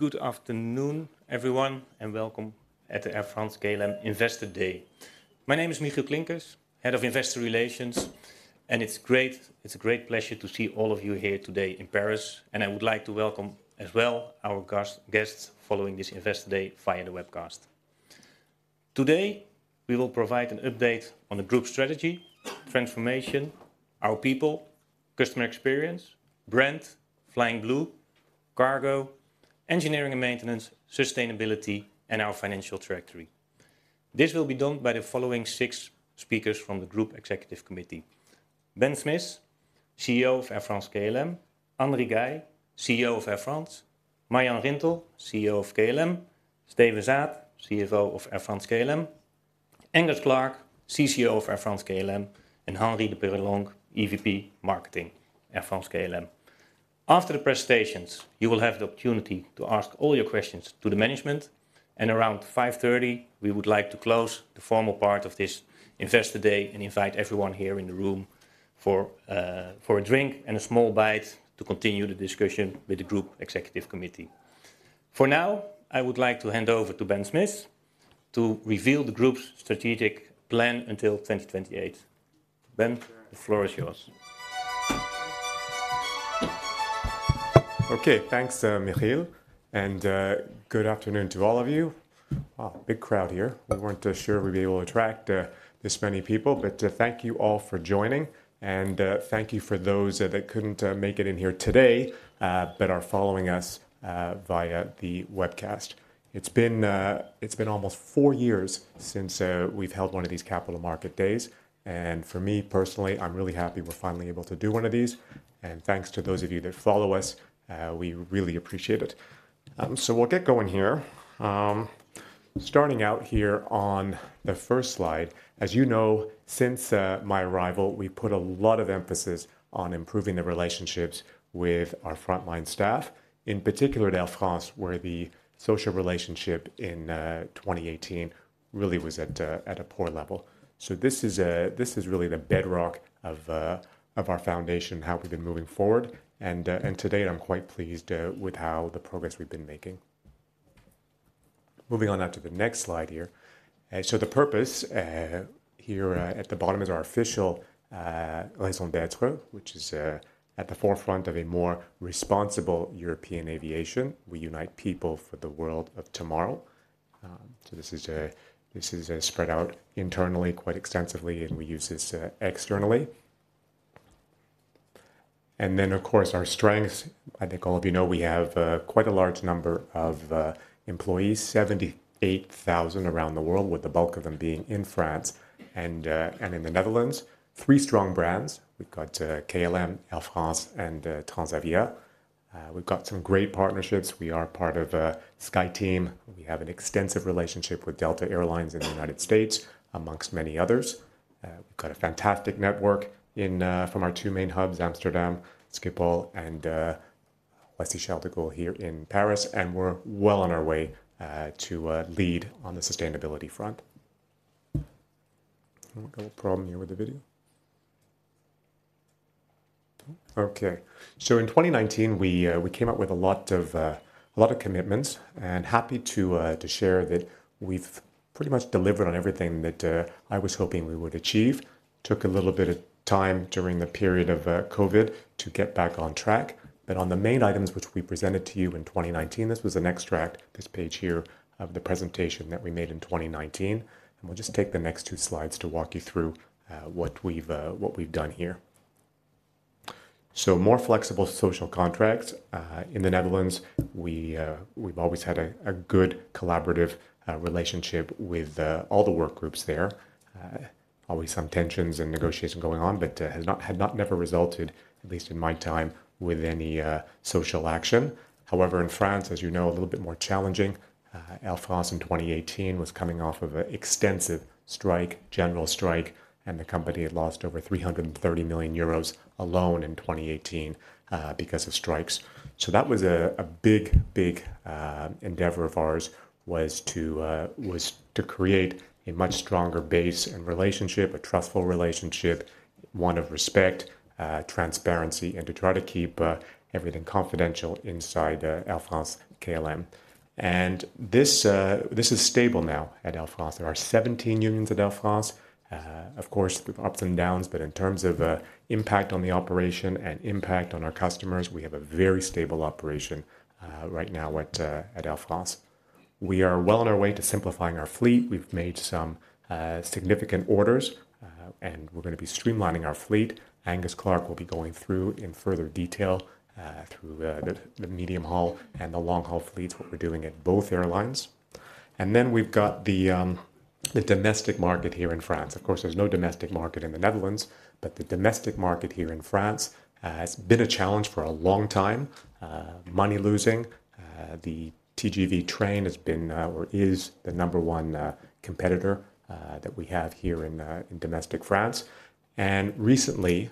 Good afternoon, everyone, and welcome at the Air France-KLM Investor Day. My name is Michiel Klinkers, Head of Investor Relations, and it's great, it's a great pleasure to see all of you here today in Paris, and I would like to welcome as well our guest, guests following this Investor Day via the webcast. Today, we will provide an update on the group strategy, transformation, our people, customer experience, brand, Flying Blue, cargo, engineering and maintenance, sustainability, and our financial trajectory. This will be done by the following six speakers from the Group Executive Committee: Ben Smith, CEO of Air France-KLM, Anne Rigail, CEO of Air France, Marjan Rintel, CEO of KLM, Steven Zaat, CFO of Air France-KLM, Angus Clarke, CCO of Air France-KLM, and Henri de Peyrelongue, EVP Marketing, Air France-KLM. After the presentations, you will have the opportunity to ask all your questions to the management, and 5:30, we would like to close the formal part of this Investor Day and invite everyone here in the room for a drink and a small bite to continue the discussion with the Group Executive Committee. For now, I would like to hand over to Ben Smith to reveal the group's strategic plan until 2028. Ben, the floor is yours. Okay, thanks, Michiel, and good afternoon to all of you. Wow! Big crowd here. We weren't sure we'd be able to attract this many people, but thank you all for joining, and thank you for those that couldn't make it in here today but are following us via the webcast. It's been almost four years since we've held one of these capital market days, and for me, personally, I'm really happy we're finally able to do one of these. Thanks to those of you that follow us, we really appreciate it. So we'll get going here. Starting out here on the first slide. As you know, since my arrival, we've put a lot of emphasis on improving the relationships with our frontline staff, in particular at Air France, where the social relationship in 2018 really was at a poor level. So this is really the bedrock of our foundation, how we've been moving forward. And today, I'm quite pleased with how the progress we've been making. Moving on now to the next slide here. So the purpose here at the bottom is our official raison d'être, which is at the forefront of a more responsible European aviation. We unite people for the world of tomorrow. So this is spread out internally, quite extensively, and we use this externally. And then, of course, our strengths. I think all of you know, we have quite a large number of employees, 78,000 around the world, with the bulk of them being in France and in the Netherlands. Three strong brands. We've got KLM, Air France, and Transavia. We've got some great partnerships. We are part of SkyTeam. We have an extensive relationship with Delta Air Lines in the United States, amongst many others. We've got a fantastic network from our two main hubs, Amsterdam Schiphol and Paris-Charles de Gaulle here in Paris, and we're well on our way to lead on the sustainability front. We've got a problem here with the video. Okay. In 2019, we came up with a lot of commitments, and happy to share that we've pretty much delivered on everything that I was hoping we would achieve. Took a little bit of time during the period of COVID to get back on track. But on the main items which we presented to you in 2019, this was an extract, this page here, of the presentation that we made in 2019, and we'll just take the next two slides to walk you through what we've done here. More flexible social contracts. In the Netherlands, we've always had a good collaborative relationship with all the work groups there. Always some tensions and negotiation going on, but, has not, had not never resulted, at least in my time, with any, social action. However, in France, as you know, a little bit more challenging. Air France in 2018 was coming off of an extensive strike, general strike, and the company had lost over 330 million euros alone in 2018, because of strikes. So that was a, a big, big, endeavor of ours, was to, was to create a much stronger base and relationship, a trustful relationship, one of respect, transparency, and to try to keep, everything confidential inside, Air France-KLM. And this, this is stable now at Air France. There are 17 unions at Air France. Of course, the ups and downs, but in terms of impact on the operation and impact on our customers, we have a very stable operation right now at Air France. We are well on our way to simplifying our fleet. We've made some significant orders, and we're gonna be streamlining our fleet. Angus Clarke will be going through in further detail through the medium-haul and the long-haul fleets, what we're doing at both airlines. And then we've got the domestic market here in France. Of course, there's no domestic market in the Netherlands, but the domestic market here in France has been a challenge for a long time. Money-losing. The TGV train has been or is the number one competitor that we have here in domestic France. And recently,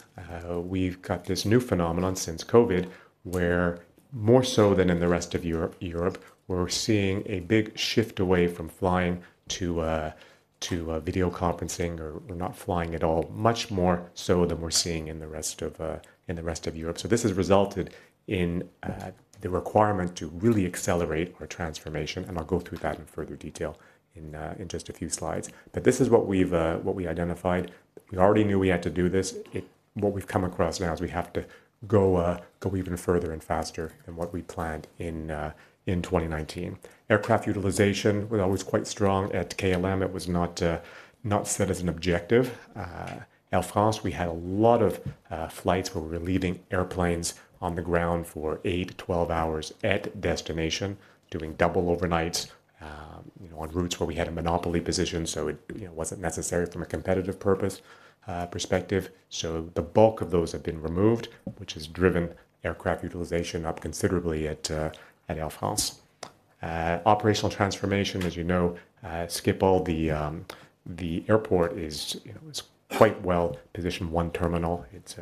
we've got this new phenomenon since COVID, where more so than in the rest of Europe, Europe, we're seeing a big shift away from flying to... to video conferencing or, or not flying at all, much more so than we're seeing in the rest of, in the rest of Europe. So this has resulted in the requirement to really accelerate our transformation, and I'll go through that in further detail in, in just a few slides. But this is what we've, what we identified. We already knew we had to do this. It-- what we've come across now is we have to go, go even further and faster than what we planned in, in 2019. Aircraft utilization was always quite strong at KLM. It was not, not set as an objective. Air France, we had a lot of flights where we were leaving airplanes on the ground for 8-12 hours at destination, doing double overnights, you know, on routes where we had a monopoly position, so it, you know, wasn't necessary from a competitive purpose, perspective. So the bulk of those have been removed, which has driven aircraft utilization up considerably at Air France. Operational transformation, as you know, at Schiphol, the airport is, you know, quite well positioned. One terminal, it's...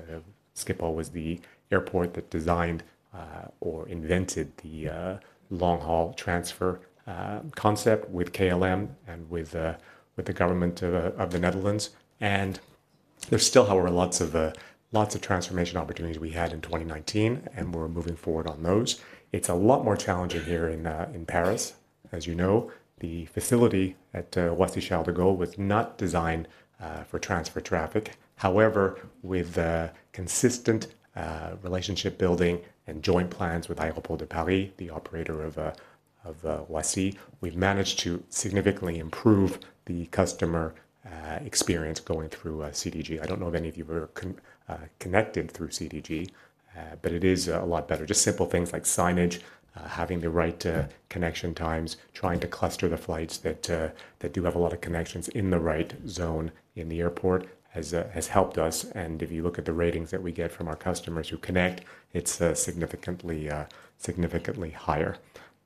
Schiphol was the airport that designed or invented the long-haul transfer concept with KLM and with the government of the Netherlands. And there's still, however, lots of transformation opportunities we had in 2019, and we're moving forward on those. It's a lot more challenging here in Paris. As you know, the facility at Roissy-Charles de Gaulle was not designed for transfer traffic. However, with consistent relationship building and joint plans with Aéroports de Paris, the operator of Roissy, we've managed to significantly improve the customer experience going through CDG. I don't know if any of you have connected through CDG, but it is a lot better. Just simple things like signage, having the right connection times, trying to cluster the flights that do have a lot of connections in the right zone in the airport, has helped us, and if you look at the ratings that we get from our customers who connect, it's significantly higher.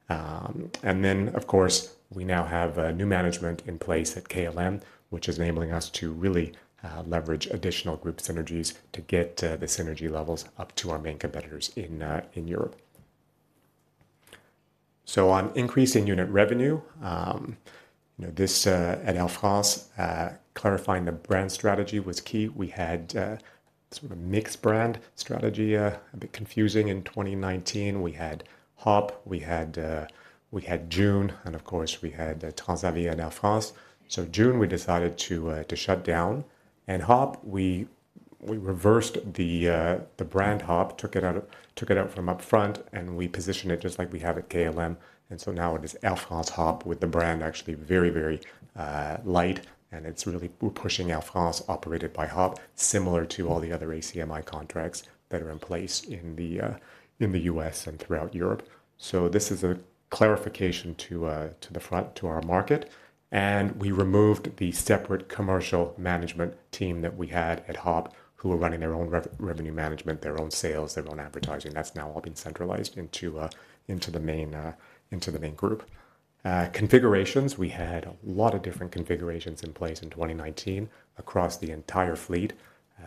And then, of course, we now have a new management in place at KLM, which is enabling us to really leverage additional group synergies to get the synergy levels up to our main competitors in Europe. So on increasing unit revenue, you know, this at Air France clarifying the brand strategy was key. We had sort of a mixed brand strategy a bit confusing in 2019. We had HOP, we had Joon, and of course, we had Transavia and Air France. So Joon, we decided to shut down, and HOP, we reversed the brand HOP, took it out from up front, and we positioned it just like we have at KLM. And so now it is Air France HOP, with the brand actually very, very light, and it's really we're pushing Air France operated by HOP, similar to all the other ACMI contracts that are in place in the U.S. and throughout Europe. So this is a clarification to the front, to our market, and we removed the separate commercial management team that we had at HOP, who were running their own revenue management, their own sales, their own advertising. That's now all been centralized into the main group. Configurations, we had a lot of different configurations in place in 2019 across the entire fleet,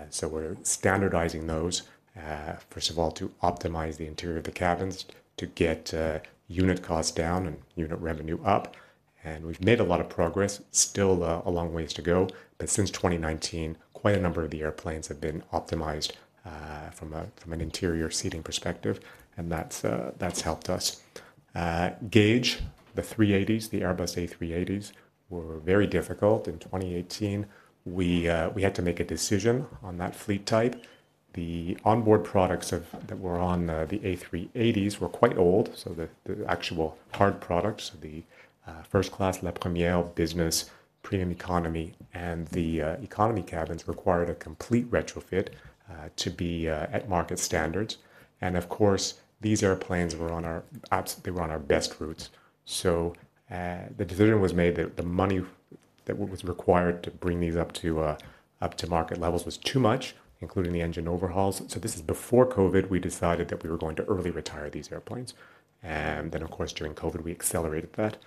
so we're standardizing those, first of all, to optimize the interior of the cabins to get unit costs down and unit revenue up, and we've made a lot of progress. Still, a long ways to go, but since 2019, quite a number of the airplanes have been optimized from an interior seating perspective, and that's helped us. The A380s, the Airbus A380s, were very difficult in 2018. We had to make a decision on that fleet type. The onboard products of... aircraft that were on the A380s were quite old, so the actual hard products, the first class La Première, business, premium economy, and the economy cabins required a complete retrofit to be at market standards. And of course, these airplanes were on our best routes. So the decision was made that the money that was required to bring these up to market levels was too much, including the engine overhauls. So this is before COVID; we decided that we were going to early retire these airplanes. And then, of course, during COVID, we accelerated that.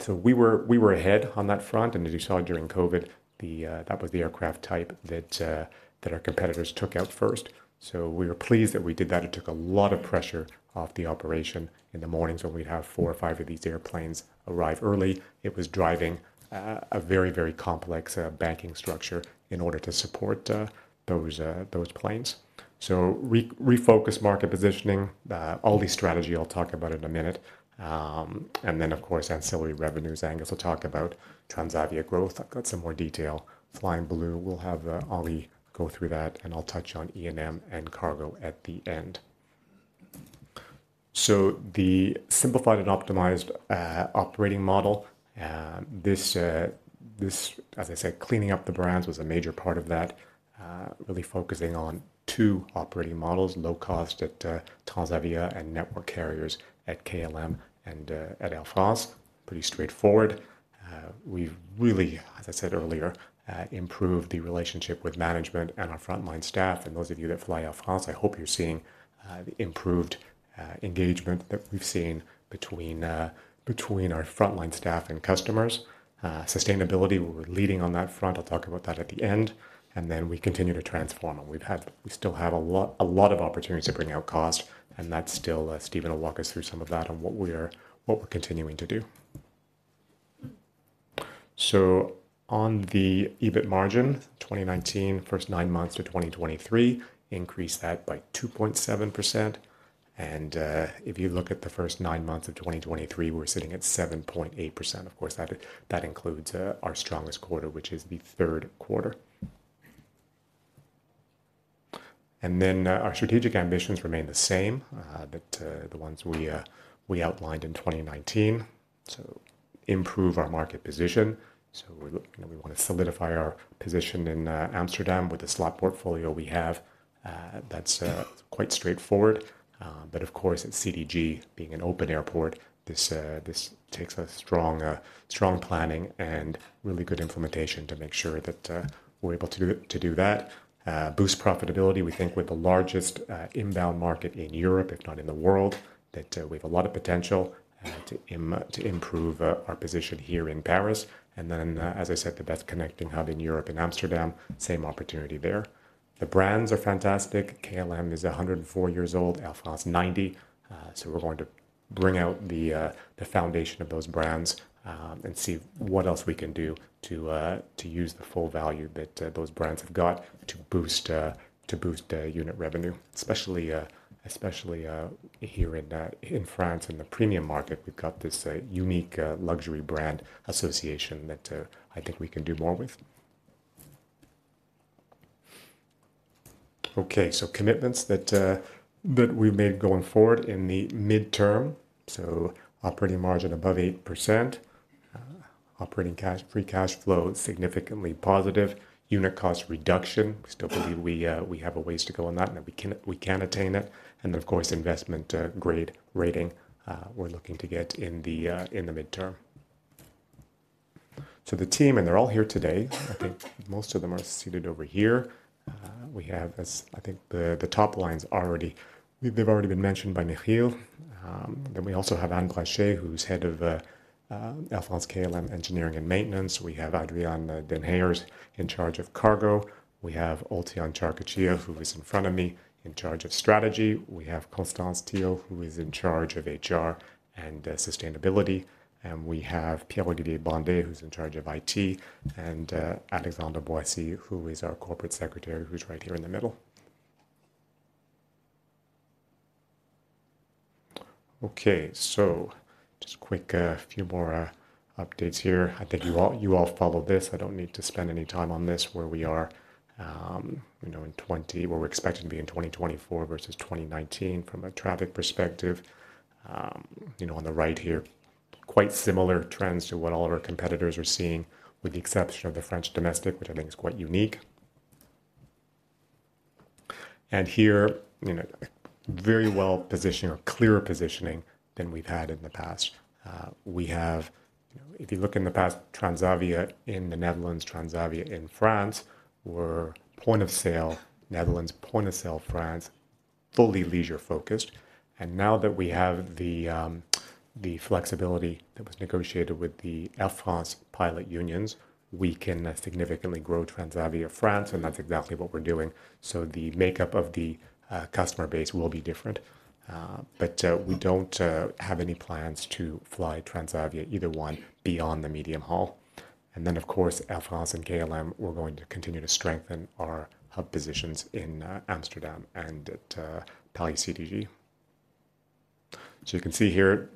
So we were ahead on that front, and as you saw during COVID, that was the aircraft type that our competitors took out first. So we were pleased that we did that. It took a lot of pressure off the operation in the mornings when we'd have four or five of these airplanes arrive early. It was driving a very, very complex banking structure in order to support those planes. So refocused market positioning, all the strategy I'll talk about in a minute. And then, of course, ancillary revenues, Angus will talk about. Transavia growth, I've got some more detail. Flying Blue, we'll have Ollie go through that, and I'll touch on ENM and cargo at the end. So the simplified and optimized operating model, this as I said, cleaning up the brands was a major part of that, really focusing on two operating models, low cost at Transavia and network carriers at KLM and at Air France. Pretty straightforward. We've really, as I said earlier, improved the relationship with management and our frontline staff. And those of you that fly Air France, I hope you're seeing, the improved, engagement that we've seen between, between our frontline staff and customers. Sustainability, we're leading on that front. I'll talk about that at the end. And then we continue to transform, and we've had, we still have a lot, a lot of opportunities to bring down cost, and that's still... Steven will walk us through some of that and what we're, what we're continuing to do.... So on the EBIT margin, 2019, first nine months to 2023, first nine months, increased that by 2.7%. And, if you look at the first nine months of 2023, we're sitting at 7.8%. Of course, that includes our strongest quarter, which is the third quarter. And then, our strategic ambitions remain the same, the ones we outlined in 2019. So improve our market position. So we want to solidify our position in Amsterdam with the slot portfolio we have. That's quite straightforward. But of course, at CDG, being an open airport, this takes a strong planning and really good implementation to make sure that we're able to do that. Boost profitability, we think, with the largest inbound market in Europe, if not in the world, that we have a lot of potential to improve our position here in Paris. Then, as I said, the best connecting hub in Europe, in Amsterdam, same opportunity there. The brands are fantastic. KLM is 104 years old, Air France, 90. So we're going to bring out the foundation of those brands, and see what else we can do to use the full value that those brands have got to boost unit revenue, especially here in France. In the premium market, we've got this unique luxury brand association that I think we can do more with. Okay, so commitments that we made going forward in the midterm: so operating margin above 8%, operating cash, free cash flow, significantly positive, unit cost reduction. We still believe we have a ways to go on that, and that we can attain it, and of course, Investment Grade rating, we're looking to get in the midterm. So the team, and they're all here today. I think most of them are seated over here. We have, as I think, the top lines already... They've already been mentioned by Michiel. Then we also have Anne Brachet, who's head of Air France-KLM Engineering and Maintenance. We have Adriaan den Heijer in charge of cargo. We have Oltion Carkaxhija, who is in front of me, in charge of strategy. We have Constance Thio, who is in charge of HR and sustainability. We have Pierre-Olivier Bandet, who's in charge of IT, and Alexandre Boissy, who is our corporate secretary, who's right here in the middle. Okay, so just quick, a few more updates here. I think you all, you all followed this. I don't need to spend any time on this, where we are, you know, in twenty-- where we're expected to be in 2024 versus 2019, from a traffic perspective. You know, on the right here, quite similar trends to what all of our competitors are seeing, with the exception of the French domestic, which I think is quite unique. And here, you know, very well positioned or clearer positioning than we've had in the past. We have, if you look in the past, Transavia in the Netherlands, Transavia in France, were point of sale, Netherlands, point of sale, France, fully leisure focused. And now that we have the, the flexibility that was negotiated with the Air France pilot unions, we can significantly grow Transavia France, and that's exactly what we're doing. So the makeup of the, customer base will be different, but, we don't have any plans to fly Transavia, either one, beyond the medium haul. And then, of course, Air France and KLM, we're going to continue to strengthen our hub positions in, Amsterdam and at, Paris CDG. So you can see here,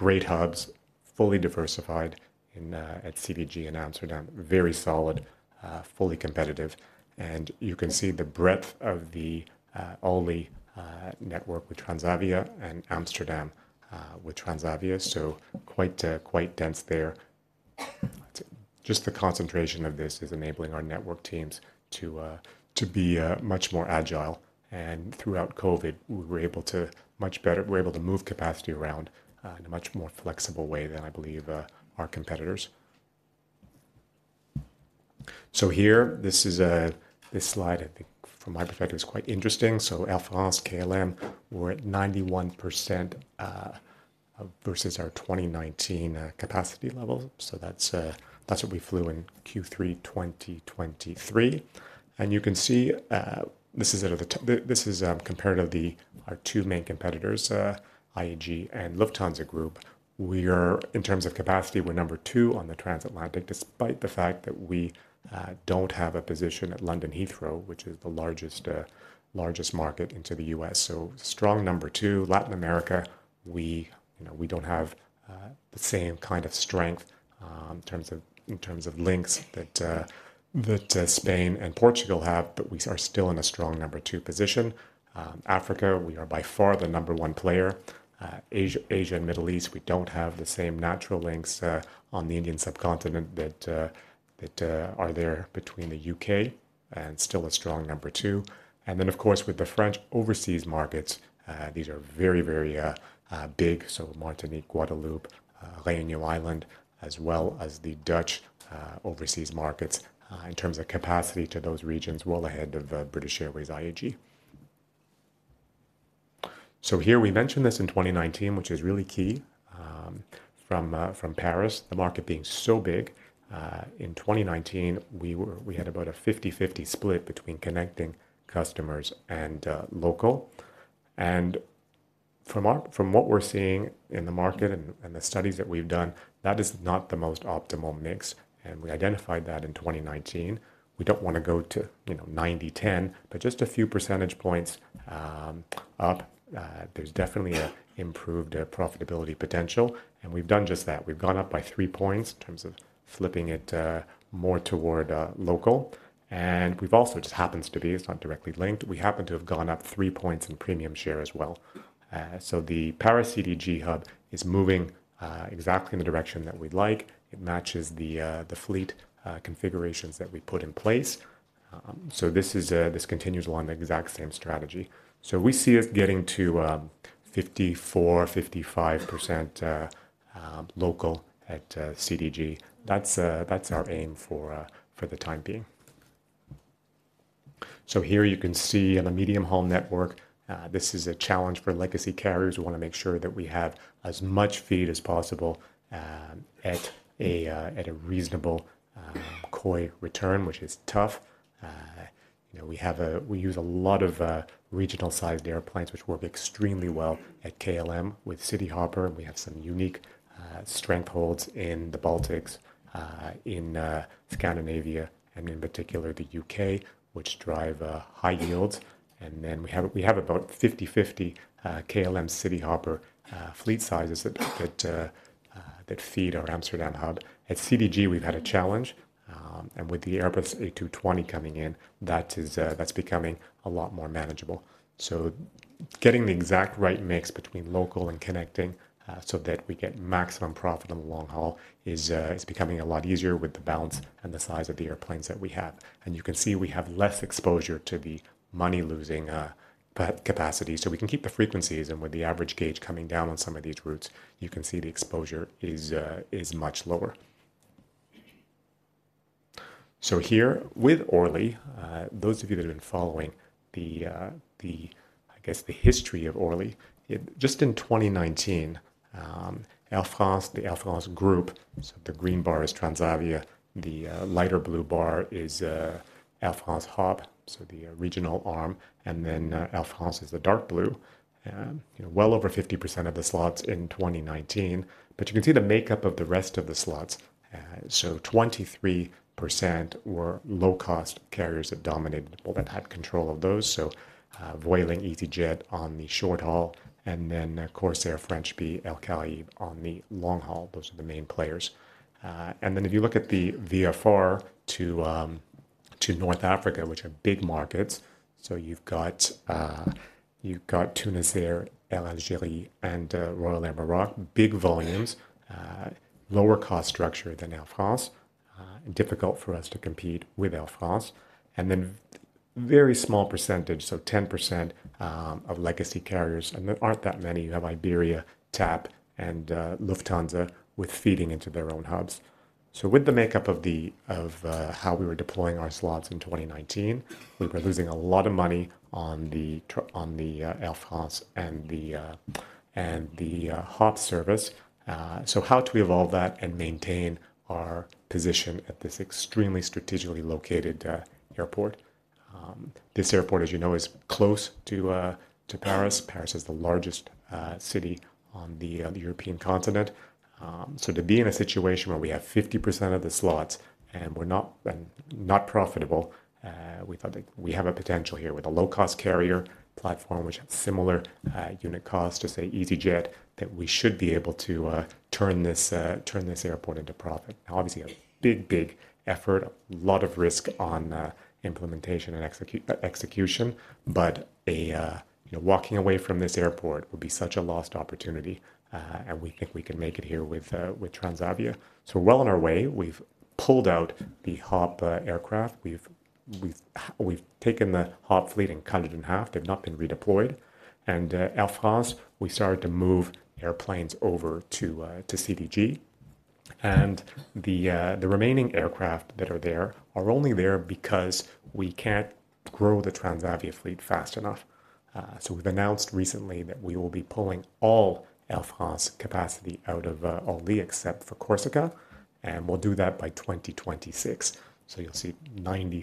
great hubs, fully diversified in, at CDG and Amsterdam. Very solid, fully competitive. And you can see the breadth of the, only, network with Transavia and Amsterdam, with Transavia. So quite, quite dense there. Just the concentration of this is enabling our network teams to, to be, much more agile. Throughout COVID, we were able to much better—we were able to move capacity around in a much more flexible way than I believe our competitors. So here, this is a... This slide, I think from my perspective, is quite interesting. So Air France, KLM, we're at 91% versus our 2019 capacity level. So that's what we flew in Q3 2023. And you can see, this is comparative to the our two main competitors, IAG and Lufthansa Group. We are, in terms of capacity, we're number two on the transatlantic, despite the fact that we don't have a position at London Heathrow, which is the largest largest market into the U.S. So strong number two. Latin America, we, you know, we don't have the same kind of strength in terms of, in terms of links that Spain and Portugal have, but we are still in a strong number two position. Africa, we are by far the number one player. Asia, Asia and Middle East, we don't have the same natural links on the Indian subcontinent that are there between the U.K., and still a strong number two. And then, of course, with the French overseas markets, these are very, very big, so Martinique, Guadeloupe, Réunion Island, as well as the Dutch overseas markets, in terms of capacity to those regions, well ahead of British Airways IAG. So here we mentioned this in 2019, which is really key. From Paris, the market being so big, in 2019, we had about a 50/50 split between connecting customers and local. From what we're seeing in the market and the studies that we've done, that is not the most optimal mix, and we identified that in 2019. We don't want to go to, you know, 90/10, but just a few percentage points up, there's definitely an improved profitability potential, and we've done just that. We've gone up by three points in terms of flipping it more toward local. We've also, just happens to be, it's not directly linked, we happen to have gone up three points in premium share as well. So the Paris CDG hub is moving exactly in the direction that we'd like. It matches the the fleet configurations that we put in place. So this is this continues along the exact same strategy. So we see us getting to 54-55% local at CDG. That's that's our aim for for the time being. So here you can see on a medium-haul network this is a challenge for legacy carriers. We wanna make sure that we have as much feed as possible at a at a reasonable COI return, which is tough. You know, we have a-- we use a lot of regional-sized airplanes, which work extremely well at KLM. With Cityhopper, we have some unique strength holds in the Baltics in Scandinavia, and in particular, the U.K., which drive high yields. Then we have about 50/50 KLM Cityhopper fleet sizes that feed our Amsterdam hub. At CDG, we've had a challenge, and with the Airbus A220 coming in, that is, that's becoming a lot more manageable. So getting the exact right mix between local and connecting, so that we get maximum profit on the long haul is, is becoming a lot easier with the balance and the size of the airplanes that we have. You can see we have less exposure to the money-losing passenger capacity. So we can keep the frequencies, and with the average gauge coming down on some of these routes, you can see the exposure is, is much lower. So here with Orly, those of you that have been following the, the, I guess, the history of Orly, it just in 2019, Air France, the Air France group, so the green bar is Transavia, the lighter blue bar is Air France HOP, so the regional arm, and then Air France is the dark blue. Well over 50% of the slots in 2019, but you can see the makeup of the rest of the slots. So 23% were low-cost carriers that dominated or that had control of those. So Vueling, easyJet on the short haul, and then, of course, Air France, Air France, El Al on the long haul. Those are the main players. And then if you look at the VFR to North Africa, which are big markets, so you've got you've got Tunisair, Air Algérie, and Royal Air Maroc, big volumes, lower cost structure than Air France, and difficult for us to compete with Air France. And then very small percentage, so 10%, of legacy carriers, and there aren't that many. You have Iberia, TAP, and Lufthansa with feeding into their own hubs. So with the makeup of how we were deploying our slots in 2019, we were losing a lot of money on the Air France and the Hop service. So how to evolve that and maintain our position at this extremely strategically located airport? This airport, as you know, is close to Paris. Paris is the largest city on the European continent. So to be in a situation where we have 50% of the slots and we're not, and not profitable, we thought that we have a potential here with a low-cost carrier platform, which has similar unit cost to, say, easyJet, that we should be able to turn this, turn this airport into profit. Obviously, a big, big effort, a lot of risk on implementation and execution, but a... You know, walking away from this airport would be such a lost opportunity, and we think we can make it here with Transavia. So we're well on our way. We've pulled out the HOP aircraft. We've taken the HOP fleet and cut it in half. They've not been redeployed. Air France, we started to move airplanes over to CDG. The remaining aircraft that are there are only there because we can't grow the Transavia fleet fast enough. So we've announced recently that we will be pulling all Air France capacity out of Orly, except for Corsica, and we'll do that by 2026. So you'll see 95%,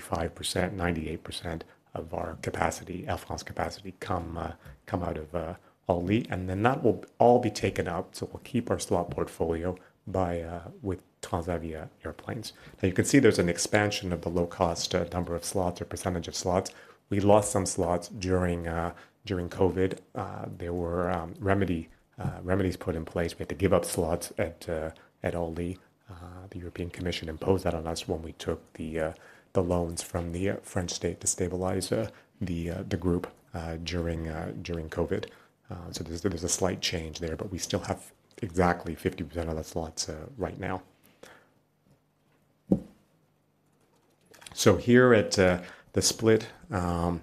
98% of our capacity, Air France capacity, come out of Orly, and then that will all be taken out. So we'll keep our slot portfolio by with Transavia airplanes. Now, you can see there's an expansion of the low cost number of slots or percentage of slots. We lost some slots during COVID. There were remedies put in place. We had to give up slots at Orly. The European Commission imposed that on us when we took the loans from the French state to stabilize the group during COVID. So there's a slight change there, but we still have exactly 50% of the slots right now. So here at the split, and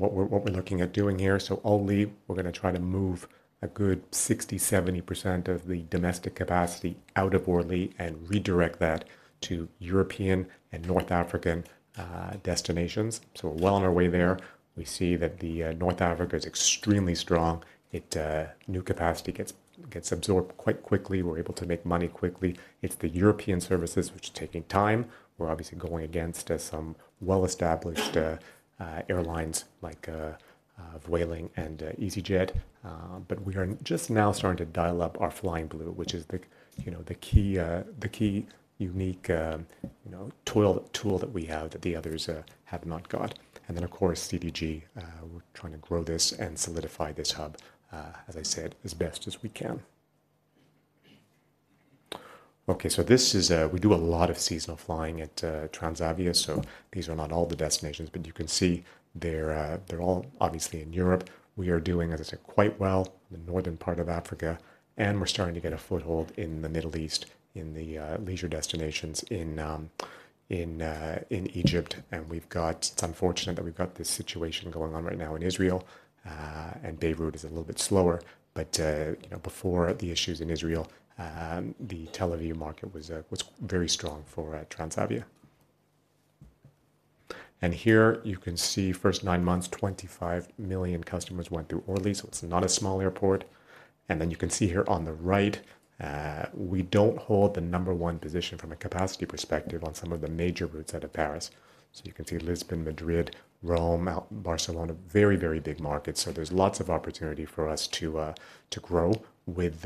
what we're looking at doing here, so Orly, we're gonna try to move a good 60%-70% of the domestic capacity out of Orly and redirect that to European and North African destinations. So we're well on our way there. We see that the North Africa is extremely strong. It... new capacity gets absorbed quite quickly. We're able to make money quickly. It's the European services which are taking time. We're obviously going against some well-established airlines like Vueling and easyJet, but we are just now starting to dial up our Flying Blue, which is the, you know, the key, the key unique, you know, tool that we have that the others have not got. And then, of course, CDG, we're trying to grow this and solidify this hub, as I said, as best as we can. Okay, so this is, we do a lot of seasonal flying at Transavia, so these are not all the destinations, but you can see they're all obviously in Europe. We are doing, as I said, quite well in the northern part of Africa, and we're starting to get a foothold in the Middle East, in the leisure destinations in Egypt. And we've got... It's unfortunate that we've got this situation going on right now in Israel, and Beirut is a little bit slower. But, you know, before the issues in Israel, the Tel Aviv market was very strong for Transavia. And here you can see first nine months, 25 million customers went through Orly, so it's not a small airport. And then you can see here on the right, we don't hold the number one position from a capacity perspective on some of the major routes out of Paris. So you can see Lisbon, Madrid, Rome, Milan, Barcelona, very, very big markets. So there's lots of opportunity for us to to grow with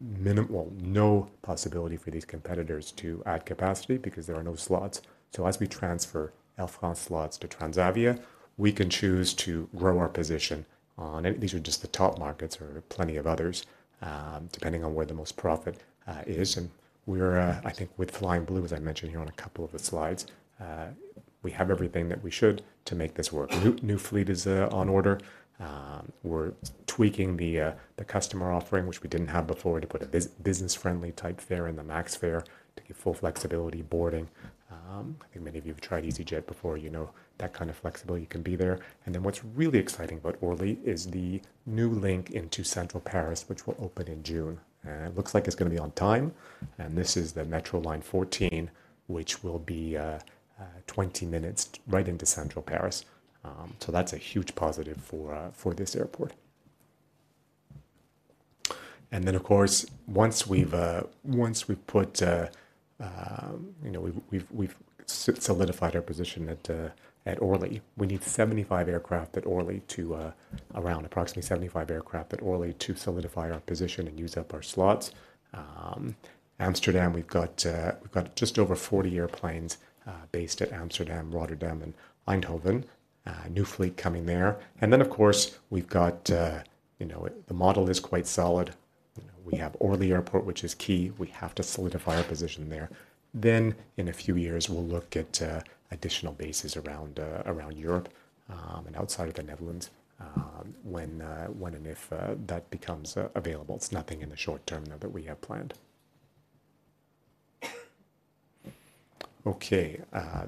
minimal—no possibility for these competitors to add capacity because there are no slots. So as we transfer Air France slots to Transavia, we can choose to grow our position on... And these are just the top markets. There are plenty of others, depending on where the most profit is. And we're, I think with Flying Blue, as I mentioned here on a couple of the slides, we have everything that we should to make this work. New fleet is on order. We're tweaking the the customer offering, which we didn't have before, to put a business-friendly type fare and the max fare to give full flexibility boarding. I think many of you have tried easyJet before, you know, that kind of flexibility can be there. And then what's really exciting about Orly is the new link into central Paris, which will open in June, and it looks like it's going to be on time. And this is the Metro Line 14, which will be twenty minutes right into central Paris. So that's a huge positive for this airport. And then, of course, once we've put... You know, we've solidified our position at Orly. We need 75 aircraft at Orly to around approximately 75 aircraft at Orly to solidify our position and use up our slots. Amsterdam, we've got just over 40 airplanes based at Amsterdam, Rotterdam, and Eindhoven. New fleet coming there. And then, of course, we've got, you know, the model is quite solid. We have Orly Airport, which is key. We have to solidify our position there. Then in a few years, we'll look at additional bases around Europe and outside of the Netherlands, when and if that becomes available. It's nothing in the short term, though, that we have planned. Okay,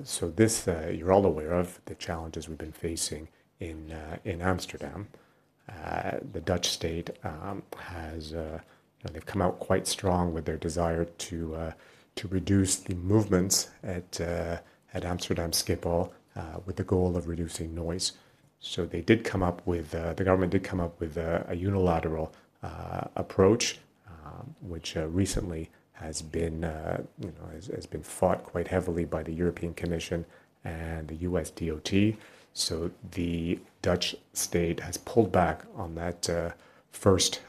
so this, you're all aware of the challenges we've been facing in Amsterdam. The Dutch state has, you know, they've come out quite strong with their desire to reduce the movements at Amsterdam Schiphol with the goal of reducing noise. So they did come up with the government did come up with a unilateral approach, which recently has been, you know, has been fought quite heavily by the European Commission and the U.S. DOT. So the Dutch state has pulled back on that, first,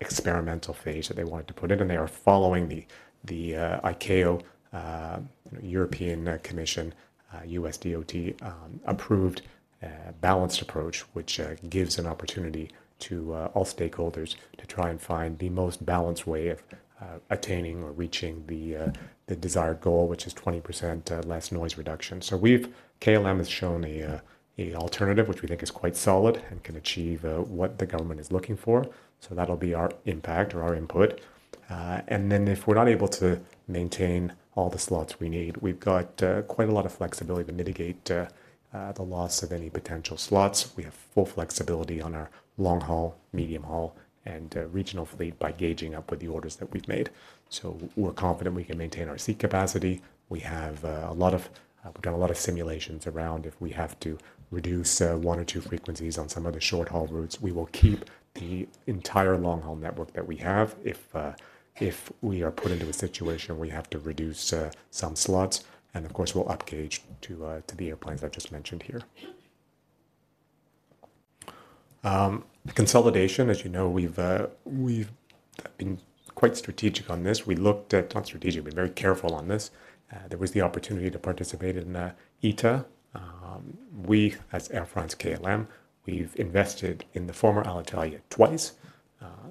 experimental phase that they wanted to put it in, and they are following the, the, ICAO, European Commission, U.S. DOT, approved, balanced approach, which, gives an opportunity to, all stakeholders to try and find the most balanced way of, attaining or reaching the, the desired goal, which is 20%, less noise reduction. So we've KLM has shown a, a alternative, which we think is quite solid and can achieve, what the government is looking for. So that'll be our impact or our input. And then if we're not able to maintain all the slots we need, we've got, quite a lot of flexibility to mitigate, the loss of any potential slots. We have full flexibility on our long-haul, medium-haul, and regional fleet by gauging up with the orders that we've made. So we're confident we can maintain our seat capacity. We've done a lot of simulations around if we have to reduce one or two frequencies on some of the short-haul routes. We will keep the entire long-haul network that we have if we are put into a situation where we have to reduce some slots, and of course, we'll up gauge to the airplanes I just mentioned here. Consolidation, as you know, we've been quite strategic on this. We looked at... Not strategic, we're very careful on this. There was the opportunity to participate in ITA. We, as Air France-KLM, we've invested in the former Alitalia twice.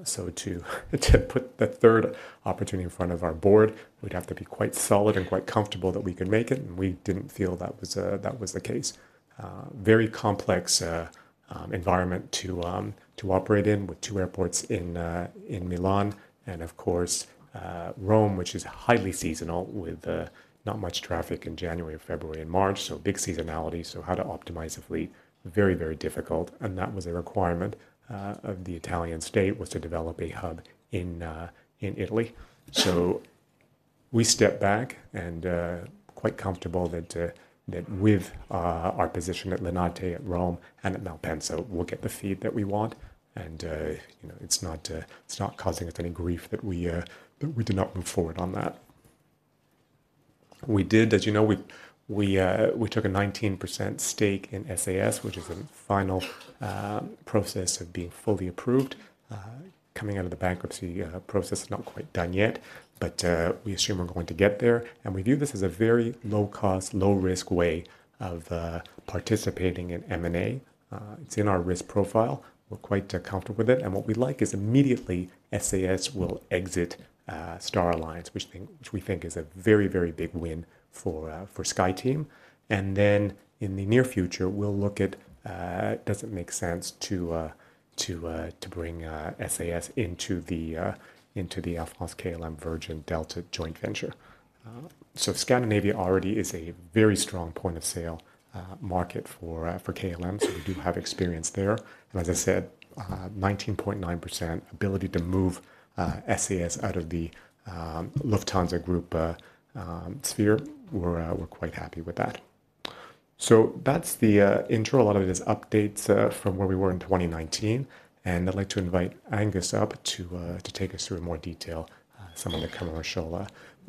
So to put the third opportunity in front of our board, we'd have to be quite solid and quite comfortable that we could make it, and we didn't feel that was the case. Very complex environment to operate in with two airports in Milan and, of course, Rome, which is highly seasonal, with not much traffic in January, February, and March. So big seasonality, so how to optimize the fleet, very, very difficult. And that was a requirement of the Italian state, was to develop a hub in Italy. So we stepped back and quite comfortable that with our position at Leonardo, at Rome, and at Malpensa, we'll get the feed that we want. You know, it's not causing us any grief that we did not move forward on that. We did, as you know, we took a 19% stake in SAS, which is in final process of being fully approved, coming out of the bankruptcy process. It's not quite done yet, but we assume we're going to get there. And we view this as a very low-cost, low-risk way of participating in M&A. It's in our risk profile. We're quite comfortable with it, and what we like is immediately SAS will exit Star Alliance, which we think is a very, very big win for SkyTeam. Then in the near future, we'll look at does it make sense to bring SAS into the Air France-KLM, Virgin-Delta joint venture? So Scandinavia already is a very strong point of sale market for KLM, so we do have experience there. As I said, 19.9% ability to move SAS out of the Lufthansa group sphere. We're quite happy with that. That's the intro. A lot of it is updates from where we were in 2019, and I'd like to invite Angus up to take us through in more detail some of the commercial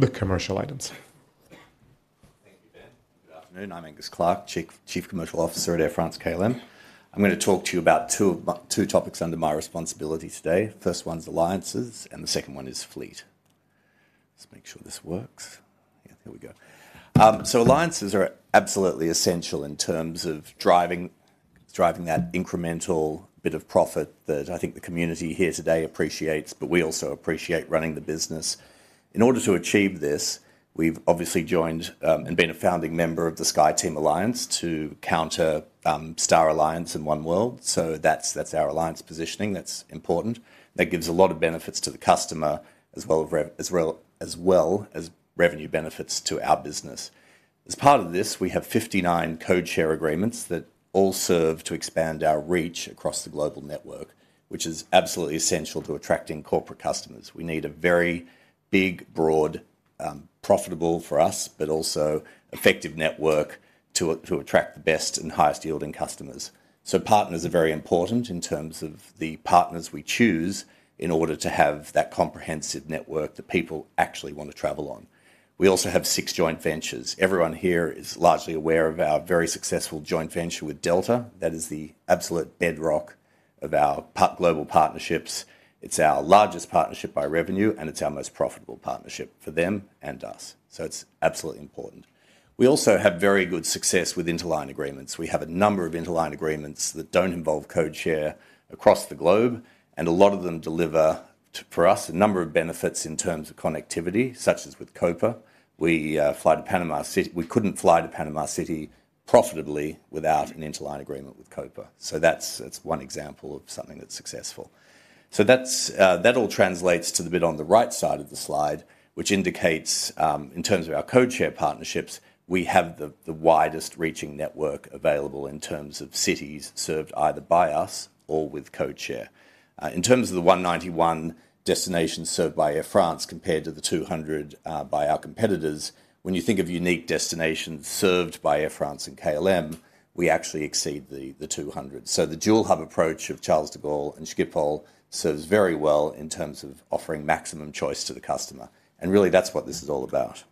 items. Thank you, Ben. Good afternoon. I'm Angus Clarke, Chief Commercial Officer at Air France-KLM. I'm going to talk to you about two topics under my responsibility today. First one's alliances, and the second one is fleet. Let's make sure this works. Yeah, here we go. So alliances are absolutely essential in terms of driving that incremental bit of profit that I think the community here today appreciates, but we also appreciate running the business. In order to achieve this, we've obviously joined and been a founding member of the SkyTeam alliance to counter Star Alliance and Oneworld. So that's our alliance positioning. That's important. That gives a lot of benefits to the customer, as well as revenue benefits to our business. As part of this, we have 59 code-share agreements that all serve to expand our reach across the global network, which is absolutely essential to attracting corporate customers. We need a very big, broad, profitable for us, but also effective network to attract the best and highest-yielding customers. So partners are very important in terms of the partners we choose in order to have that comprehensive network that people actually want to travel on. We also have six joint ventures. Everyone here is largely aware of our very successful joint venture with Delta. That is the absolute bedrock of our global partnerships. It's our largest partnership by revenue, and it's our most profitable partnership for them and us, so it's absolutely important. We also have very good success with interline agreements. We have a number of interline agreements that don't involve code share across the globe, and a lot of them deliver for us a number of benefits in terms of connectivity, such as with Copa. We fly to Panama City. We couldn't fly to Panama City profitably without an interline agreement with Copa. So that's, that's one example of something that's successful. So that's... That all translates to the bit on the right side of the slide, which indicates in terms of our code share partnerships, we have the, the widest-reaching network available in terms of cities served either by us or with code share. In terms of the 191 destinations served by Air France compared to the 200 by our competitors, when you think of unique destinations served by Air France and KLM, we actually exceed the, the 200. So the dual hub approach of Charles de Gaulle and Schiphol serves very well in terms of offering maximum choice to the customer, and really, that's what this is all about.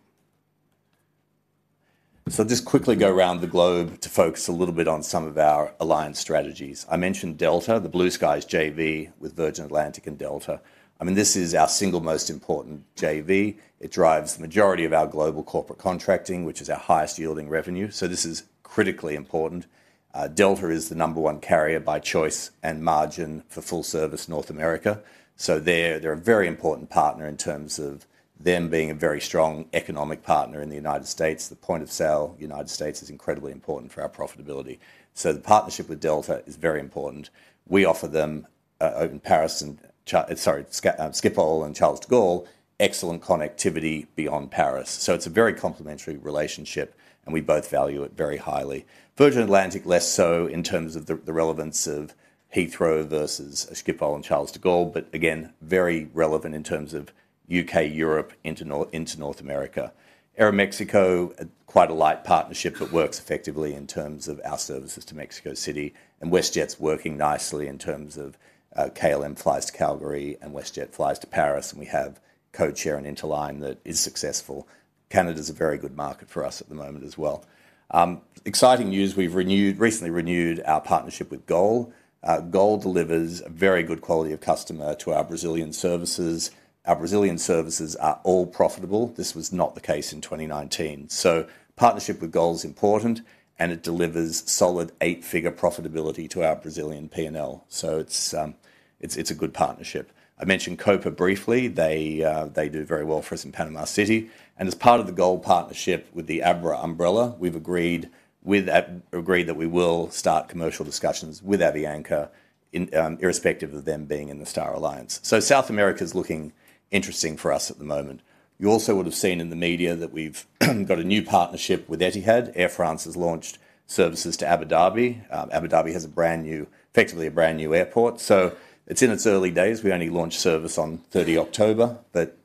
So I'll just quickly go around the globe to focus a little bit on some of our alliance strategies. I mentioned Delta, the Blue Skies JV with Virgin Atlantic and Delta. I mean, this is our single most important JV. It drives the majority of our global corporate contracting, which is our highest-yielding revenue, so this is critically important. Delta is the number one carrier by choice and margin for full-service North America. So they're, they're a very important partner in terms of them being a very strong economic partner in the United States. The point of sale, United States, is incredibly important for our profitability. So the partnership with Delta is very important. We offer them out in Paris and Schiphol and Charles de Gaulle, excellent connectivity beyond Paris. So it's a very complementary relationship, and we both value it very highly. Virgin Atlantic, less so in terms of the relevance of Heathrow versus Schiphol and Charles de Gaulle, but again, very relevant in terms of UK, Europe into North America. Aeromexico, quite a light partnership that works effectively in terms of our services to Mexico City, and WestJet's working nicely in terms of KLM flies to Calgary and WestJet flies to Paris, and we have code share and interline that is successful. Canada is a very good market for us at the moment as well. Exciting news, we've recently renewed our partnership with GOL. GOL delivers a very good quality of customer to our Brazilian services. Our Brazilian services are all profitable. This was not the case in 2019. So partnership with GOL is important, and it delivers solid eight-figure profitability to our Brazilian P&L. So it's a good partnership. I mentioned Copa briefly. They do very well for us in Panama City, and as part of the GOL partnership with the ABRA umbrella, we've agreed that we will start commercial discussions with Avianca, irrespective of them being in the Star Alliance. So South America is looking interesting for us at the moment. You also would have seen in the media that we've got a new partnership with Etihad. Air France has launched services to Abu Dhabi. Abu Dhabi has a brand-new, effectively a brand-new airport, so it's in its early days. We only launched service on 30 October, but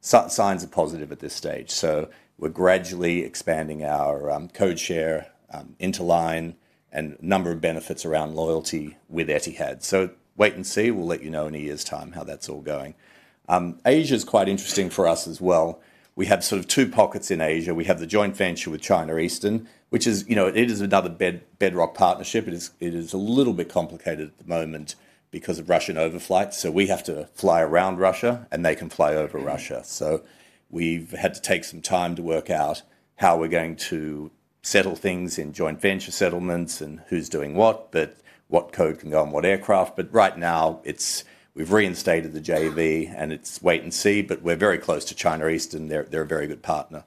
signs are positive at this stage. So we're gradually expanding our code share, interline, and number of benefits around loyalty with Etihad. So wait and see, we'll let you know in a year's time how that's all going. Asia's quite interesting for us as well. We have sort of two pockets in Asia. We have the joint venture with China Eastern, which is, you know, it is another bedrock partnership. It is, it is a little bit complicated at the moment because of Russian overflights, so we have to fly around Russia, and they can fly over Russia. So we've had to take some time to work out how we're going to settle things in joint venture settlements and who's doing what, but what code can go on what aircraft. But right now, it's we've reinstated the JV, and it's wait and see. But we're very close to China Eastern. They're a very good partner.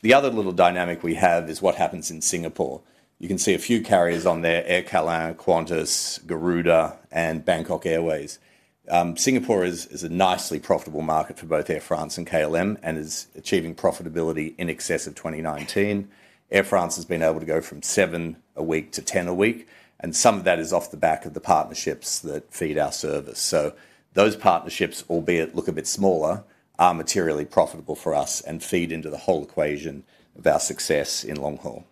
The other little dynamic we have is what happens in Singapore. You can see a few carriers on there: Aircalin, Qantas, Garuda, and Bangkok Airways. Singapore is a nicely profitable market for both Air France and KLM and is achieving profitability in excess of 2019. Air France has been able to go from 7 a week to 10 a week, and some of that is off the back of the partnerships that feed our service. So those partnerships, albeit look a bit smaller, are materially profitable for us and feed into the whole equation of our success in long haul.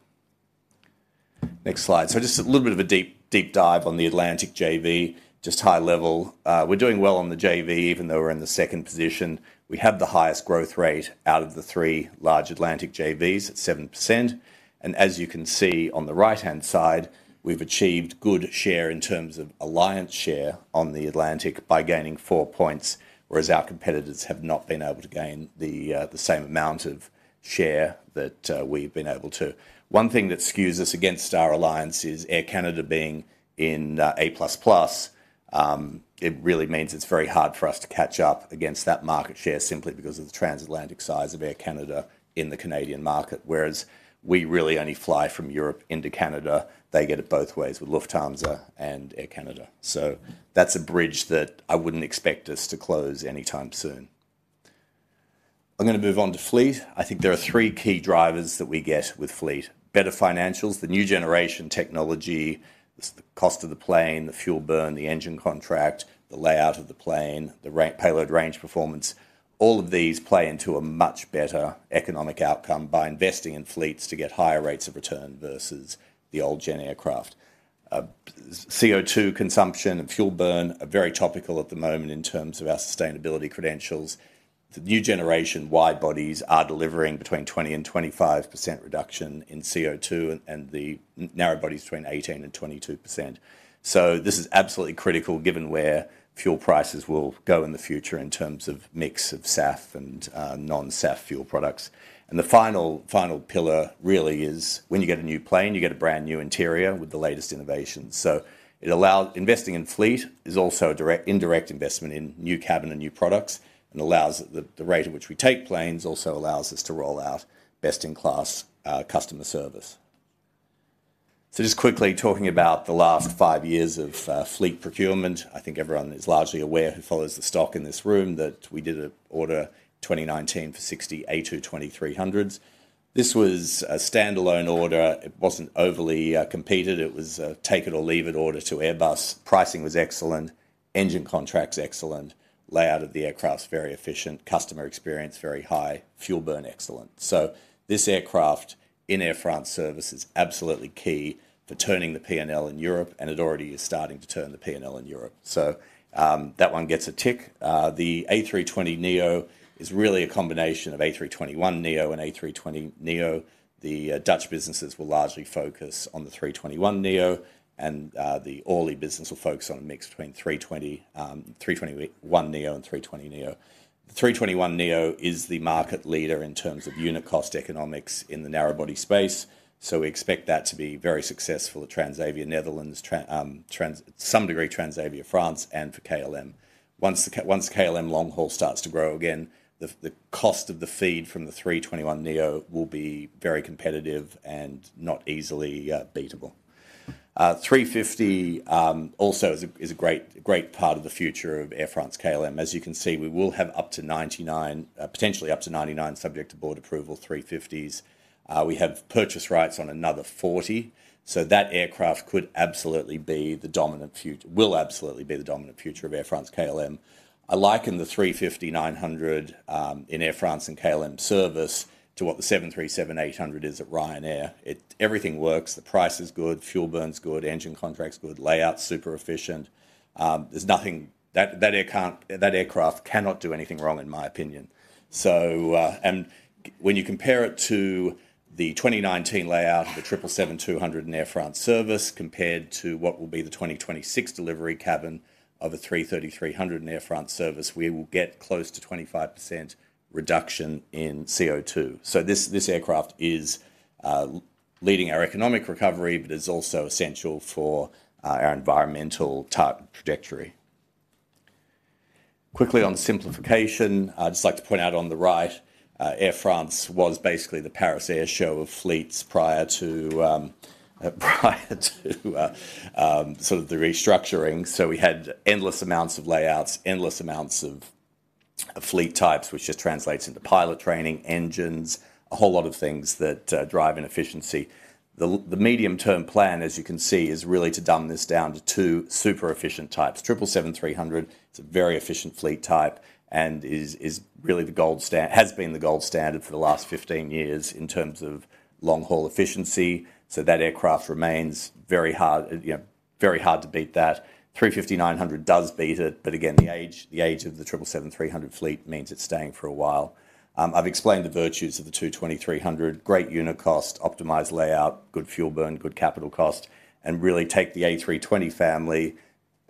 Next slide. So just a little bit of a deep, deep dive on the Atlantic JV, just high level. We're doing well on the JV, even though we're in the second position. We have the highest growth rate out of the three large Atlantic JVs at 7%, and as you can see on the right-hand side, we've achieved good share in terms of alliance share on the Atlantic by gaining four points, whereas our competitors have not been able to gain the same amount of share that we've been able to. One thing that skews us against Star Alliance is Air Canada being in A++. It really means it's very hard for us to catch up against that market share simply because of the transatlantic size of Air Canada in the Canadian market, whereas we really only fly from Europe into Canada. They get it both ways with Lufthansa and Air Canada. That's a bridge that I wouldn't expect us to close anytime soon. I'm going to move on to fleet. I think there are three key drivers that we get with fleet: better financials, the new generation technology, the cost of the plane, the fuel burn, the engine contract, the layout of the plane, the payload range performance. All of these play into a much better economic outcome by investing in fleets to get higher rates of return versus the old gen aircraft. CO2 consumption and fuel burn are very topical at the moment in terms of our sustainability credentials. The new generation widebodies are delivering between 20%-25% reduction in CO2, and the narrowbodies between 18%-22%. So this is absolutely critical, given where fuel prices will go in the future in terms of mix of SAF and non-SAF fuel products. And the final, final pillar really is when you get a new plane, you get a brand-new interior with the latest innovations. So it allows... Investing in fleet is also a direct, indirect investment in new cabin and new products and allows the rate at which we take planes, also allows us to roll out best-in-class customer service. So just quickly talking about the last five years of fleet procurement, I think everyone is largely aware, who follows the stock in this room, that we did an order in 2019 for 60 A220-300s. This was a standalone order. It wasn't overly competed. It was a take it or leave it order to Airbus. Pricing was excellent, engine contracts excellent, layout of the aircraft's very efficient, customer experience very high, fuel burn excellent. So this aircraft in Air France service is absolutely key to turning the P&L in Europe, and it already is starting to turn the P&L in Europe. So, that one gets a tick. The A320neo is really a combination of A321neo and A320neo. The Dutch businesses will largely focus on the A321neo, and the Orly business will focus on a mix between A320, A321neo and A320neo. The A321neo is the market leader in terms of unit cost economics in the narrowbody space, so we expect that to be very successful at Transavia Netherlands, to some degree, Transavia France and for KLM. Once KLM long-haul starts to grow again, the cost of the feed from the A321neo will be very competitive and not easily beatable. Three fifty also is a great part of the future of Air France-KLM. As you can see, we will have up to 99, potentially up to 99, subject to board approval, A350s. We have purchase rights on another 40, so that aircraft could absolutely be the dominant future will absolutely be the dominant future of Air France-KLM. I liken the A350-900 in Air France and KLM service to what the 737-800 is at Ryanair. Everything works, the price is good, fuel burn's good, engine contract's good, layout's super efficient. There's nothing... That, that aircraft, that aircraft cannot do anything wrong, in my opinion. So, and when you compare it to the 2019 layout of the 777-200 in Air France service, compared to what will be the 2026 delivery cabin of the A330-300 in Air France service, we will get close to 25% reduction in CO2. So this, this aircraft is, leading our economic recovery, but is also essential for, our environmental target trajectory. Quickly on simplification, I'd just like to point out on the right, Air France was basically the Paris Air Show of fleets prior to, sort of the restructuring. So we had endless amounts of layouts, endless amounts of, of fleet types, which just translates into pilot training, engines, a whole lot of things that, drive inefficiency. The medium-term plan, as you can see, is really to dumb this down to two super efficient types. Triple seven three hundred, it's a very efficient fleet type and is really the gold standard—has been the gold standard for the last 15 years in terms of long-haul efficiency. So that aircraft remains very hard, you know—very hard to beat that. Three fifty-nine hundred does beat it, but again, the age, the age of the triple seven three hundred fleet means it's staying for a while. I've explained the virtues of the A220-300: great unit cost, optimized layout, good fuel burn, good capital cost, and really take the A320 family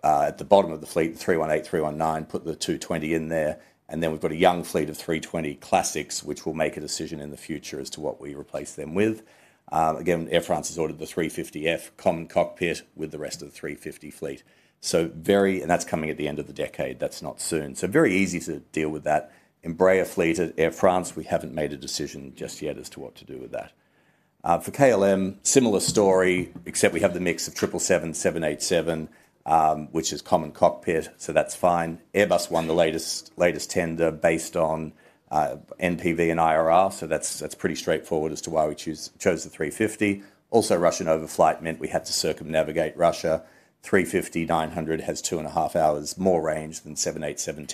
at the bottom of the fleet, the A318, A319, put the A220 in there, and then we've got a young fleet of A320 classics, which we'll make a decision in the future as to what we replace them with. Again, Air France has ordered the A350F common cockpit with the rest of the A350 fleet. And that's coming at the end of the decade. That's not soon. So very easy to deal with that. Embraer fleet at Air France, we haven't made a decision just yet as to what to do with that. For KLM, similar story, except we have the mix of 777, 787, which is common cockpit, so that's fine. Airbus won the latest tender based on NPV and IRR, so that's pretty straightforward as to why we chose the A350. Also, Russian overflight meant we had to circumnavigate Russia. A350-900 has 2.5 hours more range than 787-10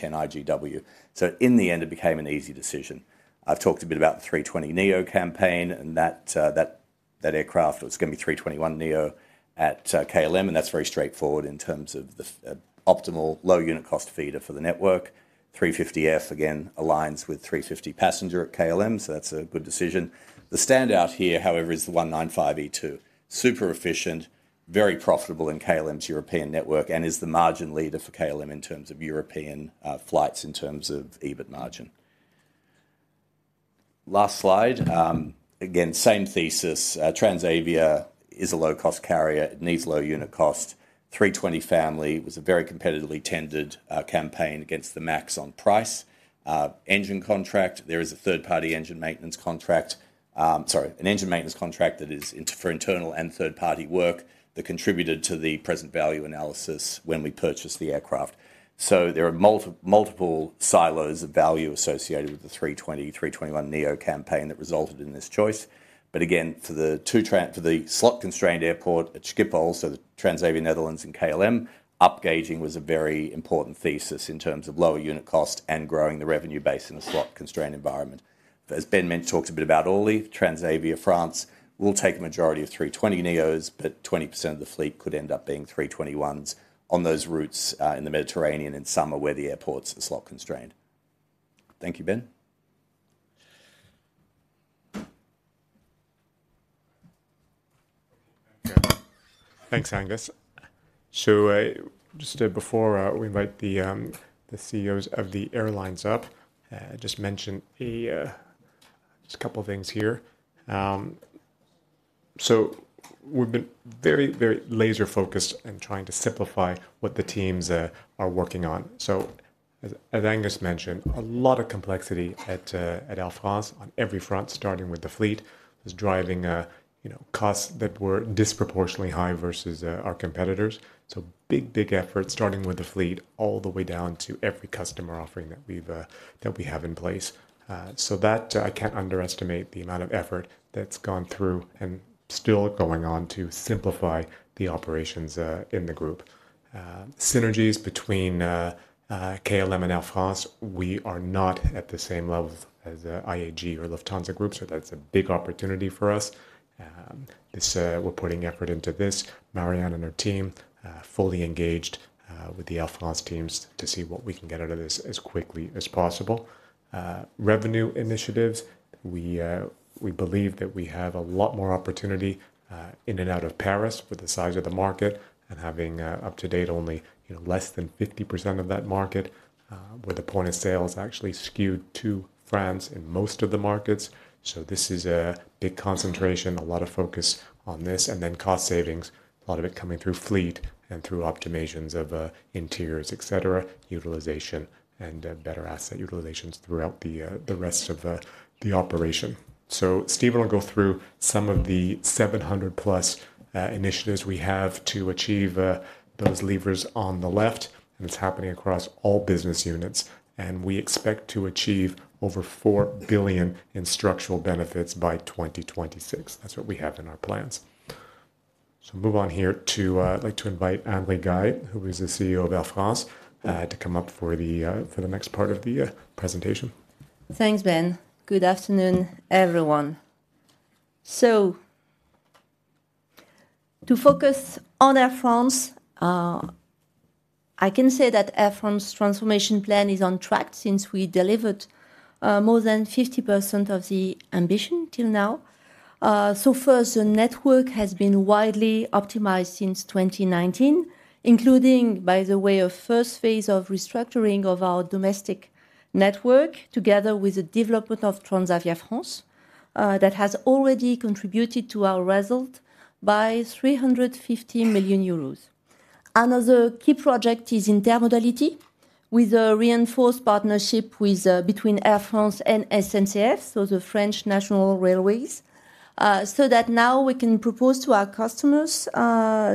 IGW. So in the end, it became an easy decision. I've talked a bit about the A320neo campaign and that aircraft was going to be A321neo at KLM, and that's very straightforward in terms of the optimal low unit cost feeder for the network. A350F, again, aligns with A350 passenger at KLM, so that's a good decision. The standout here, however, is the E195-E2. Super efficient, very profitable in KLM's European network, and is the margin leader for KLM in terms of European, flights, in terms of EBIT margin. Last slide. Again, same thesis. Transavia is a low-cost carrier, it needs low unit cost. 320 family was a very competitively tendered, campaign against the MAX on price. Engine contract, there is a third-party engine maintenance contract... Sorry, an engine maintenance contract that is for internal and third-party work that contributed to the present value analysis when we purchased the aircraft. So there are multiple silos of value associated with the 320, 321neo campaign that resulted in this choice. But again, for the slot-constrained airport at Schiphol, so the Transavia Netherlands and KLM, upgauging was a very important thesis in terms of lower unit cost and growing the revenue base in a slot-constrained environment. As Ben mentioned, talked a bit about Orly, Transavia France will take a majority of 320 neos, but 20% of the fleet could end up being 321s on those routes in the Mediterranean in summer, where the airports are slot-constrained. Thank you, Ben. Thanks, Angus. So, just before we invite the CEOs of the airlines up, just a couple of things here. So we've been very, very laser-focused in trying to simplify what the teams are working on. So as Angus mentioned, a lot of complexity at Air France on every front, starting with the fleet. It's driving, you know, costs that were disproportionately high versus our competitors. So big, big effort, starting with the fleet, all the way down to every customer offering that we have in place. So that I can't underestimate the amount of effort that's gone through and still going on to simplify the operations in the group. Synergies between KLM and Air France, we are not at the same level as IAG or Lufthansa Group, so that's a big opportunity for us. This, we're putting effort into this. Marjan and her team fully engaged with the Air France teams to see what we can get out of this as quickly as possible. Revenue initiatives, we believe that we have a lot more opportunity in and out of Paris with the size of the market and having up to date only, you know, less than 50% of that market, where the point of sale is actually skewed to France in most of the markets. So this is a big concentration, a lot of focus on this, and then cost savings, a lot of it coming through fleet and through optimizations of, interiors, et cetera, utilization, and, better asset utilizations throughout the, the rest of the, the operation. So Steven will go through some of the 700+ initiatives we have to achieve, those levers on the left, and it's happening across all business units, and we expect to achieve over 4 billion in structural benefits by 2026. That's what we have in our plans. So move on here to, I'd like to invite Anne Rigail, who is the CEO of Air France, to come up for the, for the next part of the, presentation. Thanks, Ben. Good afternoon, everyone. To focus on Air France, I can say that Air France's transformation plan is on track since we delivered more than 50% of the ambition till now. First, the network has been widely optimized since 2019, including, by the way, a first phase of restructuring of our domestic network, together with the development of Transavia France, that has already contributed to our result by 350 million euros. Another key project is intermodality, with a reinforced partnership with, between Air France and SNCF, so the French National Railways, so that now we can propose to our customers,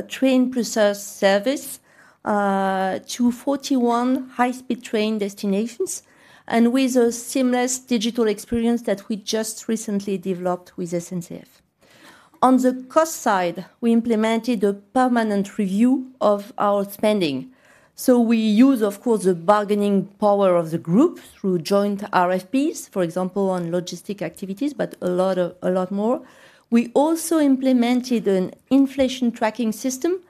train-plus service, to 41 high-speed train destinations and with a seamless digital experience that we just recently developed with SNCF.... On the cost side, we implemented a permanent review of our spending. So we use, of course, the bargaining power of the group through joint RFPs, for example, on logistic activities, but a lot more. We also implemented an inflation tracking system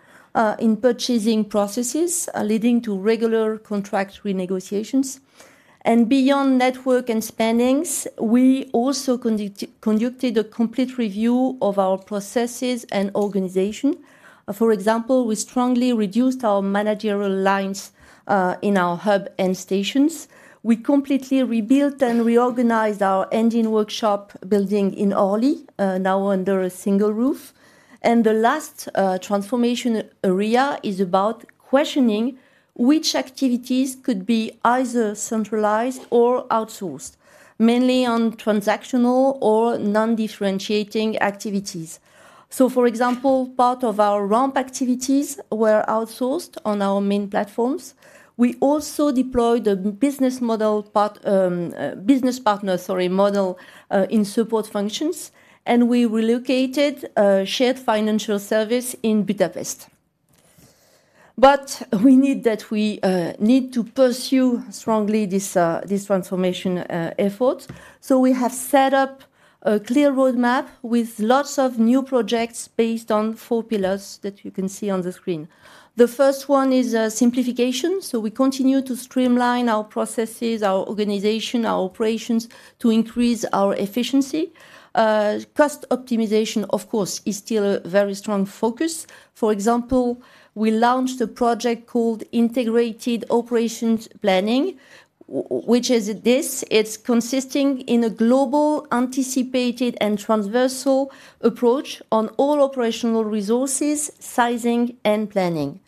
in purchasing processes, leading to regular contract renegotiations. And beyond network and spending, we also conducted a complete review of our processes and organization. For example, we strongly reduced our managerial lines in our hub and stations. We completely rebuilt and reorganized our engine workshop building in Orly, now under a single roof. And the last transformation area is about questioning which activities could be either centralized or outsourced, mainly on transactional or non-differentiating activities. So for example, part of our ramp activities were outsourced on our main platforms. We also deployed a business partner model in support functions, and we relocated a shared financial service in Budapest. But we need to pursue strongly this transformation effort. So we have set up a clear roadmap with lots of new projects based on four pillars that you can see on the screen. The first one is simplification, so we continue to streamline our processes, our organization, our operations to increase our efficiency. Cost optimization, of course, is still a very strong focus. For example, we launched a project called Integrated Operations Planning, which is this: it's consisting in a global, anticipated, and transversal approach on all operational resources, sizing, and planning.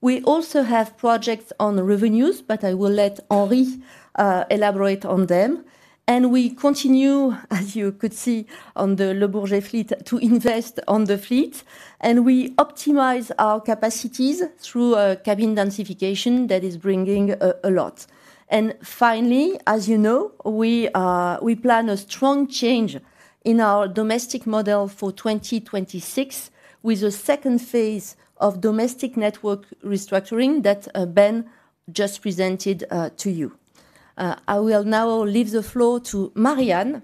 We also have projects on revenues, but I will let Henri elaborate on them. We continue, as you could see on the Le Bourget fleet, to invest on the fleet, and we optimize our capacities through a cabin densification that is bringing a lot. And finally, as you know, we plan a strong change in our domestic model for 2026, with a second phase of domestic network restructuring that Ben just presented to you. I will now leave the floor to Marjan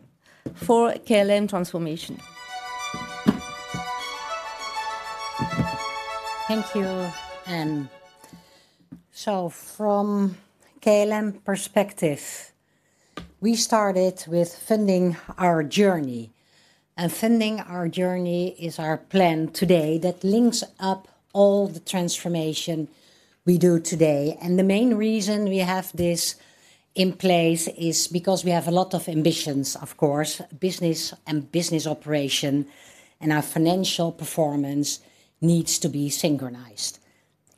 for KLM transformation. Thank you, Anne. From KLM perspective, we started with Funding Our Journey, and Funding Our Journey is our plan today that links up all the transformation we do today. The main reason we have this in place is because we have a lot of ambitions, of course, business and business operation, and our financial performance needs to be synchronized.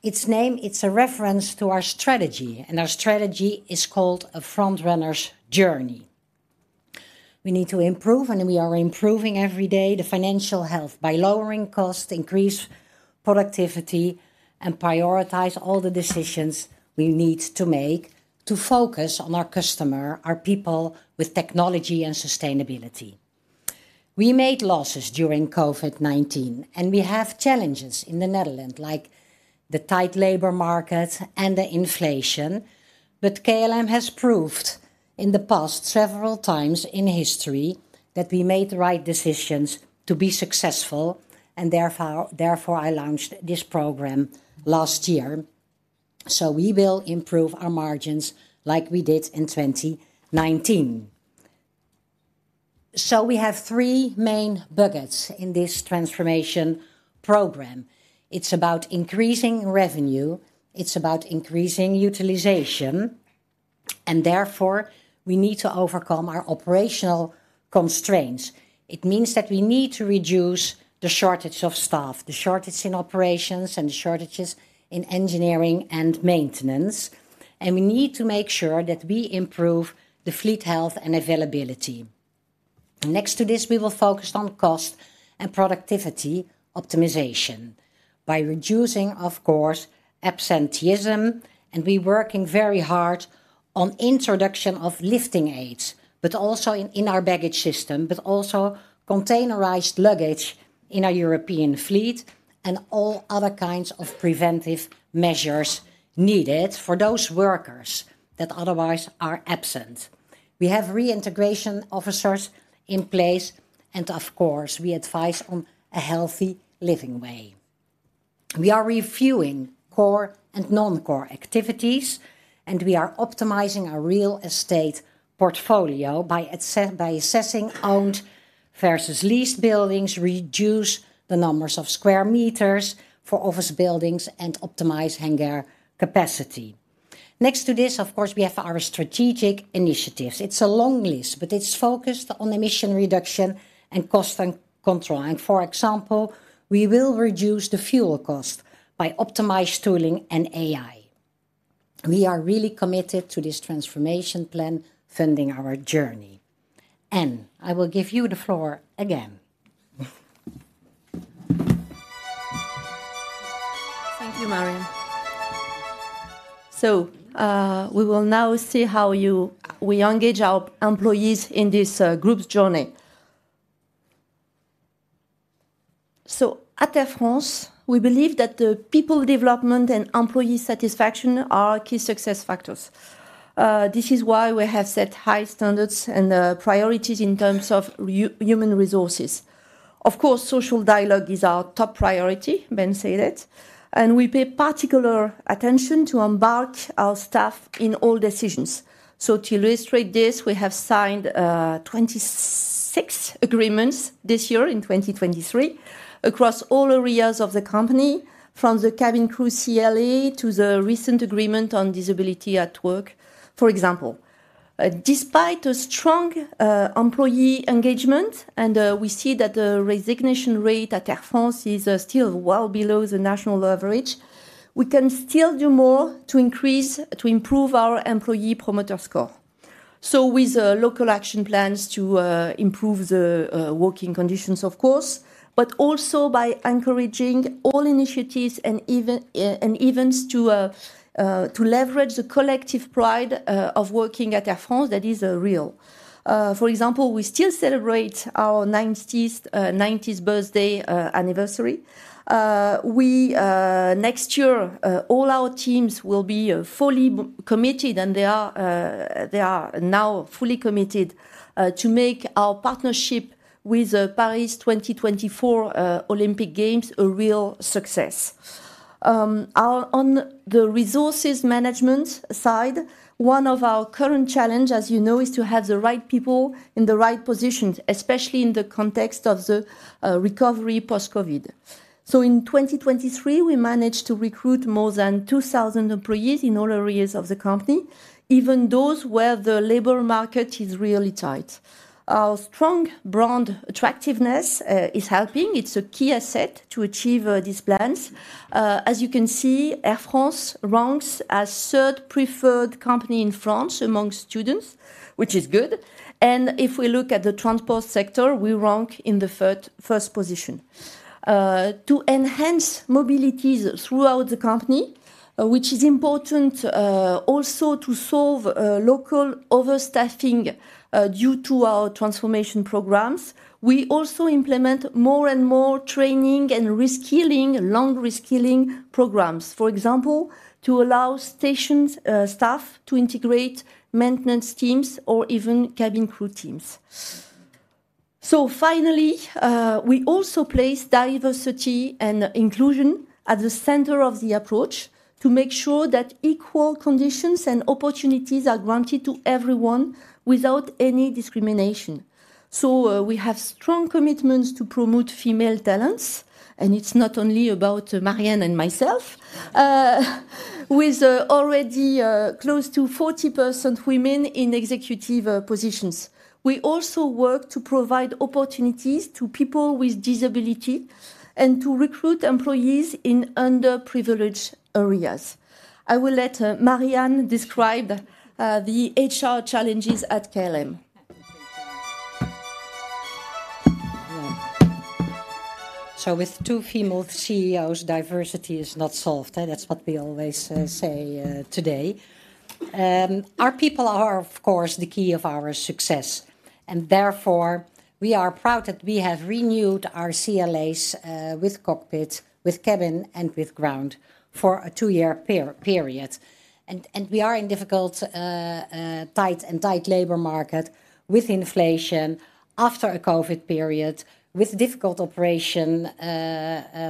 Its name, it's a reference to our strategy, and our strategy is called a Frontrunner's Journey. We need to improve, and we are improving every day, the financial health by lowering costs, increase productivity, and prioritize all the decisions we need to make to focus on our customer, our people with technology and sustainability. We made losses during COVID-19, and we have challenges in the Netherlands, like the tight labor market and the inflation. But KLM has proved in the past, several times in history, that we made the right decisions to be successful, and therefore, I launched this program last year. So we will improve our margins like we did in 2019. So we have three main buckets in this transformation program. It's about increasing revenue, it's about increasing utilization, and therefore, we need to overcome our operational constraints. It means that we need to reduce the shortage of staff, the shortage in operations, and the shortages in engineering and maintenance, and we need to make sure that we improve the fleet health and availability. Next to this, we will focus on cost and productivity optimization by reducing, of course, absenteeism, and we're working very hard on introduction of lifting aids, but also in our baggage system, but also containerized luggage in our European fleet, and all other kinds of preventive measures needed for those workers that otherwise are absent. We have reintegration officers in place, and of course, we advise on a healthy living way. We are reviewing core and non-core activities, and we are optimizing our real estate portfolio by assessing owned versus leased buildings, reduce the numbers of square meters for office buildings, and optimize hangar capacity. Next to this, of course, we have our strategic initiatives. It's a long list, but it's focused on emission reduction and cost and control. And for example, we will reduce the fuel cost by optimized tooling and AI. We are really committed to this transformation plan, Funding Our Journey. Anne, I will give you the floor again.... Thank you, Marjan. So, we will now see how we engage our employees in this group's journey. So at Air France, we believe that the people development and employee satisfaction are key success factors. This is why we have set high standards and priorities in terms of human resources. Of course, social dialogue is our top priority, Ben said it, and we pay particular attention to embark our staff in all decisions. So to illustrate this, we have signed 26 agreements this year, in 2023, across all areas of the company, from the cabin crew CLA to the recent agreement on disability at work, for example. Despite a strong employee engagement, and we see that the resignation rate at Air France is still well below the national average, we can still do more to increase to improve our Employee Promoter Score. So with local action plans to improve the working conditions, of course, but also by encouraging all initiatives and even and events to to leverage the collective pride of working at Air France that is real. For example, we still celebrate our 90th birthday anniversary. We... Next year, all our teams will be fully committed, and they are they are now fully committed to make our partnership with the Paris 2024 Olympic Games a real success. On the resources management side, one of our current challenge, as you know, is to have the right people in the right positions, especially in the context of the recovery post-COVID. So in 2023, we managed to recruit more than 2000 employees in all areas of the company, even those where the labor market is really tight. Our strong brand attractiveness is helping. It's a key asset to achieve these plans. As you can see, Air France ranks as third preferred company in France among students, which is good, and if we look at the transport sector, we rank in the third, first position. To enhance mobilities throughout the company, which is important also to solve local overstaffing due to our transformation programs, we also implement more and more training and reskilling, long reskilling programs. For example, to allow stations, staff to integrate maintenance teams or even cabin crew teams. So finally, we also place diversity and inclusion at the center of the approach to make sure that equal conditions and opportunities are granted to everyone without any discrimination. So, we have strong commitments to promote female talents, and it's not only about Marjan and myself, with already close to 40% women in executive positions. We also work to provide opportunities to people with disability and to recruit employees in underprivileged areas. I will let Marjan describe the HR challenges at KLM. So with two female CEOs, diversity is not solved, eh? That's what we always say today. Our people are, of course, the key of our success, and therefore, we are proud that we have renewed our CLAs with cockpit, with cabin, and with ground for a two-year period. We are in a difficult tight labor market with inflation, after a COVID period, with difficult operation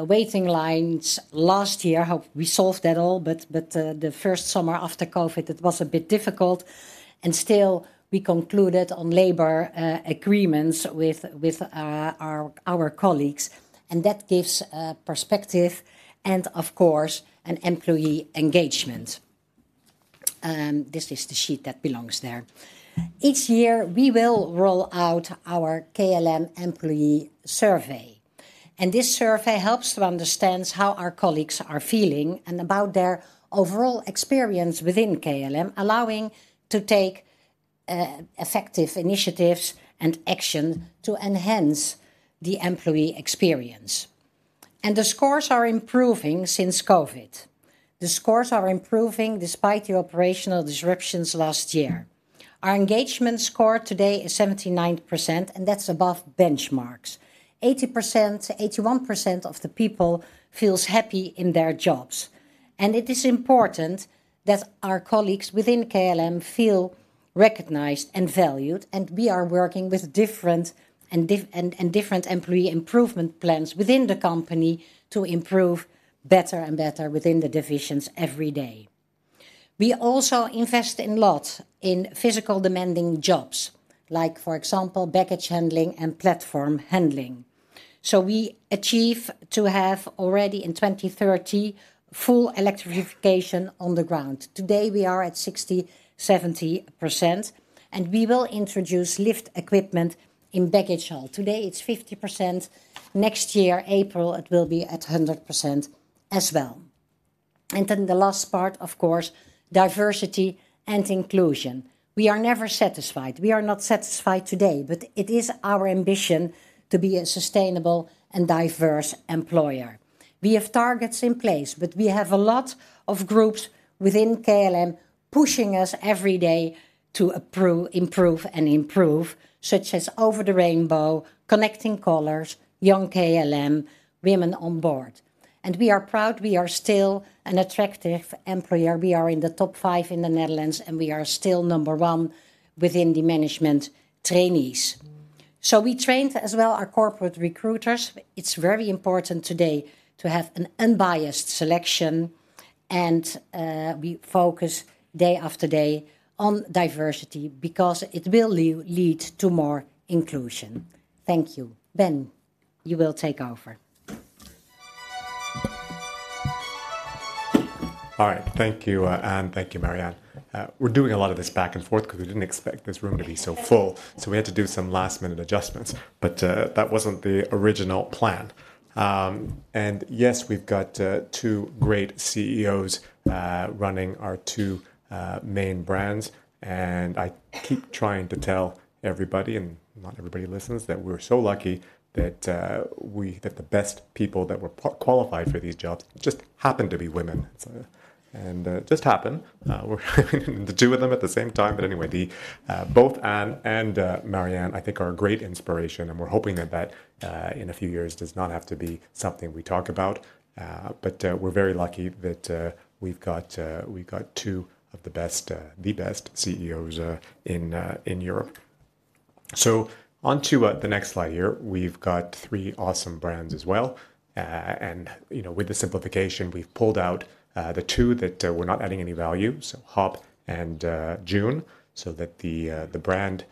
waiting lines last year. Hope we solved that all, but the first summer after COVID, it was a bit difficult, and still, we concluded on labor agreements with our colleagues, and that gives perspective and, of course, an employee engagement. This is the sheet that belongs there. Each year, we will roll out our KLM employee survey, and this survey helps to understand how our colleagues are feeling and about their overall experience within KLM, allowing to take effective initiatives and action to enhance the employee experience. The scores are improving since COVID. The scores are improving despite the operational disruptions last year. Our engagement score today is 79%, and that's above benchmarks. 80%, 81% of the people feels happy in their jobs, and it is important that our colleagues within KLM feel recognized and valued, and we are working with different and different employee improvement plans within the company to improve better and better within the divisions every day. We also invest in lots in physical demanding jobs, like, for example, baggage handling and platform handling. So we achieve to have already in 2030, full electrification on the ground. Today, we are at 60%-70%, and we will introduce lift equipment in baggage hall. Today, it's 50%. Next year, April, it will be at 100% as well. And then the last part, of course, diversity and inclusion. We are never satisfied. We are not satisfied today, but it is our ambition to be a sustainable and diverse employer. We have targets in place, but we have a lot of groups within KLM pushing us every day to improve and improve, such as Over the Rainbow, Connecting Colors, Young KLM, Women on Board. And we are proud we are still an attractive employer. We are in the top 5 in the Netherlands, and we are still number one within the management trainees. So we trained as well our corporate recruiters. It's very important today to have an unbiased selection, and we focus day after day on diversity because it will lead to more inclusion. Thank you. Ben, you will take over. All right. Thank you, Anne. Thank you, Marjan. We're doing a lot of this back and forth 'cause we didn't expect this room to be so full, so we had to do some last-minute adjustments. But that wasn't the original plan. And yes, we've got two great CEOs running our two main brands. And I keep trying to tell everybody, and not everybody listens, that we're so lucky that the best people that were qualified for these jobs just happened to be women. So... And it just happened, the two of them at the same time. But anyway, both Anne and Marjan, I think, are a great inspiration, and we're hoping that that, in a few years, does not have to be something we talk about. But we're very lucky that we've got two of the best CEOs in Europe. On to the next slide here. We've got three awesome brands as well. You know, with the simplification, we've pulled out the two that were not adding any value, so Hop and Joon, so that the brand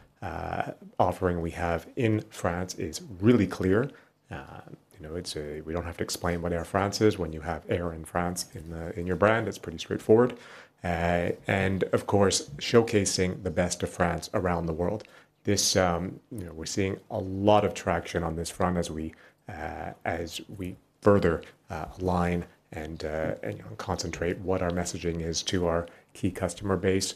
offering we have in France is really clear. You know, it's we don't have to explain what Air France is. When you have Air and France in your brand, it's pretty straightforward. And of course, showcasing the best of France around the world. This, you know, we're seeing a lot of traction on this front as we, as we further, align and, and, you know, concentrate what our messaging is to our key customer base,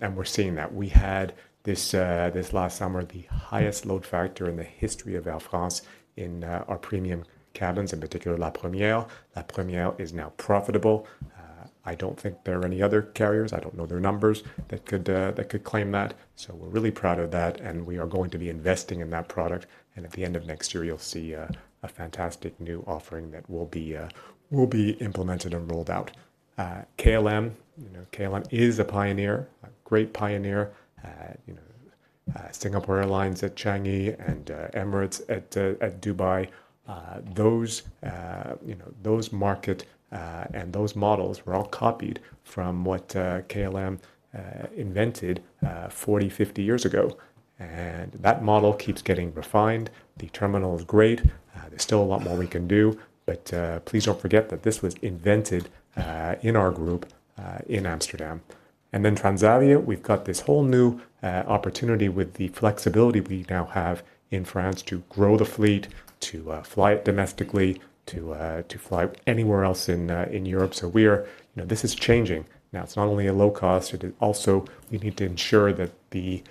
and we're seeing that. We had this, this last summer, the highest load factor in the history of Air France in, our premium cabins, in particular, La Première. La Première is now profitable. I don't think there are any other carriers, I don't know their numbers, that could, that could claim that. So we're really proud of that, and we are going to be investing in that product, and at the end of next year, you'll see, a fantastic new offering that will be, will be implemented and rolled out. KLM, you know, KLM is a pioneer, a great pioneer. You know, Singapore Airlines at Changi and Emirates at Dubai, those, you know, those market and those models were all copied from what KLM invented 40, 50 years ago. And that model keeps getting refined. The terminal is great. There's still a lot more we can do, but please don't forget that this was invented in our group in Amsterdam. And then Transavia, we've got this whole new opportunity with the flexibility we now have in France to grow the fleet, to fly it domestically, to fly anywhere else in Europe. So we're. You know, this is changing. Now, it's not only a low cost, it is also we need to ensure that the,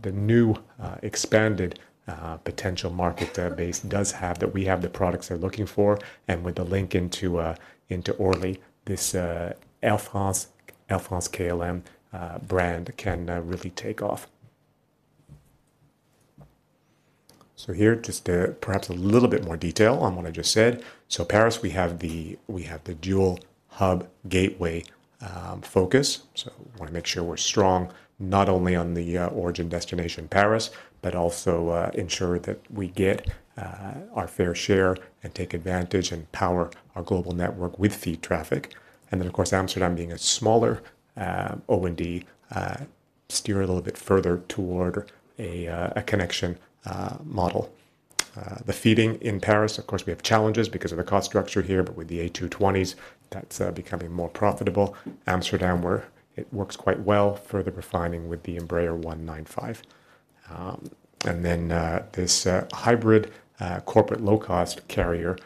the new, expanded, potential market, base does have, that we have the products they're looking for. And with the link into, into Orly, this, Air France, Air France-KLM, brand can, really take off. So here, just, perhaps a little bit more detail on what I just said. So Paris, we have the, we have the dual hub gateway, focus. So we wanna make sure we're strong, not only on the, origin destination, Paris, but also, ensure that we get, our fair share and take advantage and power our global network with feed traffic. And then, of course, Amsterdam being a smaller, O&D, steer a little bit further toward a, a connection, model. The feeder in Paris, of course, we have challenges because of the cost structure here, but with the A220s, that's becoming more profitable. Amsterdam, where it works quite well, further refining with the Embraer 195. And then this hybrid corporate low-cost carrier,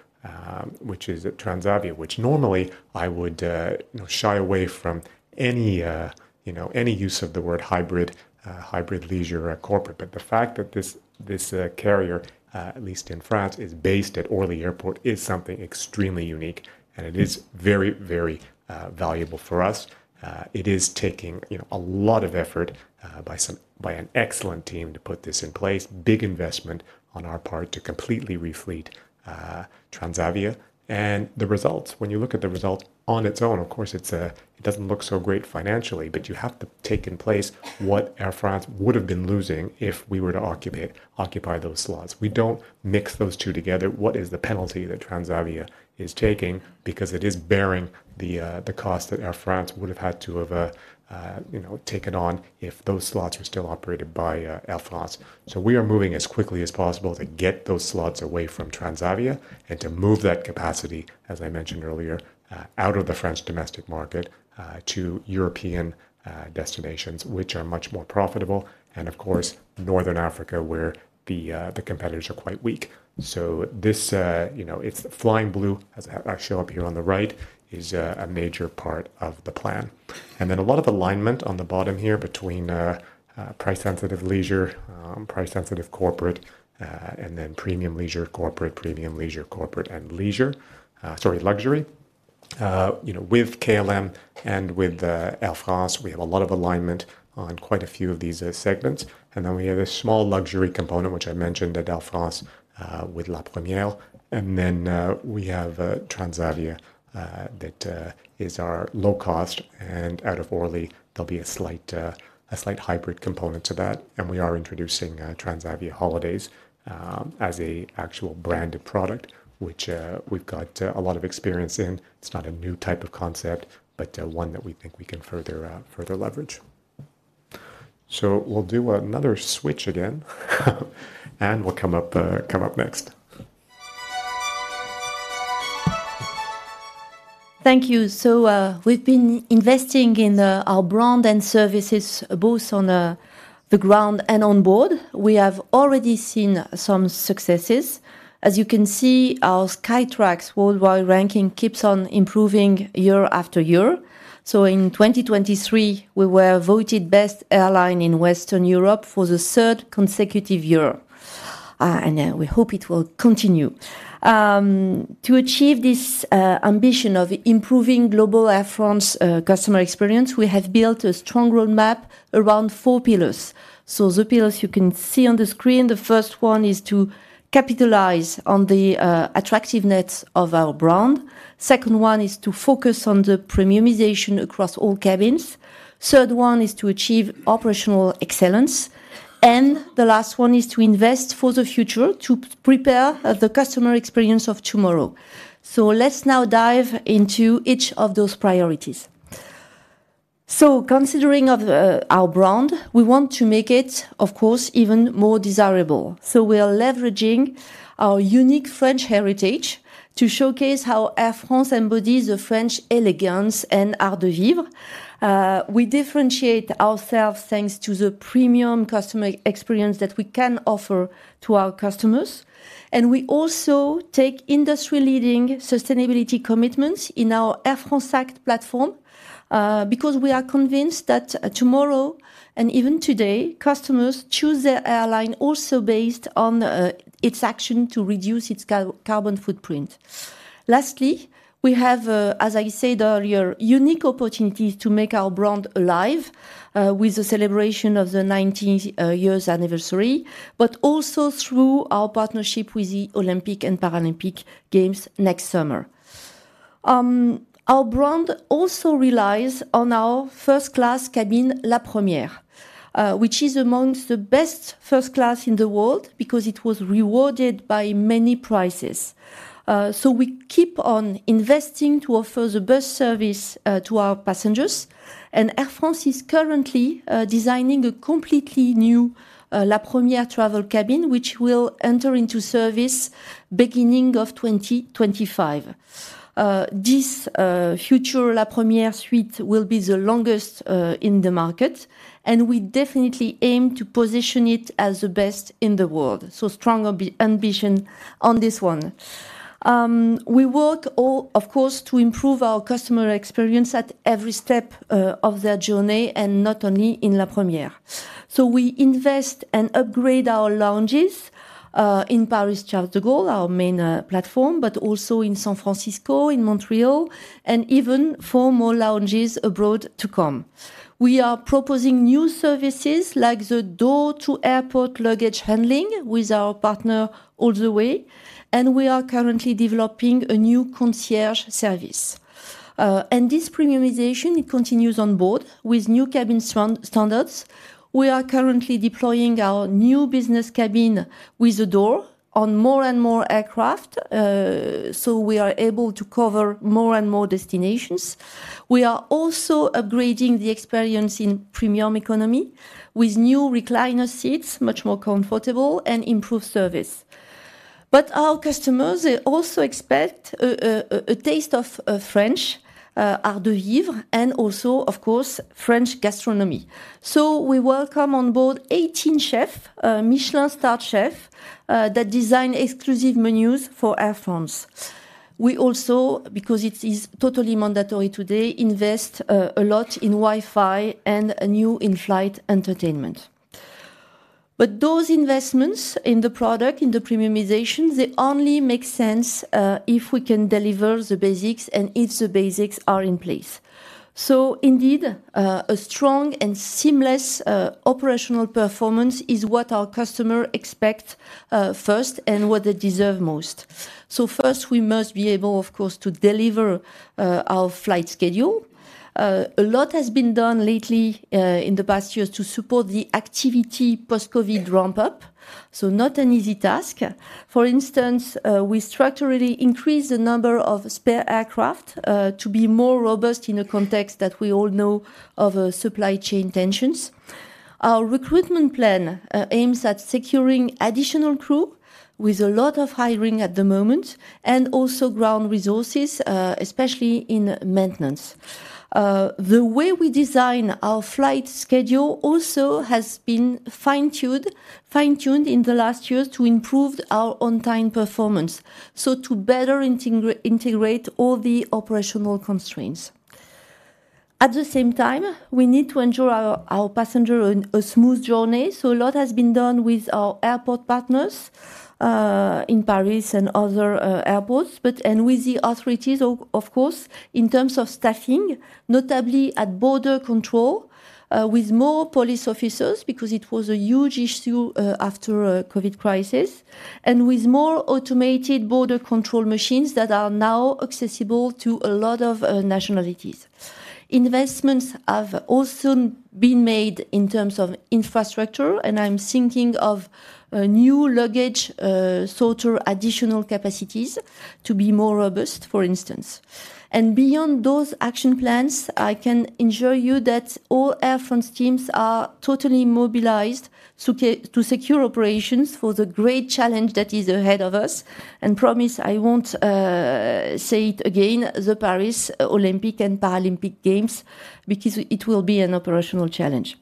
which is Transavia, which normally I would, you know, shy away from any, you know, any use of the word hybrid, hybrid leisure or corporate. But the fact that this carrier, at least in France, is based at Orly Airport, is something extremely unique, and it is very, very valuable for us. It is taking, you know, a lot of effort by some, by an excellent team to put this in place. Big investment on our part to completely refleet Transavia. The results, when you look at the results on its own, of course, it's, it doesn't look so great financially, but you have to take in place what Air France would have been losing if we were to occupy those slots. We don't mix those two together. What is the penalty that Transavia is taking? Because it is bearing the cost that Air France would have had to have, you know, taken on if those slots were still operated by Air France. So we are moving as quickly as possible to get those slots away from Transavia and to move that capacity, as I mentioned earlier, out of the French domestic market, to European destinations, which are much more profitable, and of course, North Africa, where the competitors are quite weak. So this, you know, it's Flying Blue, as I show up here on the right, is a major part of the plan. Then a lot of alignment on the bottom here between price-sensitive leisure, price-sensitive corporate, and then premium leisure corporate, premium leisure corporate, and leisure, sorry, luxury, you know, with KLM and with Air France, we have a lot of alignment on quite a few of these segments. Then we have a small luxury component, which I mentioned at Air France with La Première, and then we have Transavia that is our low cost, and out of Orly, there'll be a slight, a slight hybrid component to that, and we are introducing Transavia Holidays as a actual branded product, which we've got a lot of experience in. It's not a new type of concept, but one that we think we can further further leverage. So we'll do another switch again, and we'll come up come up next. Thank you. We've been investing in our brand and services, both on the ground and on board. We have already seen some successes. As you can see, our Skytrax worldwide ranking keeps on improving year after year. In 2023, we were voted best airline in Western Europe for the third consecutive year, and we hope it will continue. To achieve this ambition of improving global Air France customer experience, we have built a strong roadmap around four pillars. The pillars you can see on the screen: the first one is to capitalize on the attractiveness of our brand. Second one is to focus on the premiumization across all cabins. Third one is to achieve operational excellence, and the last one is to invest for the future to prepare the customer experience of tomorrow. So let's now dive into each of those priorities. So considering of, our brand, we want to make it, of course, even more desirable. So we are leveraging our unique French heritage to showcase how Air France embodies the French elegance and art de vivre. We differentiate ourselves thanks to the premium customer experience that we can offer to our customers, and we also take industry-leading sustainability commitments in our Air France ACT platform, because we are convinced that tomorrow, and even today, customers choose their airline also based on, its action to reduce its carbon footprint. Lastly, we have, as I said earlier, unique opportunity to make our brand alive, with the celebration of the nineteenth years anniversary, but also through our partnership with the Olympic and Paralympic Games next summer. Our brand also relies on our first class cabin, La Première, which is among the best first class in the world because it was rewarded by many prizes. So we keep on investing to offer the best service to our passengers. And Air France is currently designing a completely new La Première travel cabin, which will enter into service beginning of 2025. This future La Première suite will be the longest in the market, and we definitely aim to position it as the best in the world. So strong ambition on this one. We work of course to improve our customer experience at every step of their journey, and not only in La Première. So we invest and upgrade our lounges in Paris-Charles de Gaulle, our main platform, but also in San Francisco, in Montreal, and even four more lounges abroad to come. We are proposing new services, like the door to airport luggage handling with our partner Alltheway, and we are currently developing a new concierge service. And this premiumization continues on board with new cabin standards. We are currently deploying our new business cabin with a door on more and more aircraft, so we are able to cover more and more destinations. We are also upgrading the experience in premium economy with new recliner seats, much more comfortable, and improved service. But our customers, they also expect a taste of French art de vivre and also, of course, French gastronomy. So we welcome on board 18 Michelin-starred chefs that design exclusive menus for Air France. We also, because it is totally mandatory today, invest a lot in Wi-Fi and a new in-flight entertainment. But those investments in the product, in the premiumization, they only make sense if we can deliver the basics and if the basics are in place. So indeed, a strong and seamless operational performance is what our customer expect first and what they deserve most. So first, we must be able, of course, to deliver our flight schedule. A lot has been done lately in the past years to support the activity post-COVID ramp up, so not an easy task. For instance, we structurally increased the number of spare aircraft, to be more robust in a context that we all know of, supply chain tensions. Our recruitment plan aims at securing additional crew with a lot of hiring at the moment, and also ground resources, especially in maintenance. The way we design our flight schedule also has been fine-tuned, fine-tuned in the last years to improve our on-time performance, so to better integrate all the operational constraints... At the same time, we need to ensure our passenger on a smooth journey, so a lot has been done with our airport partners in Paris and other airports, and with the authorities of course, in terms of staffing, notably at border control, with more police officers, because it was a huge issue after COVID crisis, and with more automated border control machines that are now accessible to a lot of nationalities. Investments have also been made in terms of infrastructure, and I'm thinking of new luggage sorter, additional capacities to be more robust, for instance. Beyond those action plans, I can assure you that all Air France teams are totally mobilized to secure operations for the great challenge that is ahead of us, and promise I won't say it again, the Paris Olympic and Paralympic Games, because it will be an operational challenge.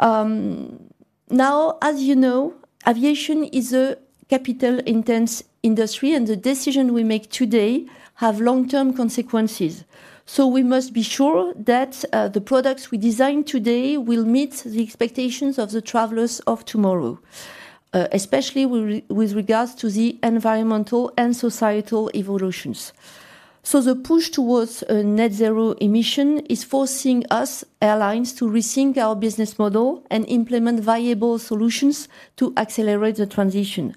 Now, as you know, aviation is a capital-intensive industry, and the decision we make today have long-term consequences. We must be sure that the products we design today will meet the expectations of the travelers of tomorrow, especially with regards to the environmental and societal evolutions. The push towards a net zero emission is forcing us airlines to rethink our business model and implement viable solutions to accelerate the transition.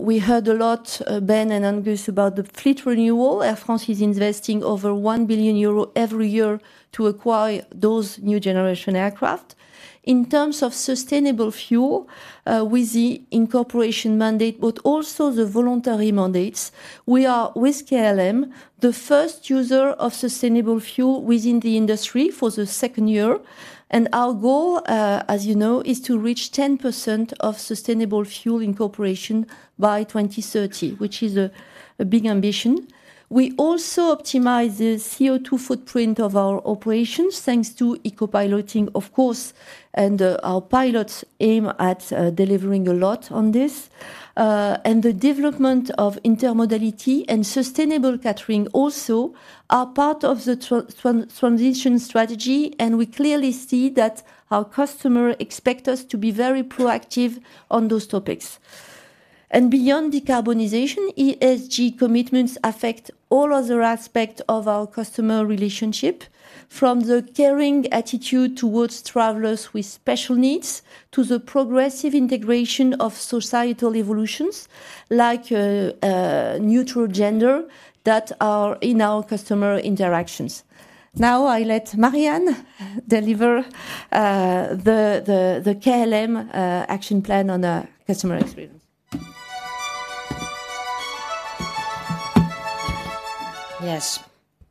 We heard a lot, Ben and Angus, about the fleet renewal. Air France is investing over 1 billion euro every year to acquire those new generation aircraft. In terms of sustainable fuel, with the incorporation mandate, but also the voluntary mandates, we are, with KLM, the first user of sustainable fuel within the industry for the second year, and our goal, as you know, is to reach 10% of sustainable fuel incorporation by 2030, which is a big ambition. We also optimize the CO2 footprint of our operations, thanks to eco-piloting, of course, and our pilots aim at delivering a lot on this. And the development of intermodality and sustainable catering also are part of the transition strategy, and we clearly see that our customer expect us to be very proactive on those topics. Beyond decarbonization, ESG commitments affect all other aspects of our customer relationship, from the caring attitude towards travelers with special needs, to the progressive integration of societal evolutions, like neutral gender, that are in our customer interactions. Now, I let Marjan deliver the KLM action plan on the customer experience. Yes,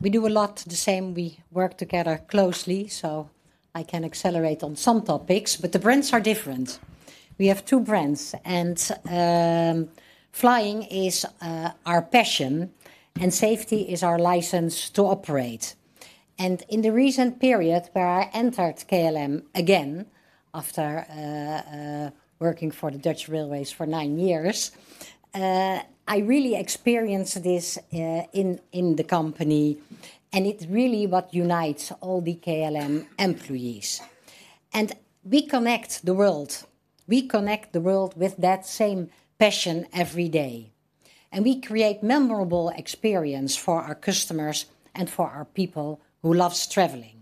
we do a lot the same. We work together closely, so I can accelerate on some topics, but the brands are different. We have two brands, and flying is our passion, and safety is our license to operate. In the recent period where I entered KLM again, after working for the Dutch Railways for nine years, I really experienced this in the company, and it's really what unites all the KLM employees. We connect the world. We connect the world with that same passion every day, and we create memorable experience for our customers and for our people who loves traveling.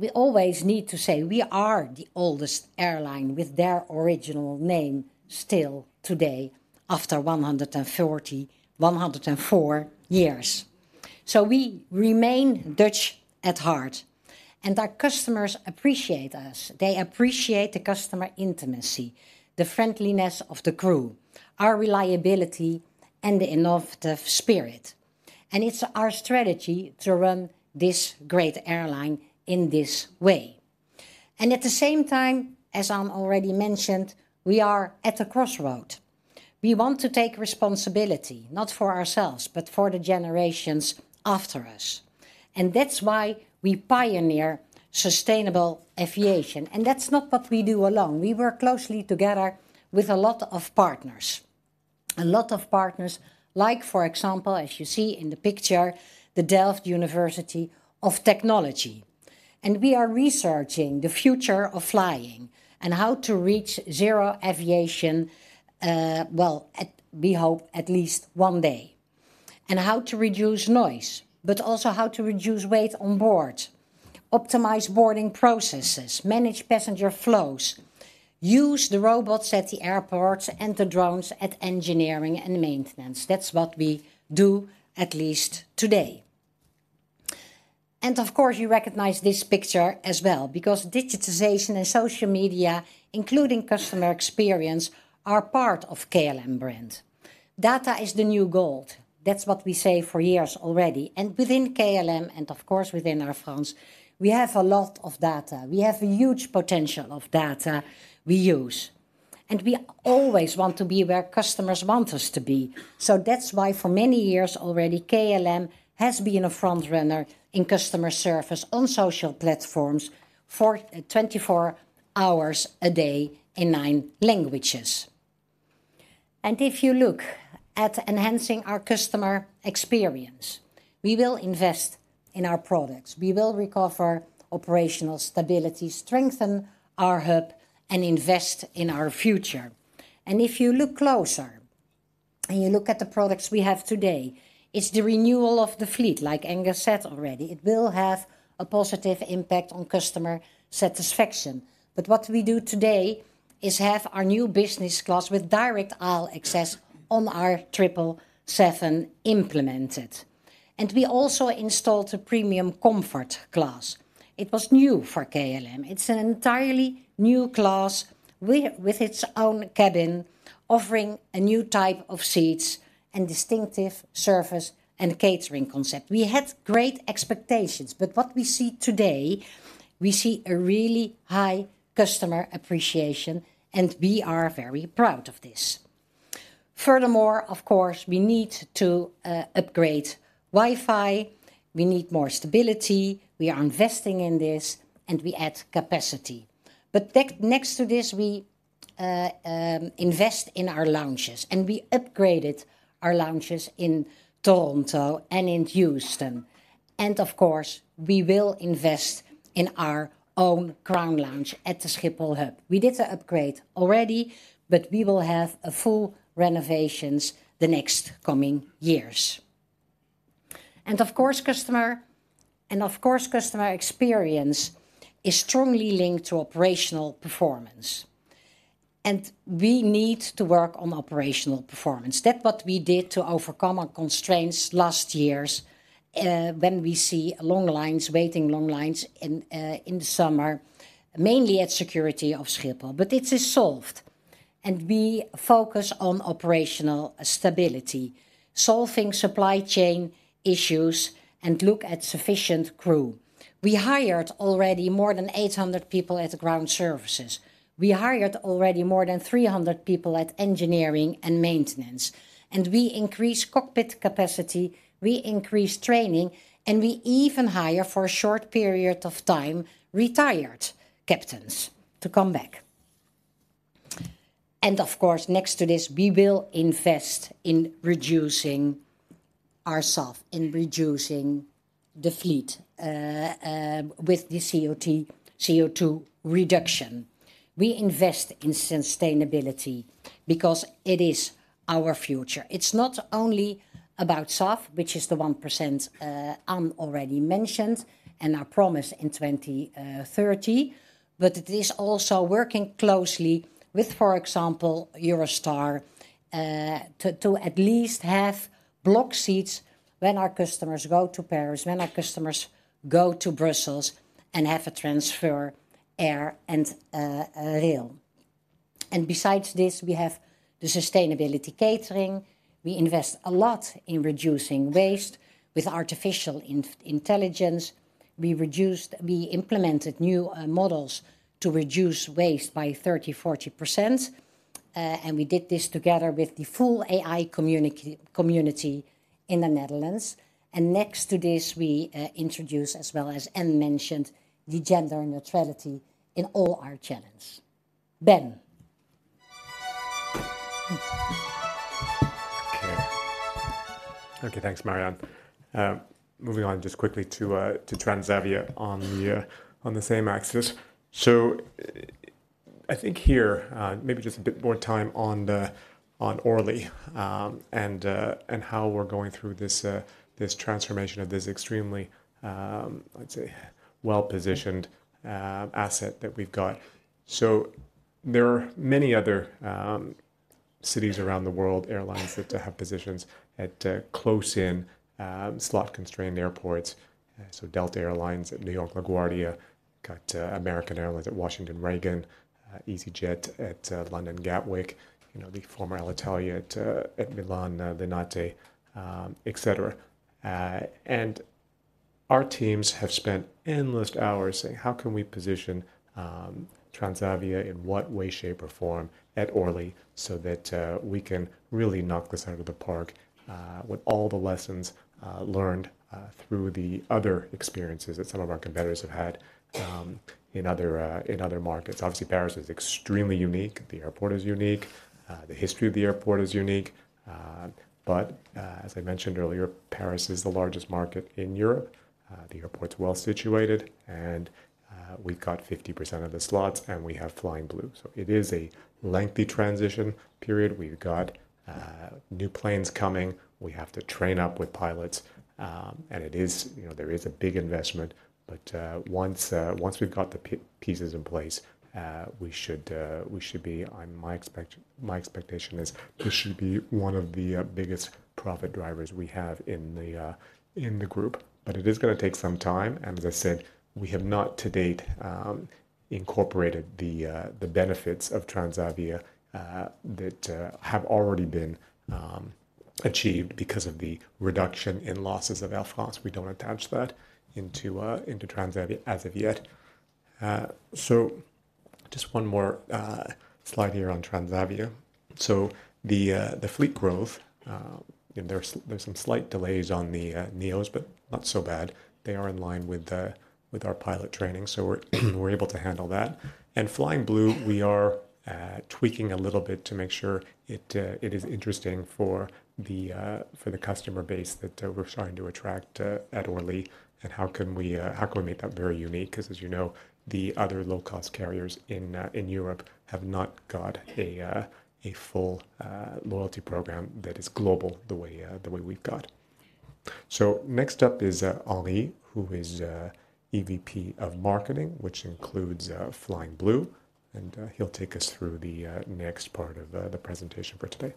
We always need to say, we are the oldest airline with their original name still today, after 104 years. So we remain Dutch at heart, and our customers appreciate us. They appreciate the customer intimacy, the friendliness of the crew, our reliability, and the innovative spirit, and it's our strategy to run this great airline in this way. At the same time, as Anne already mentioned, we are at a crossroads. We want to take responsibility, not for ourselves, but for the generations after us, and that's why we pioneer sustainable aviation, and that's not what we do alone. We work closely together with a lot of partners. A lot of partners, like for example, as you see in the picture, the Delft University of Technology, and we are researching the future of flying and how to reach zero aviation, we hope, at least one day. And how to reduce noise, but also how to reduce weight on board, optimize boarding processes, manage passenger flows, use the robots at the airports and the drones at engineering and maintenance. That's what we do, at least today. And of course, you recognize this picture as well, because digitization and social media, including customer experience, are part of KLM brand. Data is the new gold. That's what we say for years already. And within KLM, and of course within Air France, we have a lot of data. We have a huge potential of data we use, and we always want to be where customers want us to be. So that's why, for many years already, KLM has been a front runner in customer service on social platforms for twenty-four hours a day in nine languages.... If you look at enhancing our customer experience, we will invest in our products. We will recover operational stability, strengthen our hub, and invest in our future. If you look closer, and you look at the products we have today, it's the renewal of the fleet, like Angus said already. It will have a positive impact on customer satisfaction. But what we do today is have our new business class with direct aisle access on our Triple Seven implemented. We also installed a Premium Comfort class. It was new for KLM. It's an entirely new class with its own cabin, offering a new type of seats and distinctive service and catering concept. We had great expectations, but what we see today, we see a really high customer appreciation, and we are very proud of this. Furthermore, of course, we need to upgrade Wi-Fi, we need more stability. We are investing in this, and we add capacity. But tech next to this, we invest in our lounges, and we upgraded our lounges in Toronto and in Houston. And of course, we will invest in our own Crown Lounge at the Schiphol hub. We did the upgrade already, but we will have a full renovations the next coming years. And of course, customer And of course, customer experience is strongly linked to operational performance, and we need to work on operational performance. That what we did to overcome our constraints last years, when we see long lines, waiting long lines in, in the summer, mainly at security of Schiphol. But this is solved, and we focus on operational stability, solving supply chain issues, and look at sufficient crew. We hired already more than 800 people at ground services. We hired already more than 300 people at engineering and maintenance, and we increased cockpit capacity, we increased training, and we even hire, for a short period of time, retired captains to come back. Of course, next to this, we will invest in reducing our SAF, in reducing the fleet, with the CO2 reduction. We invest in sustainability because it is our future. It's not only about SAF, which is the 1%, Anne already mentioned, and our promise in 2030, but it is also working closely with, for example, Eurostar, to at least have block seats when our customers go to Paris, when our customers go to Brussels and have a transfer air and rail. Besides this, we have the sustainability catering. We invest a lot in reducing waste with artificial intelligence. We reduced. We implemented new models to reduce waste by 30%-40%, and we did this together with the full AI community in the Netherlands. Next to this, we introduce, as well as Anne mentioned, the gender neutrality in all our channels. Ben? Okay. Okay, thanks, Marjan. Moving on just quickly to Transavia on the same axis. So I think here, maybe just a bit more time on the Orly, and how we're going through this transformation of this extremely, let's say, well-positioned asset that we've got. So there are many other cities around the world, airlines that have positions at close in slot-constrained airports. So Delta Air Lines at New York LaGuardia, got American Airlines at Washington Reagan, easyJet at London Gatwick, you know, the former Alitalia at Milan Linate, et cetera. And our teams have spent endless hours saying: How can we position Transavia in what way, shape, or form at Orly, so that we can really knock this out of the park with all the lessons learned through the other experiences that some of our competitors have had in other markets? Obviously, Paris is extremely unique. The airport is unique, the history of the airport is unique, but as I mentioned earlier, Paris is the largest market in Europe. The airport's well-situated, and we've got 50% of the slots, and we have Flying Blue. So it is a lengthy transition period. We've got new planes coming. We have to train up with pilots, and it is... You know, there is a big investment, but once we've got the pieces in place, we should be. My expectation is this should be one of the biggest profit drivers we have in the group. But it is gonna take some time, and as I said, we have not to date incorporated the benefits of Transavia that have already been achieved because of the reduction in losses of Air France. We don't attach that into Transavia as of yet. So just one more slide here on Transavia. So the fleet growth. There's some slight delays on the NEOs, but not so bad. They are in line with our pilot training, so we're able to handle that. Flying Blue, we are tweaking a little bit to make sure it is interesting for the customer base that we're trying to attract at Orly, and how can we make that very unique? 'Cause as you know, the other low-cost carriers in Europe have not got a full loyalty program that is global the way we've got. So next up is Henri, who is EVP of Marketing, which includes Flying Blue, and he'll take us through the next part of the presentation for today.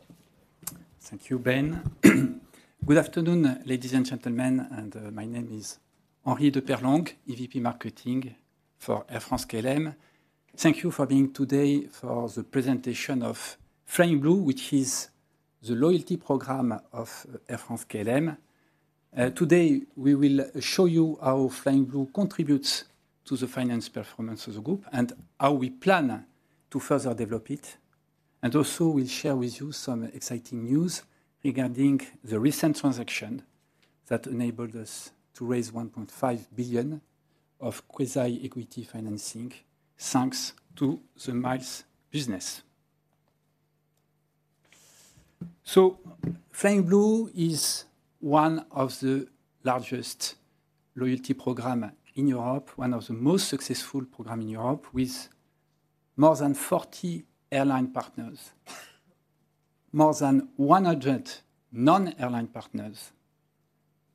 Thank you, Ben. Good afternoon, ladies and gentlemen, and my name is Henri de Peyrelongue, EVP Marketing for Air France-KLM. Thank you for being today for the presentation of Flying Blue, which is the loyalty program of Air France-KLM. Today, we will show you how Flying Blue contributes to the financial performance of the group, and how we plan to further develop it. Also, we'll share with you some exciting news regarding the recent transaction that enabled us to raise 1.5 billion of quasi-equity financing, thanks to the miles business. So Flying Blue is one of the largest loyalty program in Europe, one of the most successful program in Europe, with more than 40 airline partners, more than 100 non-airline partners,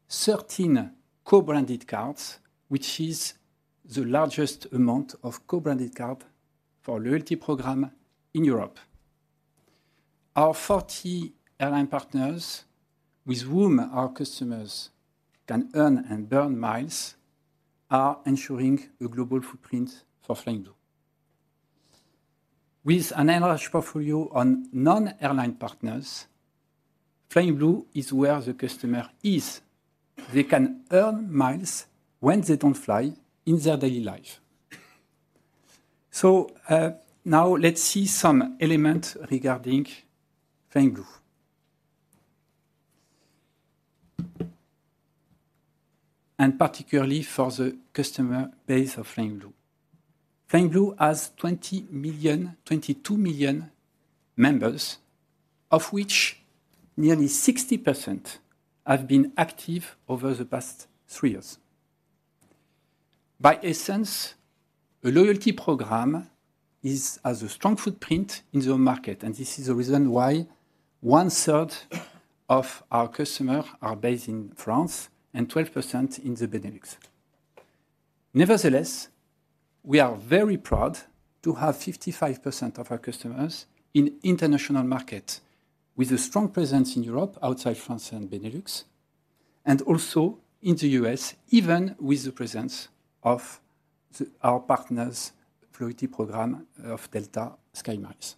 13 co-branded cards, which is the largest amount of co-branded card for loyalty program in Europe. Our 40 airline partners, with whom our customers can earn and burn miles, are ensuring a global footprint for Flying Blue. With an enhanced portfolio on non-airline partners, Flying Blue is where the customer is. They can earn miles when they don't fly in their daily life. So, now let's see some elements regarding Flying Blue. Particularly for the customer base of Flying Blue. Flying Blue has 20 million, 22 million members, of which nearly 60% have been active over the past three years. By essence, a loyalty program is... has a strong footprint in the market, and this is the reason why one-third of our customers are based in France and 12% in the Benelux. Nevertheless, we are very proud to have 55% of our customers in international market, with a strong presence in Europe, outside France and Benelux, and also in the U.S., even with the presence of our partners' loyalty program of Delta SkyMiles.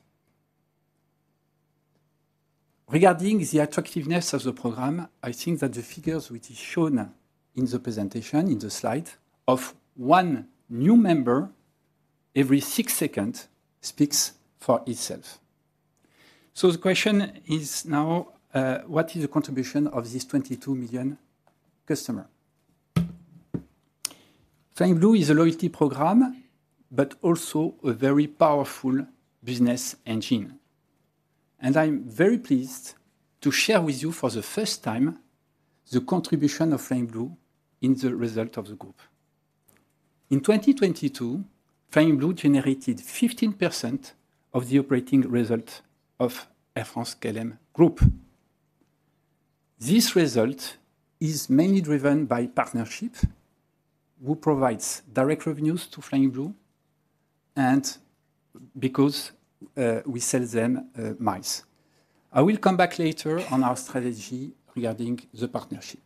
Regarding the attractiveness of the program, I think that the figures which is shown in the presentation, in the slide, of one new member every six seconds, speaks for itself. So the question is now: What is the contribution of this 22 million customer? Flying Blue is a loyalty program, but also a very powerful business engine, and I'm very pleased to share with you, for the first time, the contribution of Flying Blue in the result of the group. In 2022, Flying Blue generated 15% of the operating result of Air France-KLM group. This result is mainly driven by partnership, who provides direct revenues to Flying Blue, and because we sell them miles. I will come back later on our strategy regarding the partnership.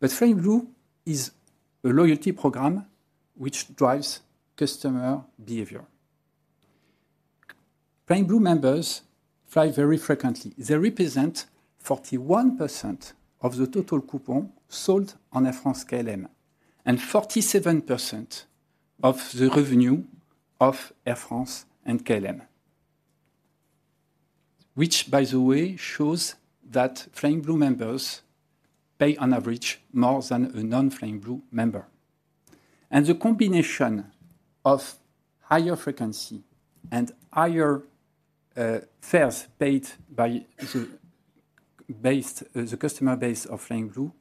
But Flying Blue is a loyalty program which drives customer behavior. Flying Blue members fly very frequently. They represent 41% of the total coupon sold on Air France-KLM, and 47% of the revenue of Air France and KLM, which, by the way, shows that Flying Blue members pay on average more than a non-Flying Blue member. And the combination of higher frequency and higher fares paid by the based, the customer base of Flying Blue,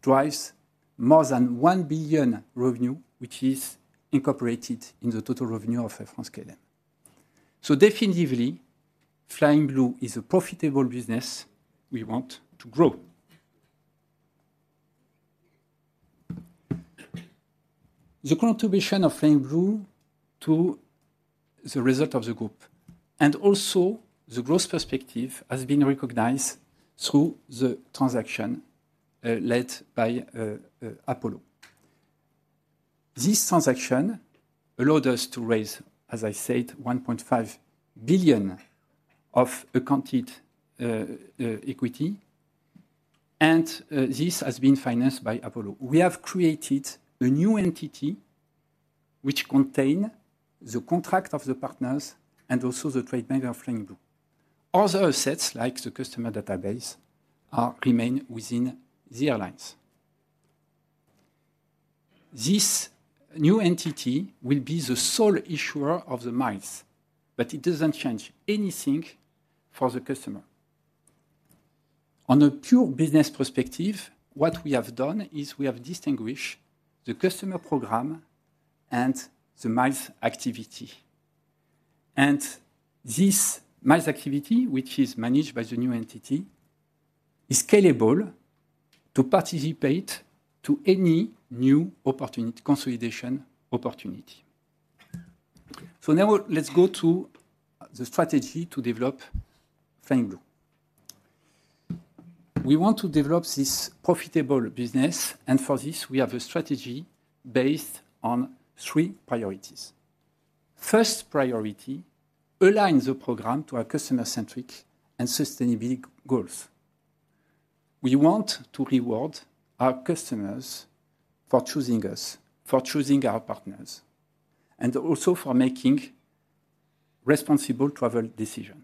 drives more than 1 billion revenue, which is incorporated in the total revenue of Air France-KLM. So definitively, Flying Blue is a profitable business we want to grow. The contribution of Flying Blue to the result of the group, and also the growth perspective, has been recognized through the transaction led by Apollo. This transaction allowed us to raise, as I said, 1.5 billion of accounted equity. This has been financed by Apollo. We have created a new entity which contains the contracts of the partners and also the trademark of Flying Blue. Other assets, like the customer database, remains within the airlines. This new entity will be the sole issuer of the miles, but it doesn't change anything for the customer. On a pure business perspective, what we have done is we have distinguished the customer program and the miles activity. This miles activity, which is managed by the new entity, is scalable to participate to any new opportunity, consolidation opportunity. So now let's go to the strategy to develop Flying Blue. We want to develop this profitable business, and for this, we have a strategy based on three priorities. First priority, align the program to our customer-centric and sustainable goals. We want to reward our customers for choosing us, for choosing our partners, and also for making responsible travel decision.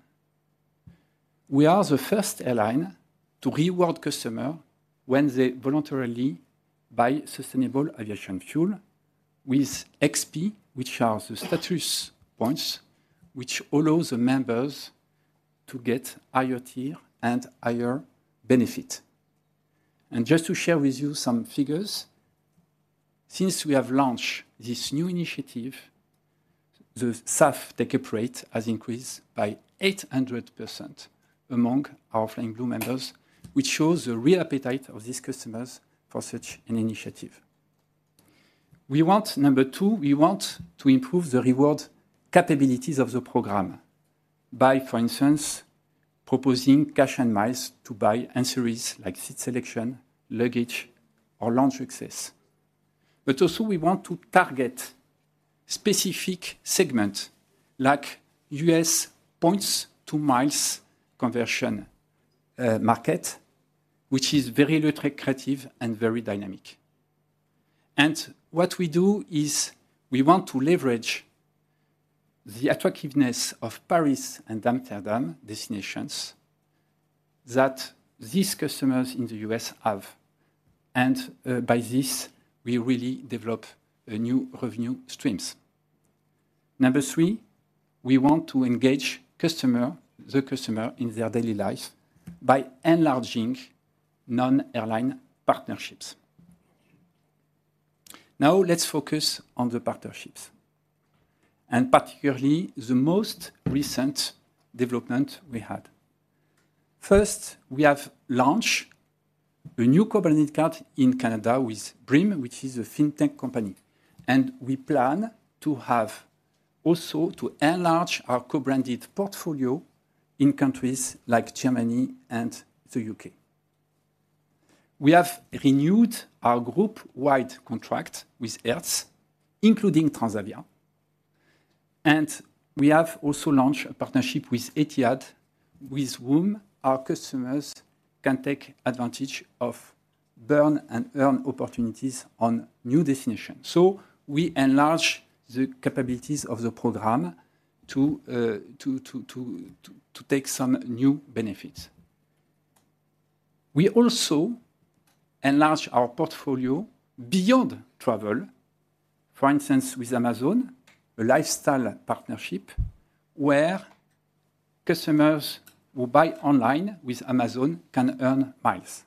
We are the first airline to reward customer when they voluntarily buy sustainable aviation fuel with XP, which are the status points, which allows the members to get higher tier and higher benefit. And just to share with you some figures, since we have launched this new initiative, the SAF take-up rate has increased by 800% among our Flying Blue members, which shows the real appetite of these customers for such an initiative. We want, number two, we want to improve the reward capabilities of the program by, for instance, proposing cash and miles to buy ancillaries, like seat selection, luggage, or lounge access. But also we want to target specific segment, like U.S. points-to-miles conversion market, which is very lucrative and very dynamic. And what we do is, we want to leverage the attractiveness of Paris and Amsterdam destinations that these customers in the U.S. have. And, by this, we really develop a new revenue streams. Number three, we want to engage customer, the customer, in their daily life by enlarging non-airline partnerships. Now, let's focus on the partnerships, and particularly the most recent development we had. First, we have launched a new co-branded card in Canada with Brim, which is a fintech company, and we plan to have also to enlarge our co-branded portfolio in countries like Germany and the U.K. We have renewed our group-wide contract with Hertz, including Transavia, and we have also launched a partnership with Etihad, with whom our customers can take advantage of burn and earn opportunities on new destinations. So we enlarge the capabilities of the program to take some new benefits. We also enlarge our portfolio beyond travel, for instance, with Amazon, a lifestyle partnership where customers who buy online with Amazon can earn miles.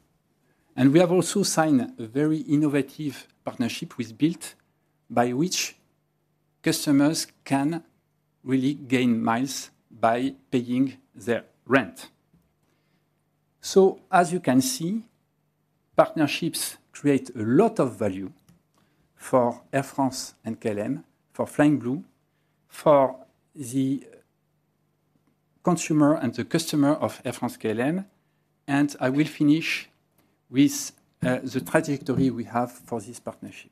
And we have also signed a very innovative partnership with Bilt, by which customers can really gain miles by paying their rent. So as you can see, partnerships create a lot of value for Air France and KLM, for Flying Blue, for the consumer and the customer of Air France-KLM, and I will finish with, the trajectory we have for this partnership.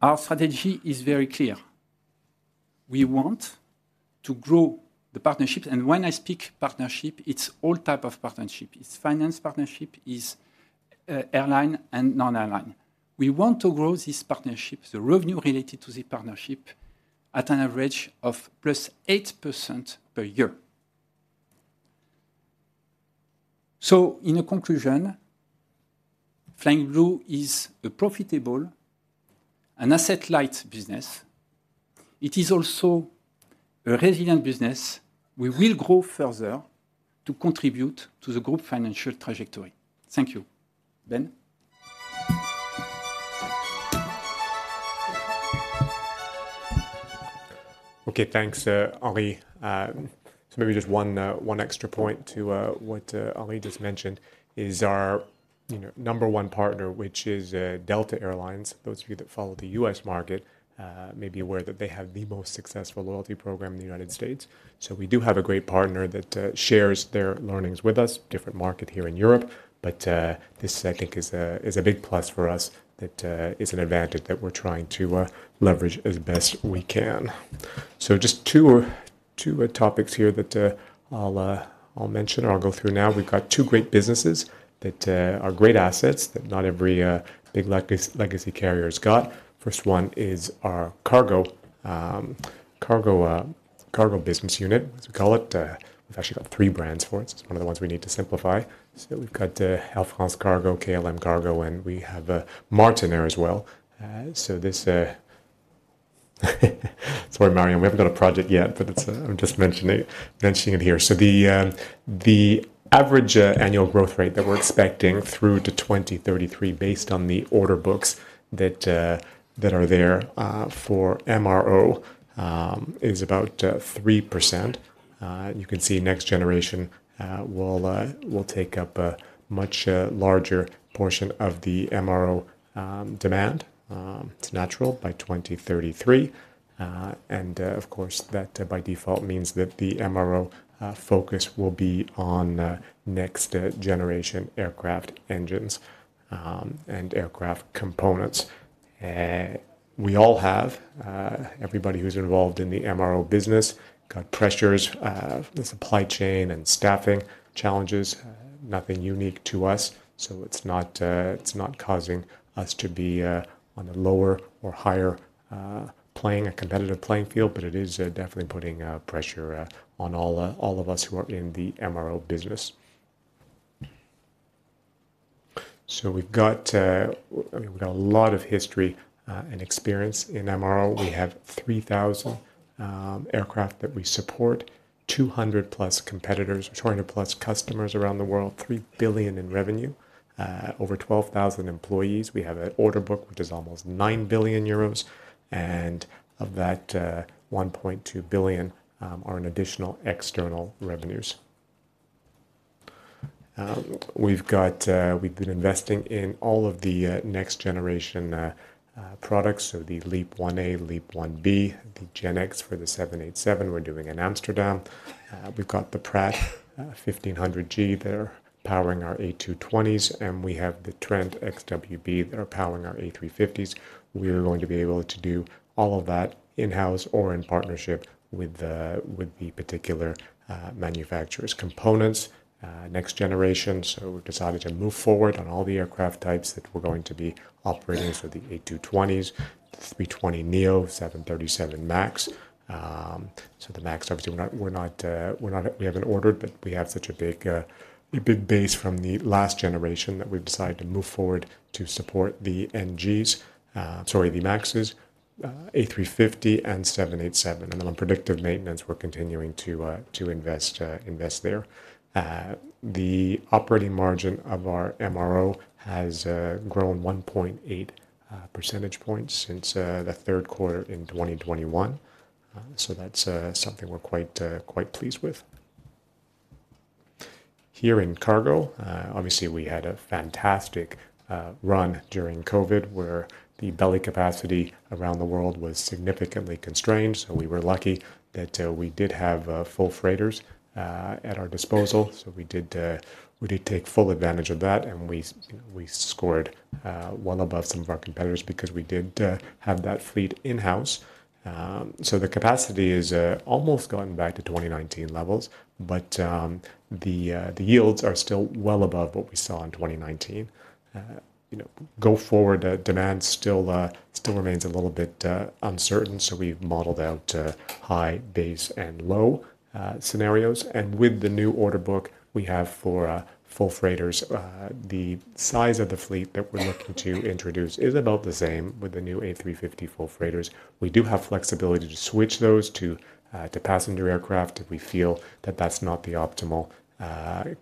Our strategy is very clear: we want to grow the partnerships, and when I speak partnership, it's all type of partnership. It's finance partnership, it's, airline and non-airline. We want to grow this partnership, the revenue related to the partnership, at an average of +8% per year. So in a conclusion, Flying Blue is a profitable and asset-light business. It is also a resilient business. We will grow further to contribute to the group financial trajectory. Thank you. Ben? Okay, thanks, Henri. So maybe just one extra point to what Henri just mentioned is our, you know, number one partner, which is, Delta Air Lines. Those of you that follow the U.S. market may be aware that they have the most successful loyalty program in the United States. So we do have a great partner that shares their learnings with us. Different market here in Europe, but this, I think, is a big plus for us, that is an advantage that we're trying to leverage as best we can. So just two topics here that I'll mention or I'll go through now. We've got two great businesses that are great assets that not every big legacy carrier has got. First one is our cargo business unit, as we call it. We've actually got three brands for it. It's one of the ones we need to simplify. So we've got Air France Cargo, KLM Cargo, and we have Martinair as well. So this, sorry, Marjan, we haven't got a project yet, but it's, I'm just mentioning it here. So the average annual growth rate that we're expecting through to 2033, based on the order books that are there for MRO, is about 3%. You can see next generation will take up a much larger portion of the MRO demand, it's natural, by 2033. Of course, that by default means that the MRO focus will be on next generation aircraft engines and aircraft components. We all have... Everybody who's involved in the MRO business got pressures, the supply chain and staffing challenges, nothing unique to us. So it's not causing us to be on a lower or higher playing a competitive playing field, but it is definitely putting pressure on all of us who are in the MRO business. So we've got a lot of history and experience in MRO. We have 3,000 aircraft that we support, 200+ competitors, 200+ customers around the world, 3 billion in revenue, over 12,000 employees. We have an order book, which is almost 9 billion euros, and of that, 1.2 billion are in additional external revenues. We've got... We've been investing in all of the next-generation products, so the LEAP-1A, LEAP-1B, the GEnx for the 787, we're doing in Amsterdam. We've got the Pratt 1500G there, powering our A220s, and we have the Trent XWB that are powering our A350s. We are going to be able to do all of that in-house or in partnership with the, with the particular manufacturer's components. Next generation, so we've decided to move forward on all the aircraft types that we're going to be operating for the A220s, the A320neo, 737 MAX. So the MAX, obviously, we're not—we haven't ordered, but we have such a big base from the last generation that we've decided to move forward to support the NGs, sorry, the MAXs, A350 and 787. And on predictive maintenance, we're continuing to invest there. The operating margin of our MRO has grown 1.8 percentage points since the third quarter in 2021. So that's something we're quite pleased with. Here in cargo, obviously, we had a fantastic run during COVID, where the belly capacity around the world was significantly constrained, so we were lucky that we did have full freighters at our disposal. So we did, we did take full advantage of that, and we scored, well above some of our competitors because we did, have that fleet in-house. So the capacity is, almost going back to 2019 levels, but, the, the yields are still well above what we saw in 2019. You know, go forward, demand still, still remains a little bit, uncertain, so we've modeled out, high, base, and low, scenarios. And with the new order book we have for, full freighters, the size of the fleet that we're looking to introduce is about the same with the new A350 full freighters. We do have flexibility to switch those to, to passenger aircraft if we feel that that's not the optimal,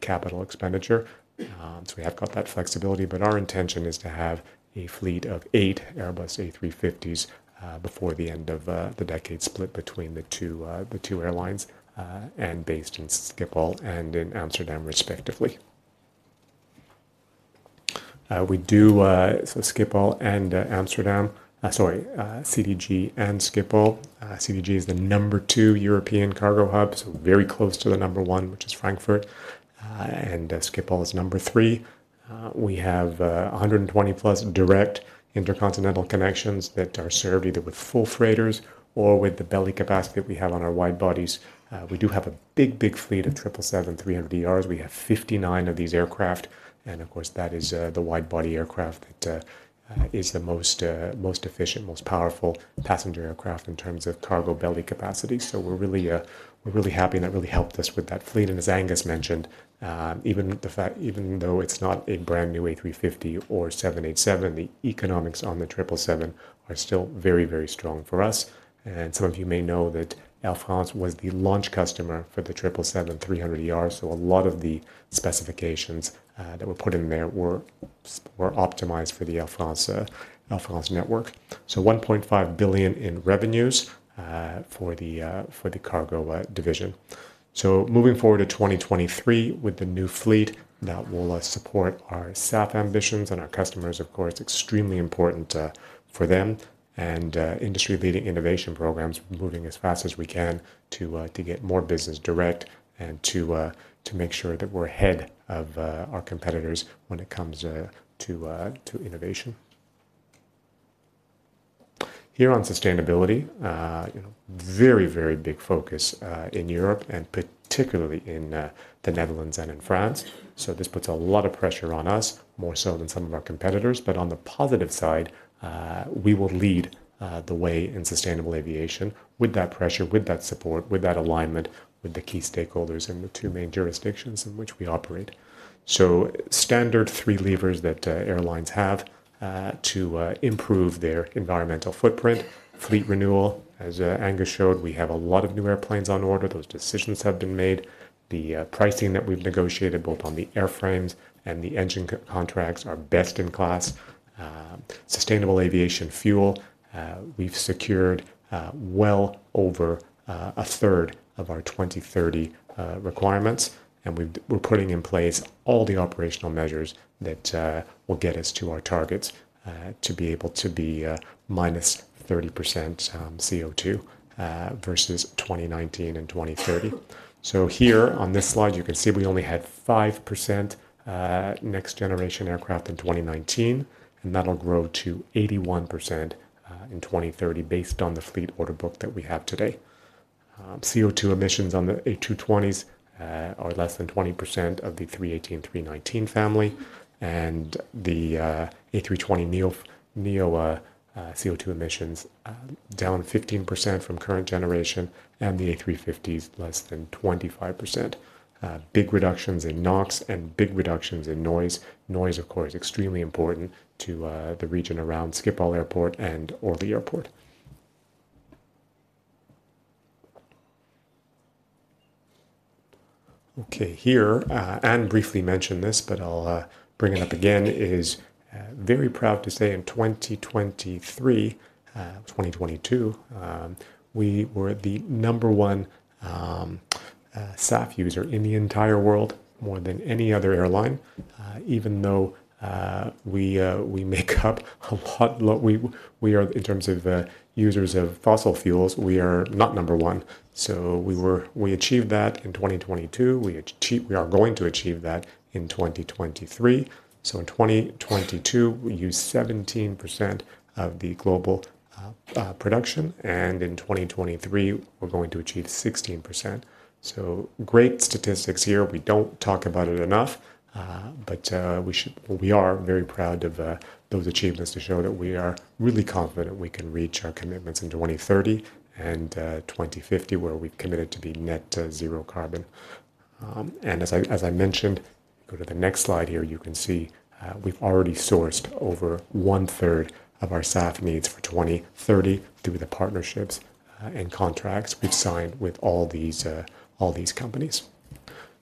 capital expenditure. So we have got that flexibility, but our intention is to have a fleet of eight Airbus A350s before the end of the decade, split between the two airlines, and based in Schiphol and in Amsterdam, respectively. Sorry, CDG and Schiphol. CDG is the number two European cargo hub, so very close to the number one, which is Frankfurt, and Schiphol is number three. We have 120+ direct intercontinental connections that are served either with full freighters or with the belly capacity that we have on our wide bodies. We do have a big, big fleet of Boeing 777-300ERs. We have 59 of these aircraft, and of course, that is, the wide-body aircraft that, is the most, most efficient, most powerful passenger aircraft in terms of cargo belly capacity. So we're really, we're really happy, and that really helped us with that fleet. And as Angus mentioned, even though it's not a brand-new A350 or 787, the economics on the 777 are still very, very strong for us. And some of you may know that Air France was the launch customer for the 777-300ER, so a lot of the specifications, that were put in there were optimized for the Air France, Air France network. So 1.5 billion in revenues, for the, for the cargo, division. So moving forward to 2023 with the new fleet, that will support our SAF ambitions and our customers, of course, extremely important for them. And industry-leading innovation programs, moving as fast as we can to get more business direct and to make sure that we're ahead of our competitors when it comes to innovation. Here on sustainability, you know, very, very big focus in Europe and particularly in the Netherlands and in France. So this puts a lot of pressure on us, more so than some of our competitors. But on the positive side, we will lead the way in sustainable aviation with that pressure, with that support, with that alignment with the key stakeholders in the two main jurisdictions in which we operate. So standard three levers that airlines have to improve their environmental footprint. Fleet renewal, as Angus showed, we have a lot of new airplanes on order. Those decisions have been made. The pricing that we've negotiated, both on the airframes and the engine contracts, are best in class. Sustainable aviation fuel, we've secured well over a third of our 2030 requirements, and we're putting in place all the operational measures that will get us to our targets to be able to be -30% CO2 versus 2019 and 2030. So here on this slide, you can see we only had 5% next generation aircraft in 2019, and that'll grow to 81% in 2030, based on the fleet order book that we have today. CO2 emissions on the A220s are less than 20% of the A318, A319 family, and the A320neo CO2 emissions down 15% from current generation, and the A350 is less than 25%. Big reductions in NOx and big reductions in noise. Noise, of course, extremely important to the region around Schiphol Airport and Orly Airport. Okay. Here, Anne briefly mentioned this, but I'll bring it up again, is very proud to say in 2023, 2022, we were the number one SAF user in the entire world, more than any other airline. Even though, we make up a lot, we are... In terms of users of fossil fuels, we are not number one. So we were- we achieved that in 2022. We are going to achieve that in 2023. So in 2022, we used 17% of the global production, and in 2023, we're going to achieve 16%. So great statistics here. We don't talk about it enough, but we should. We are very proud of those achievements to show that we are really confident we can reach our commitments in 2030 and 2050, where we've committed to be net zero carbon. And as I mentioned, go to the next slide here, you can see we've already sourced over one-third of our SAF needs for 2030 through the partnerships and contracts we've signed with all these companies.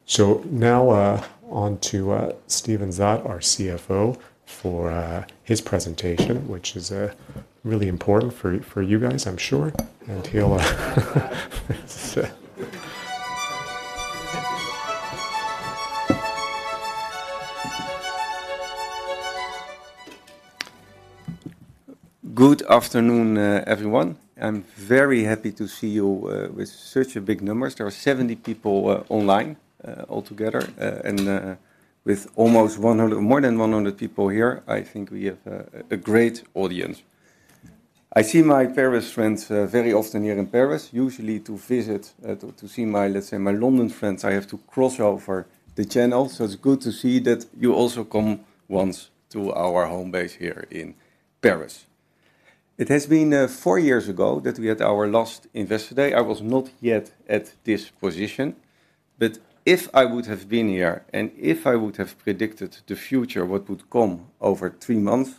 So now, on to Steven Zaat, our CFO, for his presentation, which is really important for you guys, I'm sure. And he'll... Good afternoon, everyone. I'm very happy to see you with such a big numbers. There are 70 people online altogether, and with almost 100... More than 100 people here, I think we have a great audience. I see my Paris friends very often here in Paris, usually to visit, to see my, let's say, my London friends, I have to cross over the channel. So it's good to see that you also come once to our home base here in Paris. It has been four years ago that we had our last Investor Day. I was not yet at this position, but if I would have been here, and if I would have predicted the future, what would come over three months,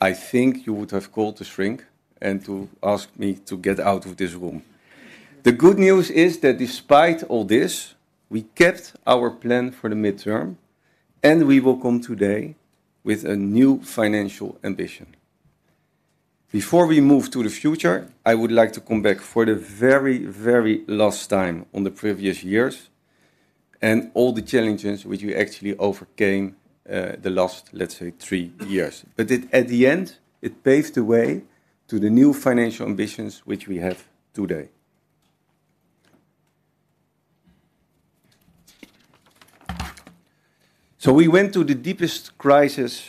I think you would have called a shrink and to ask me to get out of this room. The good news is that despite all this, we kept our plan for the midterm, and we will come today with a new financial ambition. Before we move to the future, I would like to come back for the very, very last time on the previous years and all the challenges which we actually overcame, the last, let's say, three years. But at the end, it paved the way to the new financial ambitions which we have today. So we went through the deepest crisis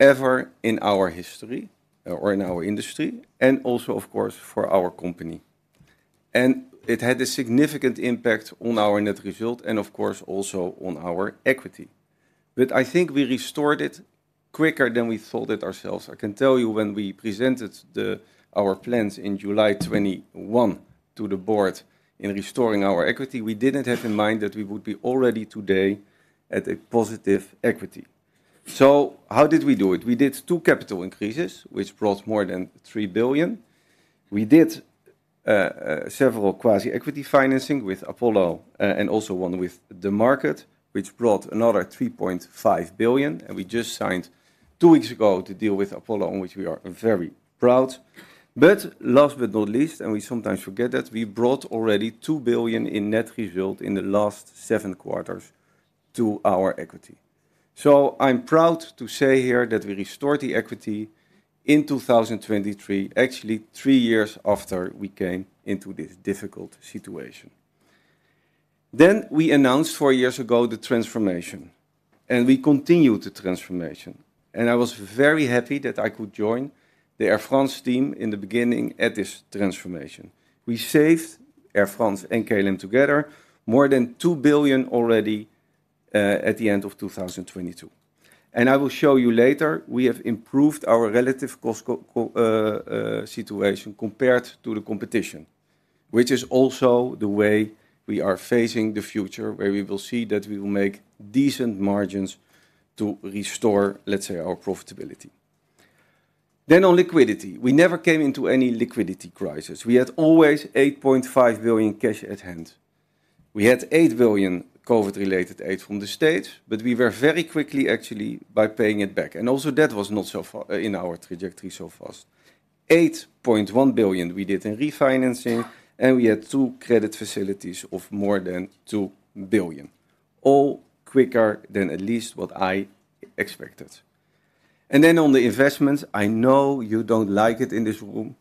ever in our history or in our industry, and also, of course, for our company. It had a significant impact on our net result and, of course, also on our equity. I think we restored it quicker than we thought it ourselves. I can tell you when we presented our plans in July 2021 to the board in restoring our equity, we didn't have in mind that we would be already today at a positive equity. How did we do it? We did two capital increases, which brought more than 3 billion. We did several quasi-equity financing with Apollo, and also one with the market, which brought another 3.5 billion, and we just signed two weeks ago to deal with Apollo, on which we are very proud. Last but not least, and we sometimes forget that, we brought already 2 billion in net result in the last seven quarters to our equity. I'm proud to say here that we restored the equity in 2023, actually three years after we came into this difficult situation. We announced four years ago the transformation, and we continued the transformation. I was very happy that I could join the Air France team in the beginning at this transformation. We saved Air France and KLM together, more than 2 billion already, at the end of 2022. I will show you later, we have improved our relative cost competitiveness situation compared to the competition, which is also the way we are facing the future, where we will see that we will make decent margins to restore, let's say, our profitability. On liquidity, we never came into any liquidity crisis. We had always 8.5 billion cash at hand. We had 8 billion COVID-related aid from the state, but we were very quickly actually by paying it back, and also that was not so far in our trajectory so fast. 8.1 billion we did in refinancing, and we had two credit facilities of more than 2 billion, all quicker than at least what I expected. Then on the investments, I know you don't like it in this room,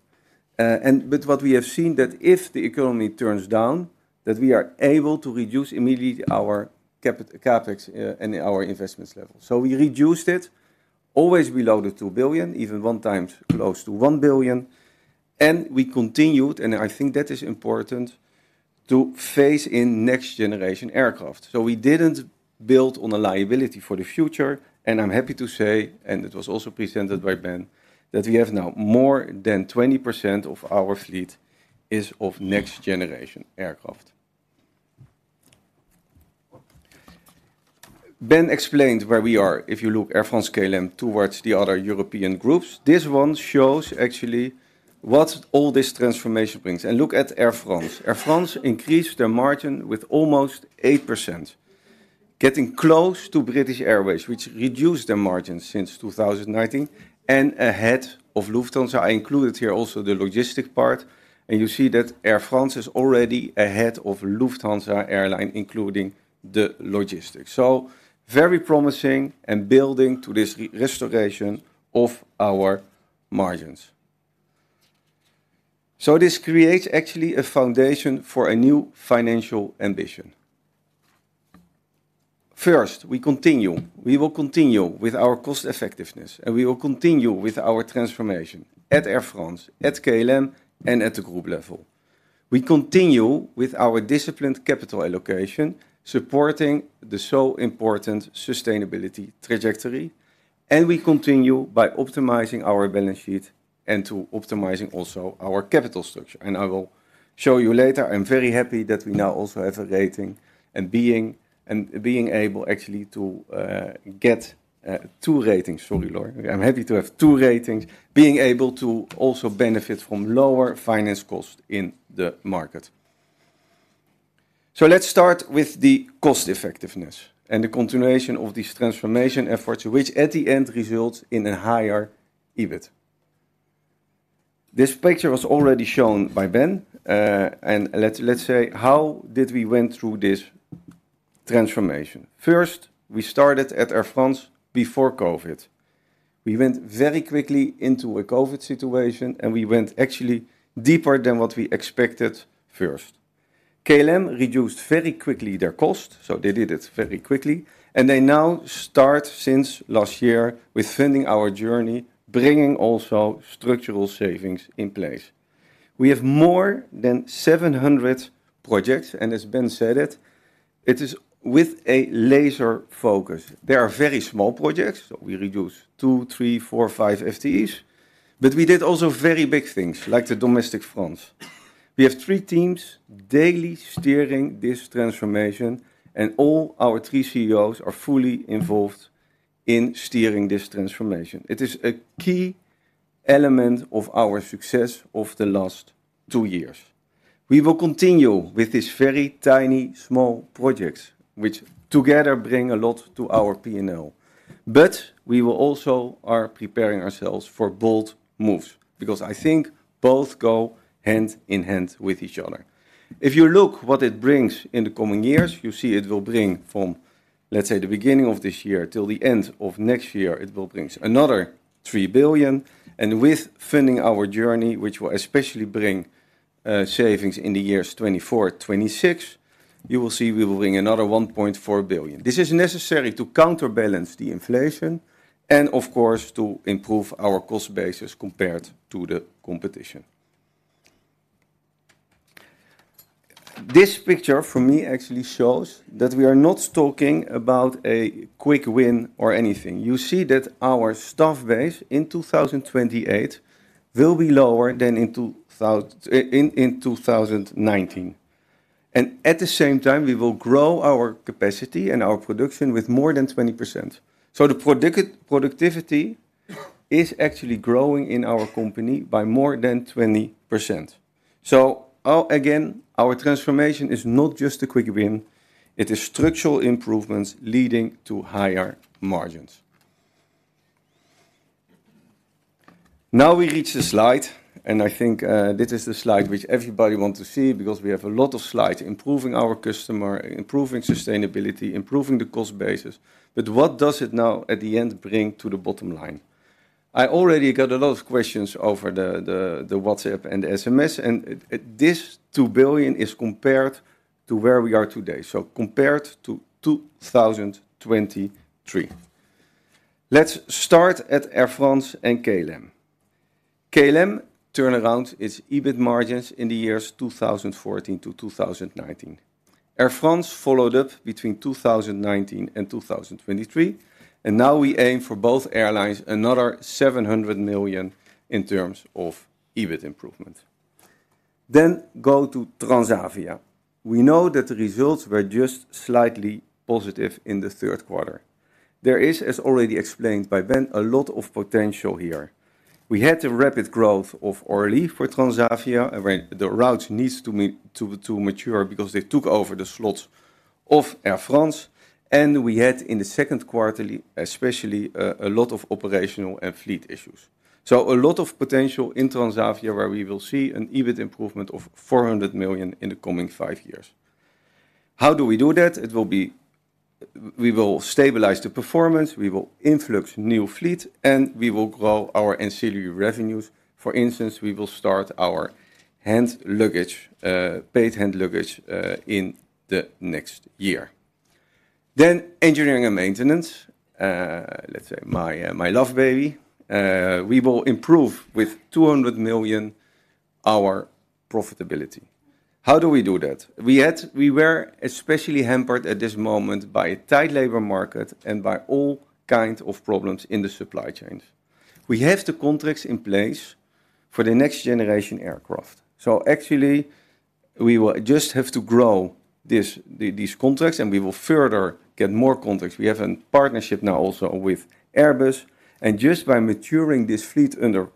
and but what we have seen that if the economy turns down, that we are able to reduce immediately our CapEx and our investments level. So we reduced it, always below the 2 billion, even one time close to 1 billion, and we continued, and I think that is important, to phase in next-generation aircraft. So we didn't build on a liability for the future, and I'm happy to say, and it was also presented by Ben, that we have now more than 20% of our fleet is of next-generation aircraft. Ben explained where we are. If you look Air France-KLM towards the other European groups, this one shows actually what all this transformation brings. And look at Air France. Air France increased their margin with almost 8%, getting close to British Airways, which reduced their margins since 2019 and ahead of Lufthansa. I included here also the logistic part, and you see that Air France is already ahead of Lufthansa airline, including the logistics. So very promising and building to this restoration of our margins. So this creates actually a foundation for a new financial ambition. First, we continue. We will continue with our cost effectiveness, and we will continue with our transformation at Air France, at KLM, and at the group level. We continue with our disciplined capital allocation, supporting the so important sustainability trajectory, and we continue by optimizing our balance sheet and to optimizing also our capital structure. I will show you later, I'm very happy that we now also have a rating and being, and being able actually to, get, two ratings. Sorry, Lauren. I'm happy to have two ratings, being able to also benefit from lower finance cost in the market. So let's start with the cost effectiveness and the continuation of this transformation efforts, which at the end results in a higher EBIT. This picture was already shown by Ben, and let's, let's say, how did we went through this transformation? First, we started at Air France before COVID. We went very quickly into a COVID situation, and we went actually deeper than what we expected first. KLM reduced very quickly their cost, so they did it very quickly, and they now start since last year with funding our journey, bringing also structural savings in place. We have more than 700 projects, and as Ben said it, it is with a laser focus. There are very small projects, so we reduce 2, 3, 4, 5 FTEs, but we did also very big things, like the domestic France. We have three teams daily steering this transformation, and all our three CEOs are fully involved in steering this transformation. It is a key element of our success of the last two years. We will continue with this very tiny, small projects, which together bring a lot to our P&L. But we will also are preparing ourselves for bold moves because I think both go hand in hand with each other. If you look what it brings in the coming years, you see it will bring from, let's say, the beginning of this year till the end of next year, it will bring another 3 billion. And with funding our journey, which will especially bring savings in the years 2024, 2026, you will see we will bring another 1.4 billion. This is necessary to counterbalance the inflation and, of course, to improve our cost basis compared to the competition. This picture for me actually shows that we are not talking about a quick win or anything. You see that our staff base in 2028 will be lower than in 2019. At the same time, we will grow our capacity and our production with more than 20%. So the productivity is actually growing in our company by more than 20%. So, again, our transformation is not just a quick win; it is structural improvements leading to higher margins. Now, we reach the slide, and I think, this is the slide which everybody want to see because we have a lot of slides: improving our customer, improving sustainability, improving the cost basis. But what does it now at the end bring to the bottom line? I already got a lot of questions over the WhatsApp and SMS, and this 2 billion is compared to where we are today. So compared to 2023. Let's start at Air France and KLM. KLM turned around its EBIT margins in the years 2014-2019. Air France followed up between 2019 and 2023, and now we aim for both airlines, another 700 million in terms of EBIT improvement. Then go to Transavia. We know that the results were just slightly positive in the third quarter. There is, as already explained by Ben, a lot of potential here. We had the rapid growth of Orly for Transavia, and when the routes need to mature because they took over the slots of Air France, and we had, in the second quarter, especially, a lot of operational and fleet issues. So a lot of potential in Transavia, where we will see an EBIT improvement of 400 million in the coming five years. How do we do that? We will stabilize the performance, we will influx new fleet, and we will grow our ancillary revenues. For instance, we will start our hand luggage, paid hand luggage, in the next year. Then engineering and maintenance, let's say my love baby. We will improve with 200 million our profitability. How do we do that? We were especially hampered at this moment by a tight labor market and by all kinds of problems in the supply chains. We have the contracts in place for the next generation aircraft. So actually, we will just have to grow this, the, these contracts, and we will further get more contracts. We have a partnership now also with Airbus, and just by maturing this fleet under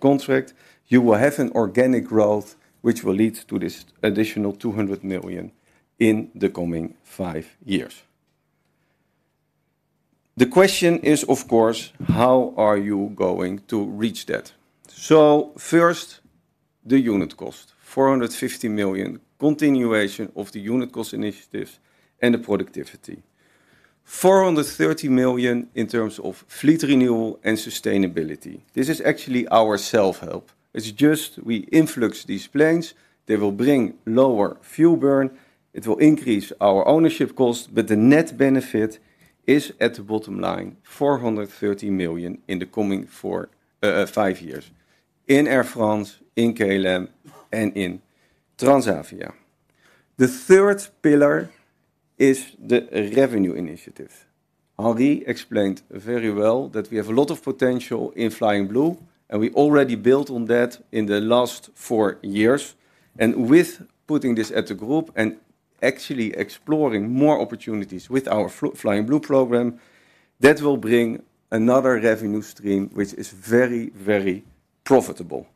contract, you will have an organic growth, which will lead to this additional 200 million in the coming five years. The question is, of course, how are you going to reach that? So first, the unit cost, 450 million, continuation of the unit cost initiatives and the productivity. 430 million in terms of fleet renewal and sustainability. This is actually our self-help. It's just we influx these planes, they will bring lower fuel burn, it will increase our ownership cost, but the net benefit is at the bottom line, 430 million in the coming four, five years in Air France, in KLM, and in Transavia. The third pillar is the revenue initiative. Henri explained very well that we have a lot of potential in Flying Blue, and we already built on that in the last four years. With putting this at the group and actually exploring more opportunities with our Flying Blue program, that will bring another revenue stream, which is very, very profitable.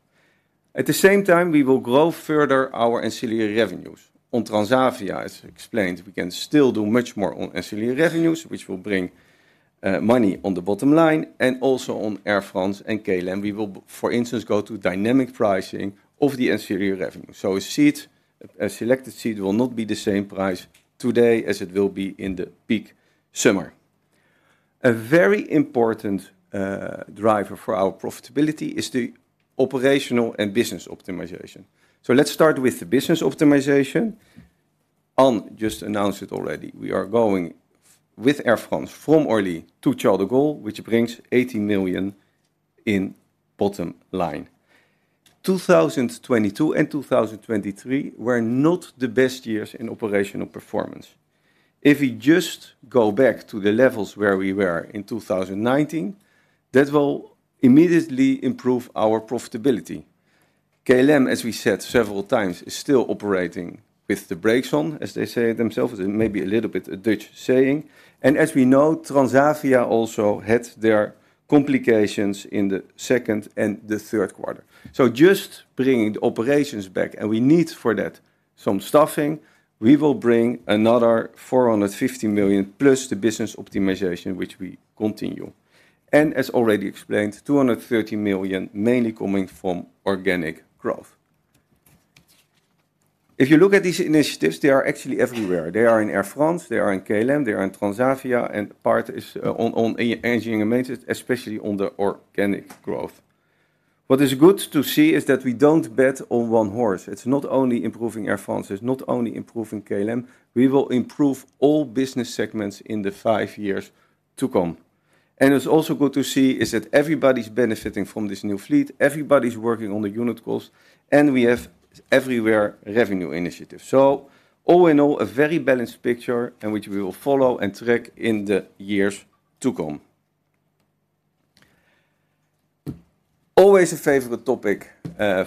At the same time, we will grow further our ancillary revenues. On Transavia, as explained, we can still do much more on ancillary revenues, which will bring money on the bottom line and also on Air France and KLM. We will, for instance, go to dynamic pricing of the ancillary revenue. A seat, a selected seat will not be the same price today as it will be in the peak summer. A very important driver for our profitability is the operational and business optimization. Let's start with the business optimization. Ann just announced it already. We are going with Air France from Orly to Charles de Gaulle, which brings 80 million in bottom line. 2022 and 2023 were not the best years in operational performance. If we just go back to the levels where we were in 2019, that will immediately improve our profitability. KLM, as we said several times, is still operating with the brakes on, as they say it themselves. It may be a little bit a Dutch saying, and as we know, Transavia also had their complications in the second and the third quarter. So just bringing the operations back, and we need for that some staffing, we will bring another 450 million, plus the business optimization, which we continue. And as already explained, 230 million mainly coming from organic growth. If you look at these initiatives, they are actually everywhere. They are in Air France, they are in KLM, they are in Transavia, and part is on engineering and maintenance, especially on the organic growth. What is good to see is that we don't bet on one horse. It's not only improving Air France, it's not only improving KLM. We will improve all business segments in the five years to come. And it's also good to see is that everybody's benefiting from this new fleet, everybody's working on the unit goals, and we have everywhere revenue initiatives. So all in all, a very balanced picture, and which we will follow and track in the years to come. Always a favorite topic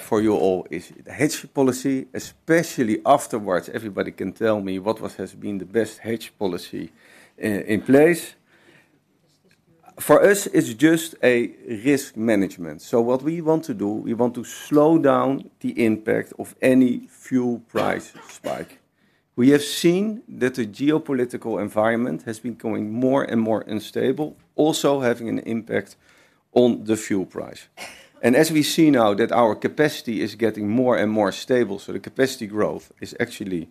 for you all is the hedge policy, especially afterwards. Everybody can tell me what has been the best hedge policy in place. For us, it's just a risk management. So what we want to do, we want to slow down the impact of any fuel price spike. We have seen that the geopolitical environment has been going more and more unstable, also having an impact on the fuel price... And as we see now that our capacity is getting more and more stable, so the capacity growth is actually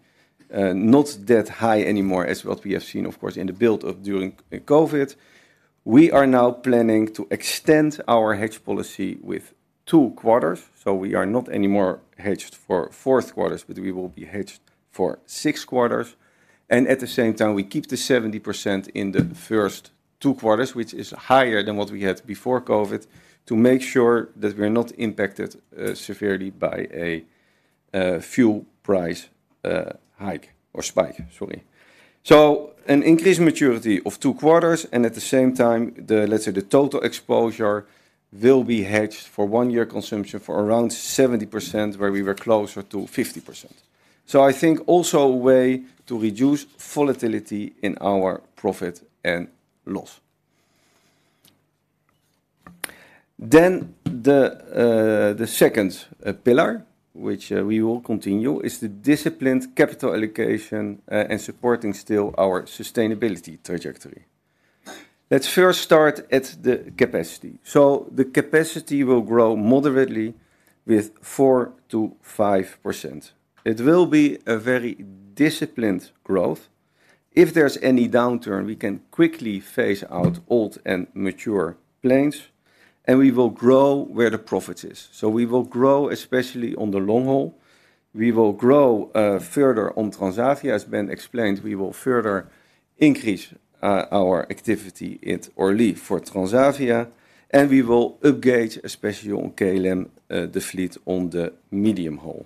not that high anymore as what we have seen, of course, in the build of during COVID. We are now planning to extend our hedge policy with two quarters, so we are not anymore hedged for four quarters, but we will be hedged for six quarters. And at the same time, we keep the 70% in the first two quarters, which is higher than what we had before COVID, to make sure that we are not impacted severely by a fuel price hike or spike. Sorry. So an increased maturity of two quarters and at the same time, the, let's say, the total exposure will be hedged for one year consumption for around 70%, where we were closer to 50%. So I think also a way to reduce volatility in our profit and loss. Then the second pillar, which we will continue, is the disciplined capital allocation and supporting still our sustainability trajectory. Let's first start at the capacity. So the capacity will grow moderately with 4%-5%. It will be a very disciplined growth. If there's any downturn, we can quickly phase out old and mature planes, and we will grow where the profit is. So we will grow, especially on the long haul. We will grow further on Transavia. As Ben explained, we will further increase our activity at Orly for Transavia, and we will upgrade, especially on KLM, the fleet on the medium haul.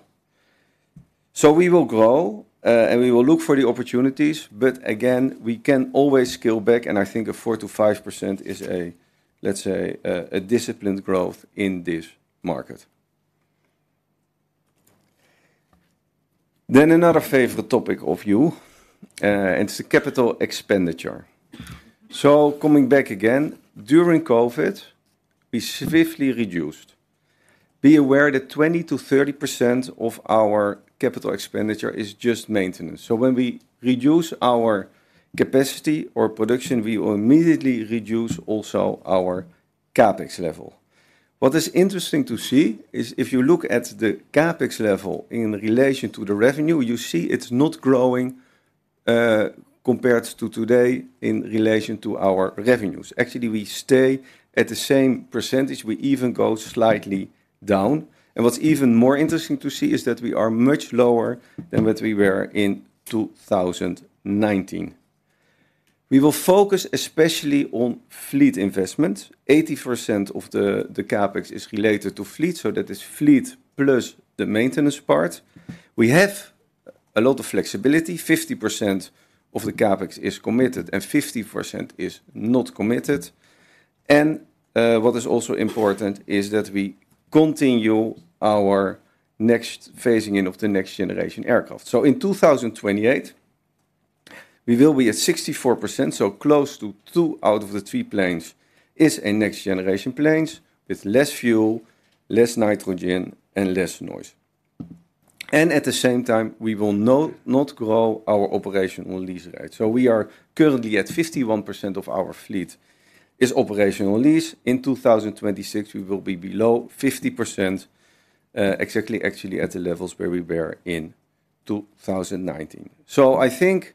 So we will grow, and we will look for the opportunities, but again, we can always scale back, and I think a 4%-5% is a, let's say, a disciplined growth in this market. Then another favorite topic of you, and it's the capital expenditure. So coming back again, during COVID, we swiftly reduced. Be aware that 20%-30% of our capital expenditure is just maintenance. So when we reduce our capacity or production, we will immediately reduce also our CapEx level. What is interesting to see is if you look at the CapEx level in relation to the revenue, you see it's not growing, compared to today in relation to our revenues. Actually, we stay at the same percentage. We even go slightly down. And what's even more interesting to see is that we are much lower than what we were in 2019. We will focus especially on fleet investment. 80% of the CapEx is related to fleet, so that is fleet plus the maintenance part. We have a lot of flexibility. 50% of the CapEx is committed and 50% is not committed. And what is also important is that we continue our next phasing in of the next generation aircraft. So in 2028, we will be at 64%, so close to two out of the three planes is a next generation planes, with less fuel, less nitrogen, and less noise. And at the same time, we will not, not grow our operational lease rate. So we are currently at 51% of our fleet is operational lease. In 2026, we will be below 50%, exactly actually at the levels where we were in 2019. So I think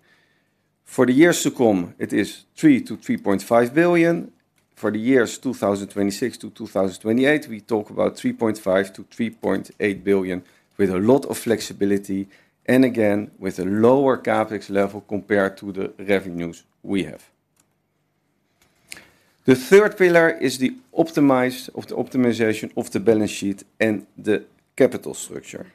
for the years to come, it is 3 billion-3.5 billion. For the years 2026 to 2028, we talk about 3.5 billion-3.8 billion, with a lot of flexibility and again, with a lower CapEx level compared to the revenues we have. The third pillar is the optimized... of the optimization of the balance sheet and the capital structure.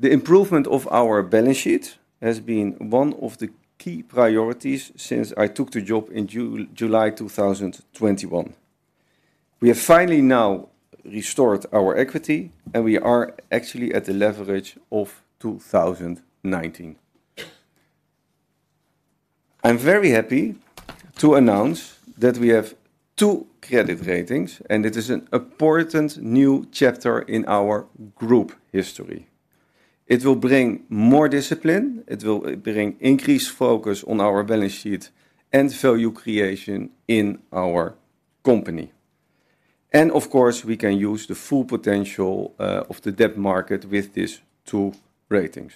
The improvement of our balance sheet has been one of the key priorities since I took the job in July 2021. We have finally now restored our equity, and we are actually at the leverage of 2019. I'm very happy to announce that we have two credit ratings, and it is an important new chapter in our group history. It will bring more discipline. It will bring increased focus on our balance sheet and value creation in our company. And of course, we can use the full potential of the debt market with these two ratings.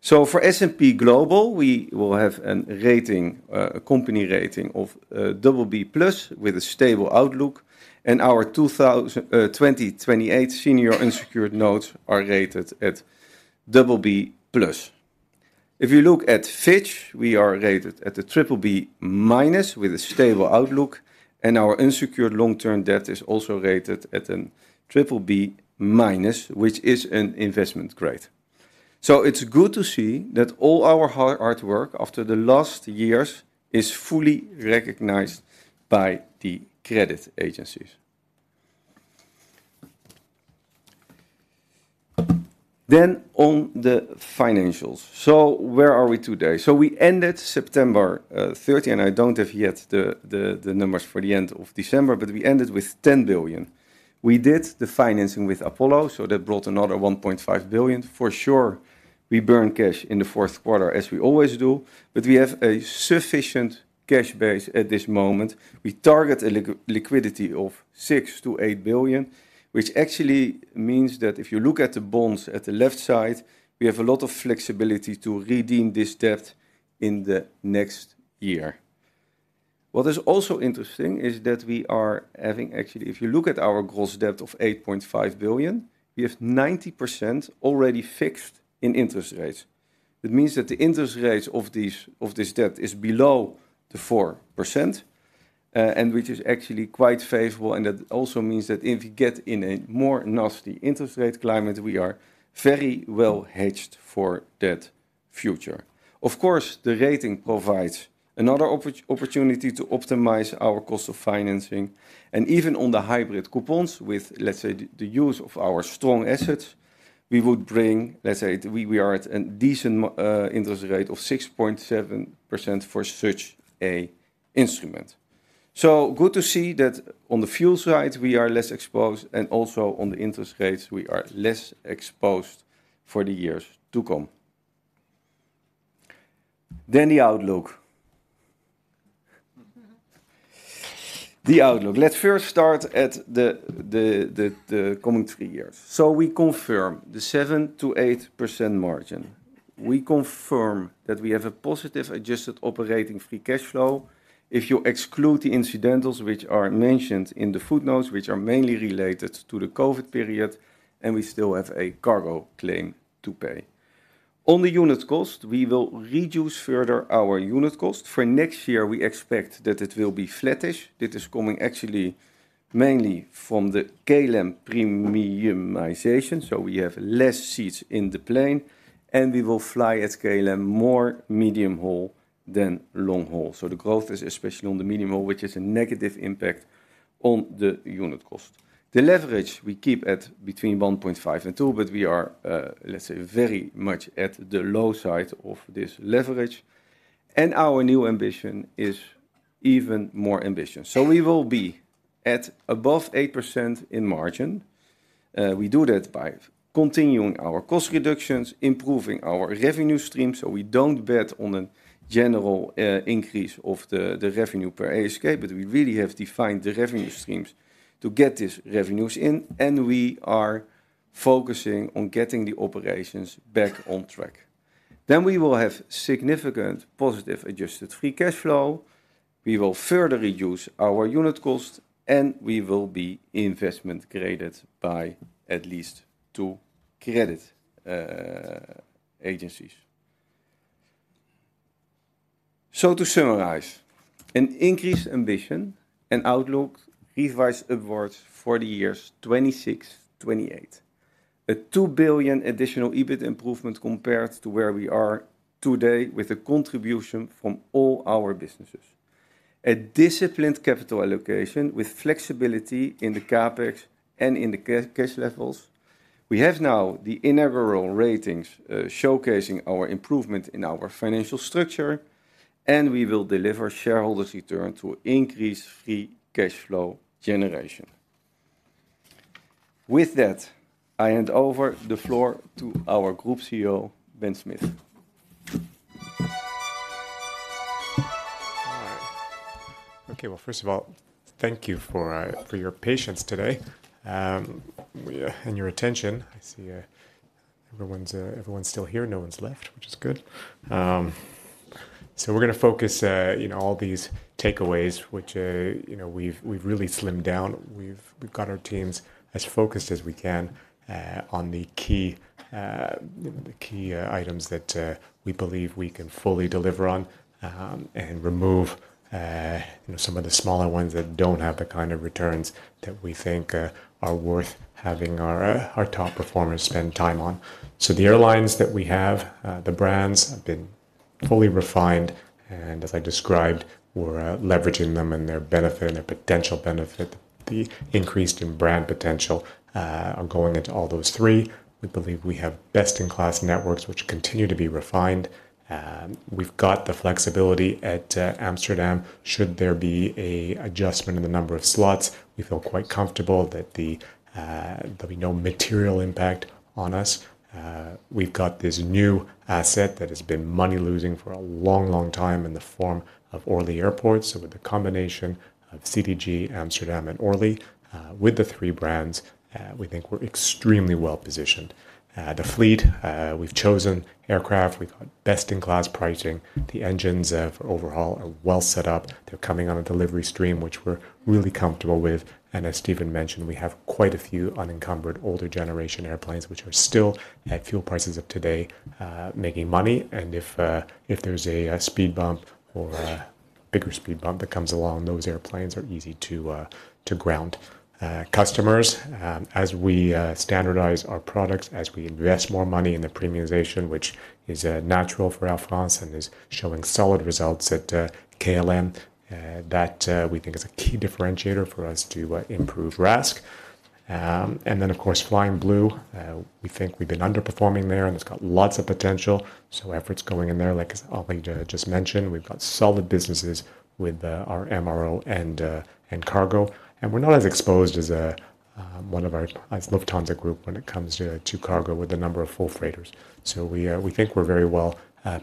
So for S&P Global, we will have a rating, a company rating of BB+ with a stable outlook, and our 2028 senior unsecured notes are rated at BB+. If you look at Fitch, we are rated at a BBB-with a stable outlook, and our unsecured long-term debt is also rated at a BBB-, which is an investment grade. So it's good to see that all our hard work after the last years is fully recognized by the credit agencies. Then on the financials. So where are we today? So we ended September 30, and I don't have yet the numbers for the end of December, but we ended with 10 billion. We did the financing with Apollo, so that brought another 1.5 billion. For sure, we burned cash in the fourth quarter, as we always do, but we have a sufficient cash base at this moment. We target a liquidity of 6 billion-8 billion, which actually means that if you look at the bonds at the left side, we have a lot of flexibility to redeem this debt in the next year. What is also interesting is that we are having actually, if you look at our gross debt of 8.5 billion, we have 90% already fixed in interest rates. That means that the interest rates of these, of this debt is below the 4%, and which is actually quite favorable, and that also means that if you get in a more nasty interest rate climate, we are very well hedged for that future. Of course, the rating provides another opportunity to optimize our cost of financing, and even on the hybrid coupons with, let's say, the use of our strong assets, we would bring... Let's say we are at a decent interest rate of 6.7% for such an instrument. So good to see that on the fuel side, we are less exposed, and also on the interest rates, we are less exposed for the years to come. Then the outlook. The outlook. Let's first start at the coming three years. So we confirm the 7%-8% margin. We confirm that we have a positive adjusted operating free cash flow. If you exclude the incidentals, which are mentioned in the footnotes, which are mainly related to the COVID period, and we still have a cargo claim to pay. On the unit cost, we will reduce further our unit cost. For next year, we expect that it will be flattish. This is coming actually mainly from the KLM premiumization, so we have less seats in the plane, and we will fly at KLM more medium haul than long haul. So the growth is especially on the medium haul, which is a negative impact on the unit cost. The leverage we keep at between 1.5 and 2, but we are, let's say, very much at the low side of this leverage. And our new ambition is even more ambitious. So we will be at above 8% in margin. SWe do that by continuing our cost reductions, improving our revenue stream, so we don't bet on a general increase of the revenue per ASK, but we really have defined the revenue streams to get these revenues in, and we are focusing on getting the operations back on track. Then we will have significant positive adjusted free cash flow. We will further reduce our unit cost, and we will be investment graded by at least two credit agencies. So to summarize, an increased ambition and outlook revised upwards for the years 2026, 2028. A 2 billion additional EBIT improvement compared to where we are today with a contribution from all our businesses. A disciplined capital allocation with flexibility in the CapEx and in the cash levels. We have now the inaugural ratings, showcasing our improvement in our financial structure, and we will deliver shareholders' return through increased free cash flow generation. With that, I hand over the floor to our Group CEO, Ben Smith. All right. Okay, well, first of all, thank you for your patience today, and your attention. I see everyone's still here. No one's left, which is good. So we're going to focus, you know, all these takeaways, which, you know, we've really slimmed down. We've got our teams as focused as we can on the key items that we believe we can fully deliver on, and remove, you know, some of the smaller ones that don't have the kind of returns that we think are worth having our top performers spend time on. So the airlines that we have, the brands have been fully refined, and as I described, we're leveraging them and their benefit and their potential benefit, the increase in brand potential, are going into all those three. We believe we have best-in-class networks, which continue to be refined. We've got the flexibility at Amsterdam. Should there be a adjustment in the number of slots, we feel quite comfortable that there'll be no material impact on us. We've got this new asset that has been money-losing for a long, long time in the form of Orly Airport. So with the combination of CDG, Amsterdam, and Orly, with the three brands, we think we're extremely well positioned. The fleet, we've chosen aircraft. We've got best-in-class pricing. The engines, for overhaul are well set up. They're coming on a delivery stream, which we're really comfortable with. And as Steven mentioned, we have quite a few unencumbered, older generation airplanes, which are still, at fuel prices of today, making money. And if there's a speed bump or a bigger speed bump that comes along, those airplanes are easy to ground. Customers, as we standardize our products, as we invest more money in the premiumization, which is natural for Air France and is showing solid results at KLM, that we think is a key differentiator for us to improve RASK. And then, of course, Flying Blue, we think we've been underperforming there, and it's got lots of potential, so efforts going in there. Like Alain just mentioned, we've got solid businesses with our MRO and cargo, and we're not as exposed as one of our, as Lufthansa Group when it comes to cargo with the number of full freighters. So we think we're very well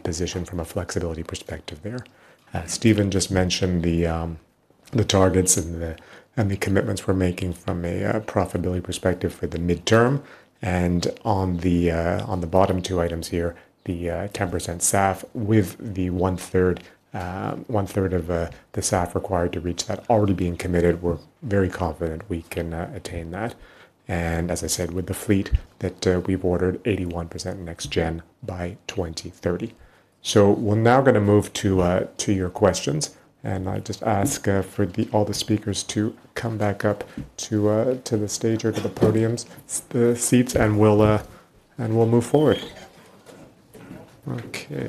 positioned from a flexibility perspective there. Steven just mentioned the targets and the commitments we're making from a profitability perspective for the midterm. And on the bottom two items here, the 10% SAF, with the one-third, one-third of the SAF required to reach that already being committed, we're very confident we can attain that. And as I said, with the fleet that we've ordered, 81% next gen by 2030. So we're now gonna move to your questions, and I just ask for all the speakers to come back up to the stage or to the podiums, the seats, and we'll and we'll move forward. Okay.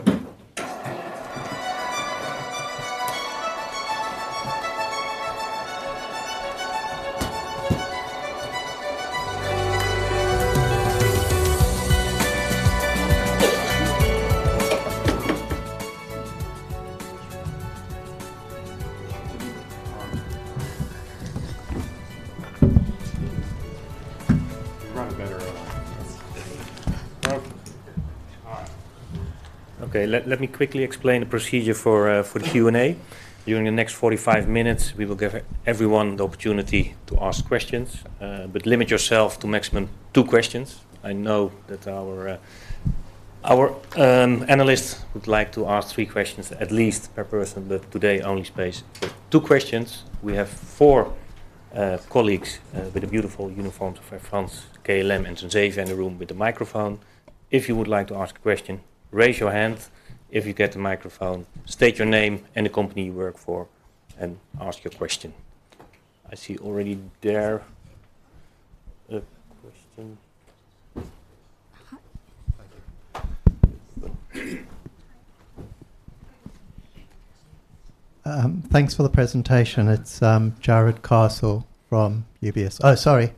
Run better. Okay. All right. Okay, let me quickly explain the procedure for the Q&A. During the next 45 minutes, we will give everyone the opportunity to ask questions, but limit yourself to maximum two questions. I know that our analysts would like to ask three questions at least per person, but today, only space for two questions. We have four colleagues with the beautiful uniforms of Air France, KLM, and Transavia in the room with the microphone. If you would like to ask a question, raise your hand. If you get the microphone, state your name and the company you work for, and ask your question. I see already there a question. Hi. Thank you. Thanks for the presentation. It's Jarrod Castle from UBS. Oh, sorry!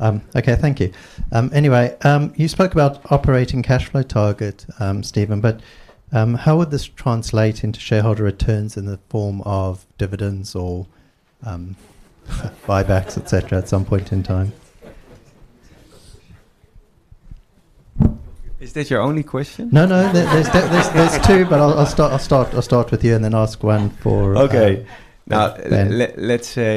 Okay. Okay, thank you. Anyway, you spoke about operating cash flow target, Steven, but how would this translate into shareholder returns in the form of dividends or buybacks, et cetera, at some point in time? Is this your only question? No, no. There's two, but I'll start with you and then ask one for- Okay. Now- Yeah Let's say,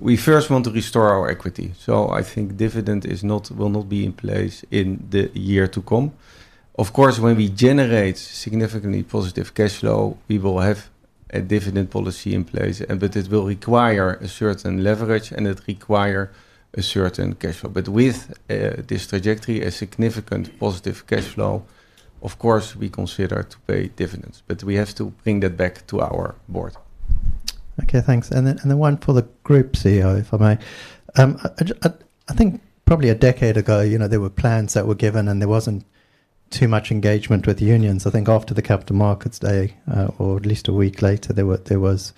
we first want to restore our equity. So I think dividend is not, will not be in place in the year to come. Of course, when we generate significantly positive cash flow, we will have a dividend policy in place, and but it will require a certain leverage and it require a certain cash flow. But with this trajectory, a significant positive cash flow, of course, we consider to pay dividends, but we have to bring that back to our board. Okay, thanks. And then one for the group CEO, if I may. I think probably a decade ago, you know, there were plans that were given, and there wasn't too much engagement with the unions. I think after the Capital Markets Day, or at least a week later, there was,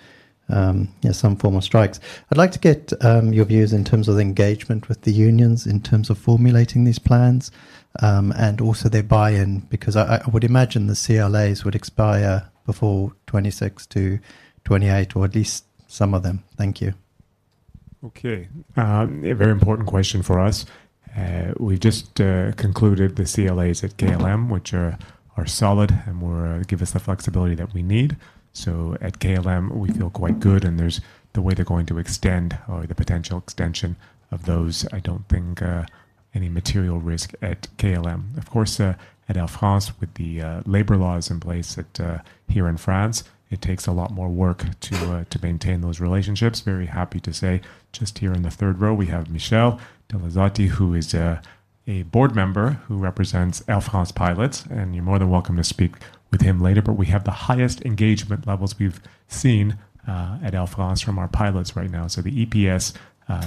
you know, some form of strikes. I'd like to get your views in terms of the engagement with the unions, in terms of formulating these plans, and also their buy-in, because I would imagine the CLAs would expire before 2026-2028, or at least some of them. Thank you. Okay. A very important question for us. We've just concluded the CLAs at KLM, which are solid and will give us the flexibility that we need. So at KLM, we feel quite good, and there's the way they're going to extend or the potential extension of those. I don't think any material risk at KLM. Of course, at Air France, with the labor laws in place at here in France, it takes a lot more work to maintain those relationships. Very happy to say, just here in the third row, we have Michel Tolozani, who is a board member who represents Air France pilots, and you're more than welcome to speak with him later. But we have the highest engagement levels we've seen at Air France from our pilots right now. So the EPS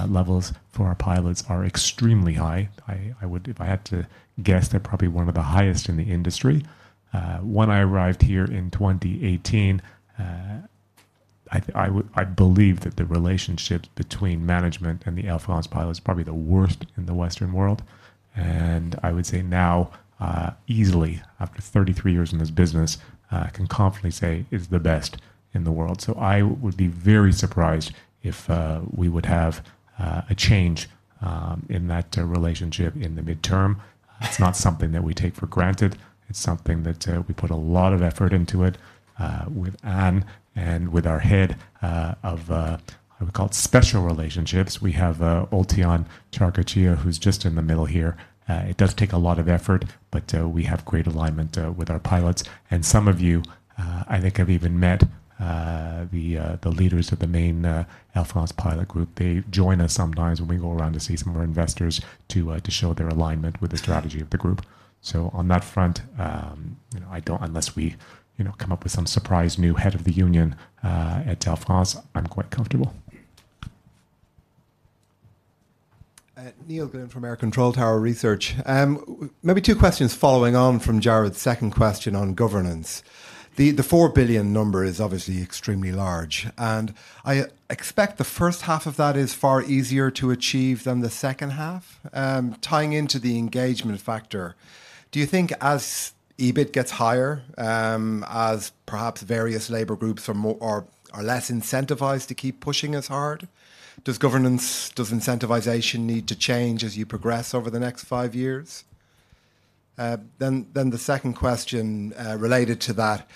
levels for our pilots are extremely high. I would... If I had to guess, they're probably one of the highest in the industry. When I arrived here in 2018, I believe that the relationship between management and the Air France pilot is probably the worst in the Western world, and I would say now, easily, after 33 years in this business, I can confidently say, is the best in the world. So I would be very surprised if we would have a change in that relationship in the midterm. It's not something that we take for granted. It's something that we put a lot of effort into it with Anne and with our head of what we call special relationships. We have, Oltion Carkaxhija, who's just in the middle here. It does take a lot of effort, but, we have great alignment with our pilots. And some of you, I think, have even met the leaders of the main Air France pilot group. They join us sometimes when we go around to see some of our investors to show their alignment with the strategy of the group. So on that front, you know, I don't... Unless we, you know, come up with some surprise new head of the union at Air France, I'm quite comfortable. Neil Glynn from AIR Control Tower Research. Maybe two questions following on from Jared's second question on governance. The 4 billion number is obviously extremely large, and I expect the first half of that is far easier to achieve than the second half. Tying into the engagement factor, do you think as EBIT gets higher, as perhaps various labor groups are less incentivized to keep pushing as hard, does governance, does incentivization need to change as you progress over the next five years?... Then, then the second question, related to that.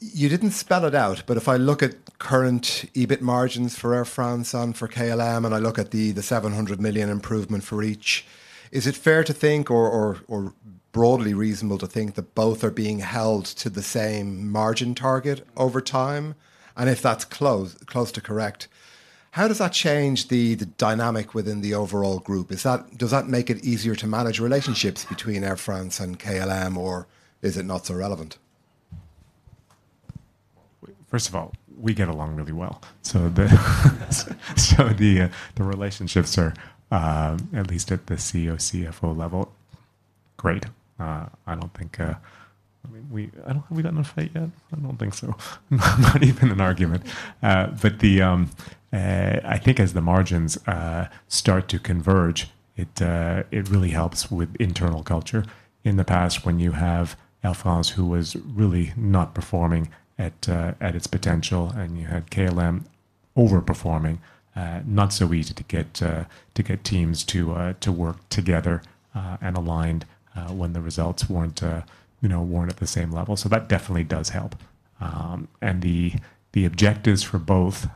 You didn't spell it out, but if I look at current EBIT margins for Air France and for KLM, and I look at the, the 700 million improvement for each, is it fair to think or, or, or broadly reasonable to think that both are being held to the same margin target over time? And if that's close, close to correct, how does that change the, the dynamic within the overall group? Is that- does that make it easier to manage relationships between Air France and KLM, or is it not so relevant? First of all, we get along really well. So the relationships are at least at the CEO, CFO level, great. I don't think... I mean, we- I don't think we've gotten in a fight yet. I don't think so. Not even an argument. But the, I think as the margins start to converge, it really helps with internal culture. In the past, when you have Air France, who was really not performing at its potential, and you had KLM overperforming, not so easy to get teams to work together and aligned, when the results weren't, you know, weren't at the same level. So that definitely does help. And the objectives for both,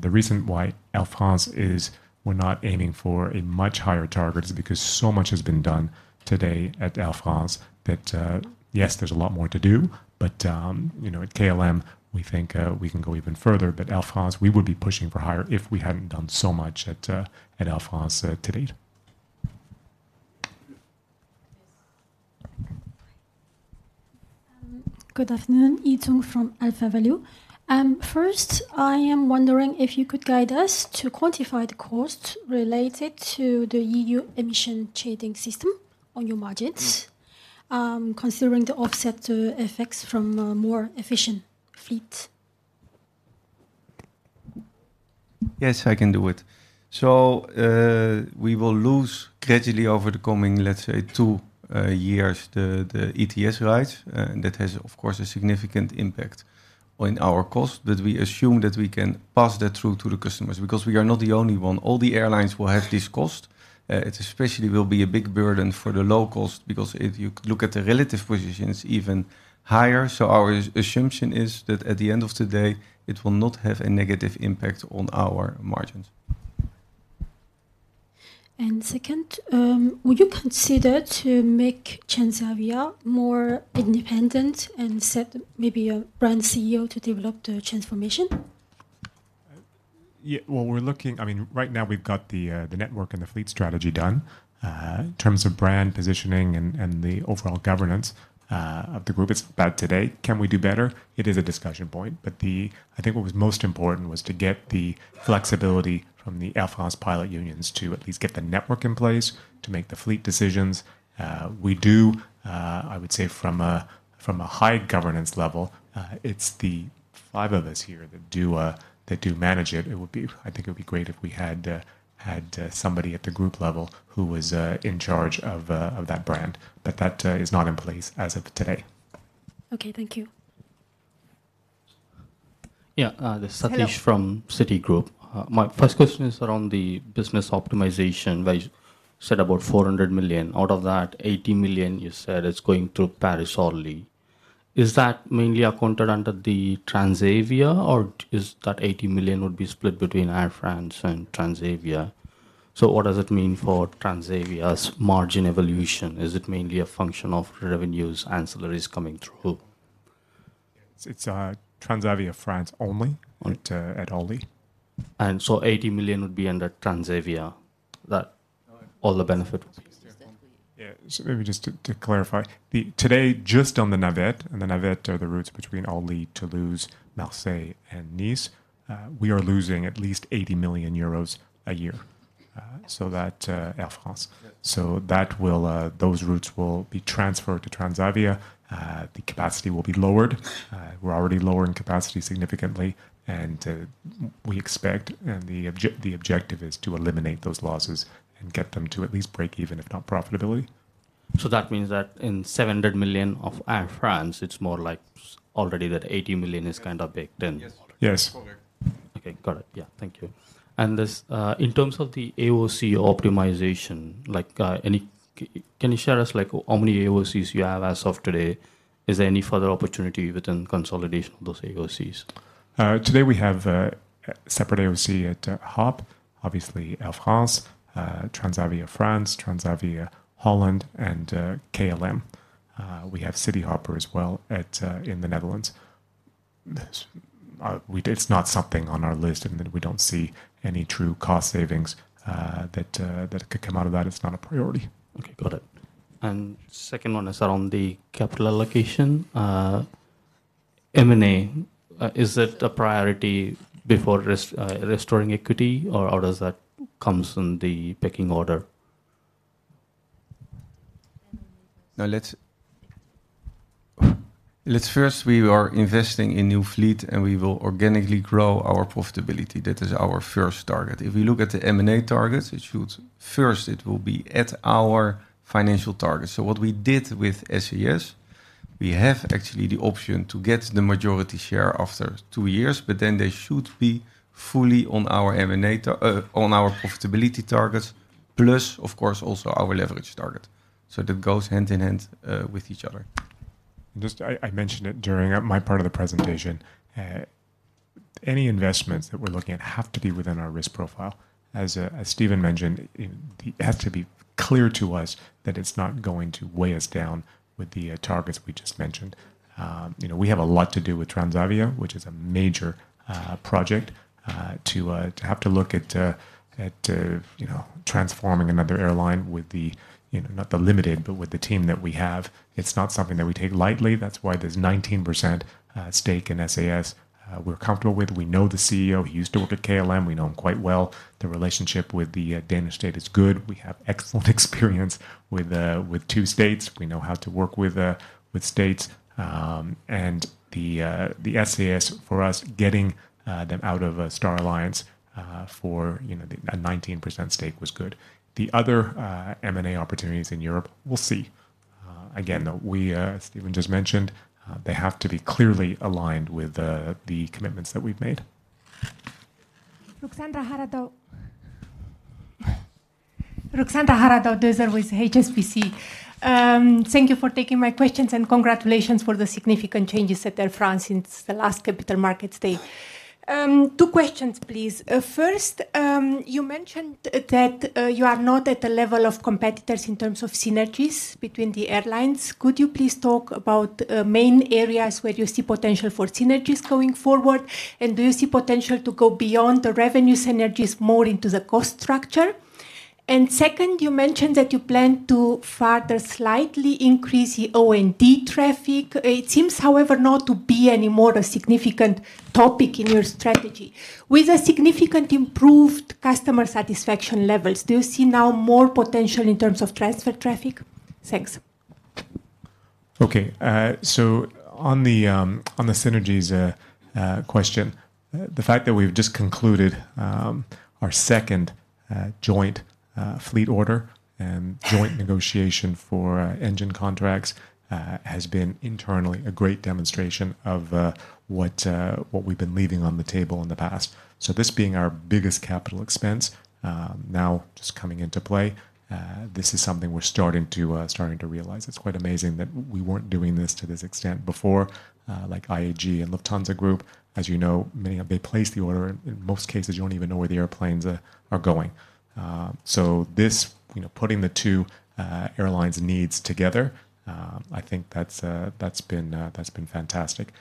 the reason why Air France is we're not aiming for a much higher target is because so much has been done today at Air France that... Yes, there's a lot more to do, but, you know, at KLM, we think we can go even further. But Air France, we would be pushing for higher if we hadn't done so much at Air France to date. Good afternoon, Yi Zhong from AlphaValue. First, I am wondering if you could guide us to quantify the cost related to the EU Emission Trading System on your margins? Hmm. Considering the offset effects from more efficient fleet? Yes, I can do it. So, we will lose gradually over the coming, let's say, two years, the ETS rights. And that has, of course, a significant impact on our cost, that we assume that we can pass that through to the customers, because we are not the only one. All the airlines will have this cost. It especially will be a big burden for the low cost, because if you look at the relative positions, it's even higher. So our assumption is that at the end of the day, it will not have a negative impact on our margins. Second, would you consider to make Transavia more independent and set maybe a brand CEO to develop the transformation? Yeah. Well, we're looking... I mean, right now, we've got the, the network and the fleet strategy done. In terms of brand positioning and, and the overall governance, of the group, it's about today. Can we do better? It is a discussion point, but I think what was most important was to get the flexibility from the Air France pilot unions to at least get the network in place to make the fleet decisions. We do, I would say from a, from a high governance level, it's the five of us here that do, that do manage it. It would be... I think it would be great if we had, had, somebody at the group level who was, in charge of, of that brand, but that, is not in place as of today. Okay. Thank you. Yeah, uh- Hello... Satish from Citigroup. My first question is around the business optimization, where you said about 400 million. Out of that, 80 million, you said is going through Paris-Orly. Is that mainly accounted under the Transavia, or is that 80 million would be split between Air France and Transavia? So what does it mean for Transavia's margin evolution? Is it mainly a function of revenues, ancillaries coming through? It's Transavia France only- Right... at Orly. So 80 million would be under Transavia, that all the benefit? Yes, definitely. Yeah. So maybe just to clarify. Today, just on the Navette, and the Navette are the routes between Orly, Toulouse, Marseille, and Nice, we are losing at least 80 million euros a year. Yes. So that, Air France. Yeah. So that will. Those routes will be transferred to Transavia. The capacity will be lowered. We're already lowering capacity significantly, and we expect and the objective is to eliminate those losses and get them to at least break even, if not profitability. That means that in 700 million of Air France, it's more like already that 80 million is kind of baked in? Yes. Yes. Correct. Okay, got it. Yeah. Thank you. And this, in terms of the AOC optimization, like, any... can you share us, like, how many AOCs you have as of today? Is there any further opportunity within consolidation of those AOCs? Today we have a separate AOC at HOP, obviously, Air France, Transavia France, Transavia Holland, and KLM. We have Cityhopper as well in the Netherlands. It's not something on our list, and then we don't see any true cost savings that could come out of that. It's not a priority. Okay, got it. And second one is around the capital allocation. M&A, is it a priority before restoring equity, or does that comes in the pecking order? Now, let's first, we are investing in new fleet, and we will organically grow our profitability. That is our first target. If we look at the M&A targets, it should first, it will be at our financial target. So what we did with SAS, we have actually the option to get the majority share after two years, but then they should be fully on our M&A target, on our profitability targets, plus, of course, also our leverage target. So that goes hand in hand with each other.... Just, I mentioned it during my part of the presentation, any investments that we're looking at have to be within our risk profile. As Steven mentioned, it has to be clear to us that it's not going to weigh us down with the targets we just mentioned. You know, we have a lot to do with Transavia, which is a major project to have to look at, you know, transforming another airline with the, you know, not the limited, but with the team that we have. It's not something that we take lightly, that's why this 19% stake in SAS, we're comfortable with. We know the CEO, he used to work at KLM, we know him quite well. The relationship with the Danish state is good. We have excellent experience with two states. We know how to work with states. The SAS for us, getting them out of Star Alliance for you know a 19% stake was good. The other M&A opportunities in Europe, we'll see. Again, we... Steven just mentioned they have to be clearly aligned with the commitments that we've made. Ruxandra Haradau-Döser from HSBC. Thank you for taking my questions, and congratulations for the significant changes at Air France since the last capital markets day. Two questions, please. First, you mentioned that you are not at the level of competitors in terms of synergies between the airlines. Could you please talk about main areas where you see potential for synergies going forward? And do you see potential to go beyond the revenue synergies more into the cost structure? And second, you mentioned that you plan to further slightly increase the O&D traffic. It seems, however, not to be any more a significant topic in your strategy. With a significant improved customer satisfaction levels, do you see now more potential in terms of transfer traffic? Thanks. Okay, so on the synergies question, the fact that we've just concluded our second joint fleet order and joint negotiation for engine contracts has been internally a great demonstration of what we've been leaving on the table in the past. So this being our biggest capital expense now just coming into play, this is something we're starting to realize. It's quite amazing that we weren't doing this to this extent before, like IAG and Lufthansa Group. As you know, many of them place the order, in most cases, you don't even know where the airplanes are going. So this, you know, putting the two airlines' needs together, I think that's been fantastic.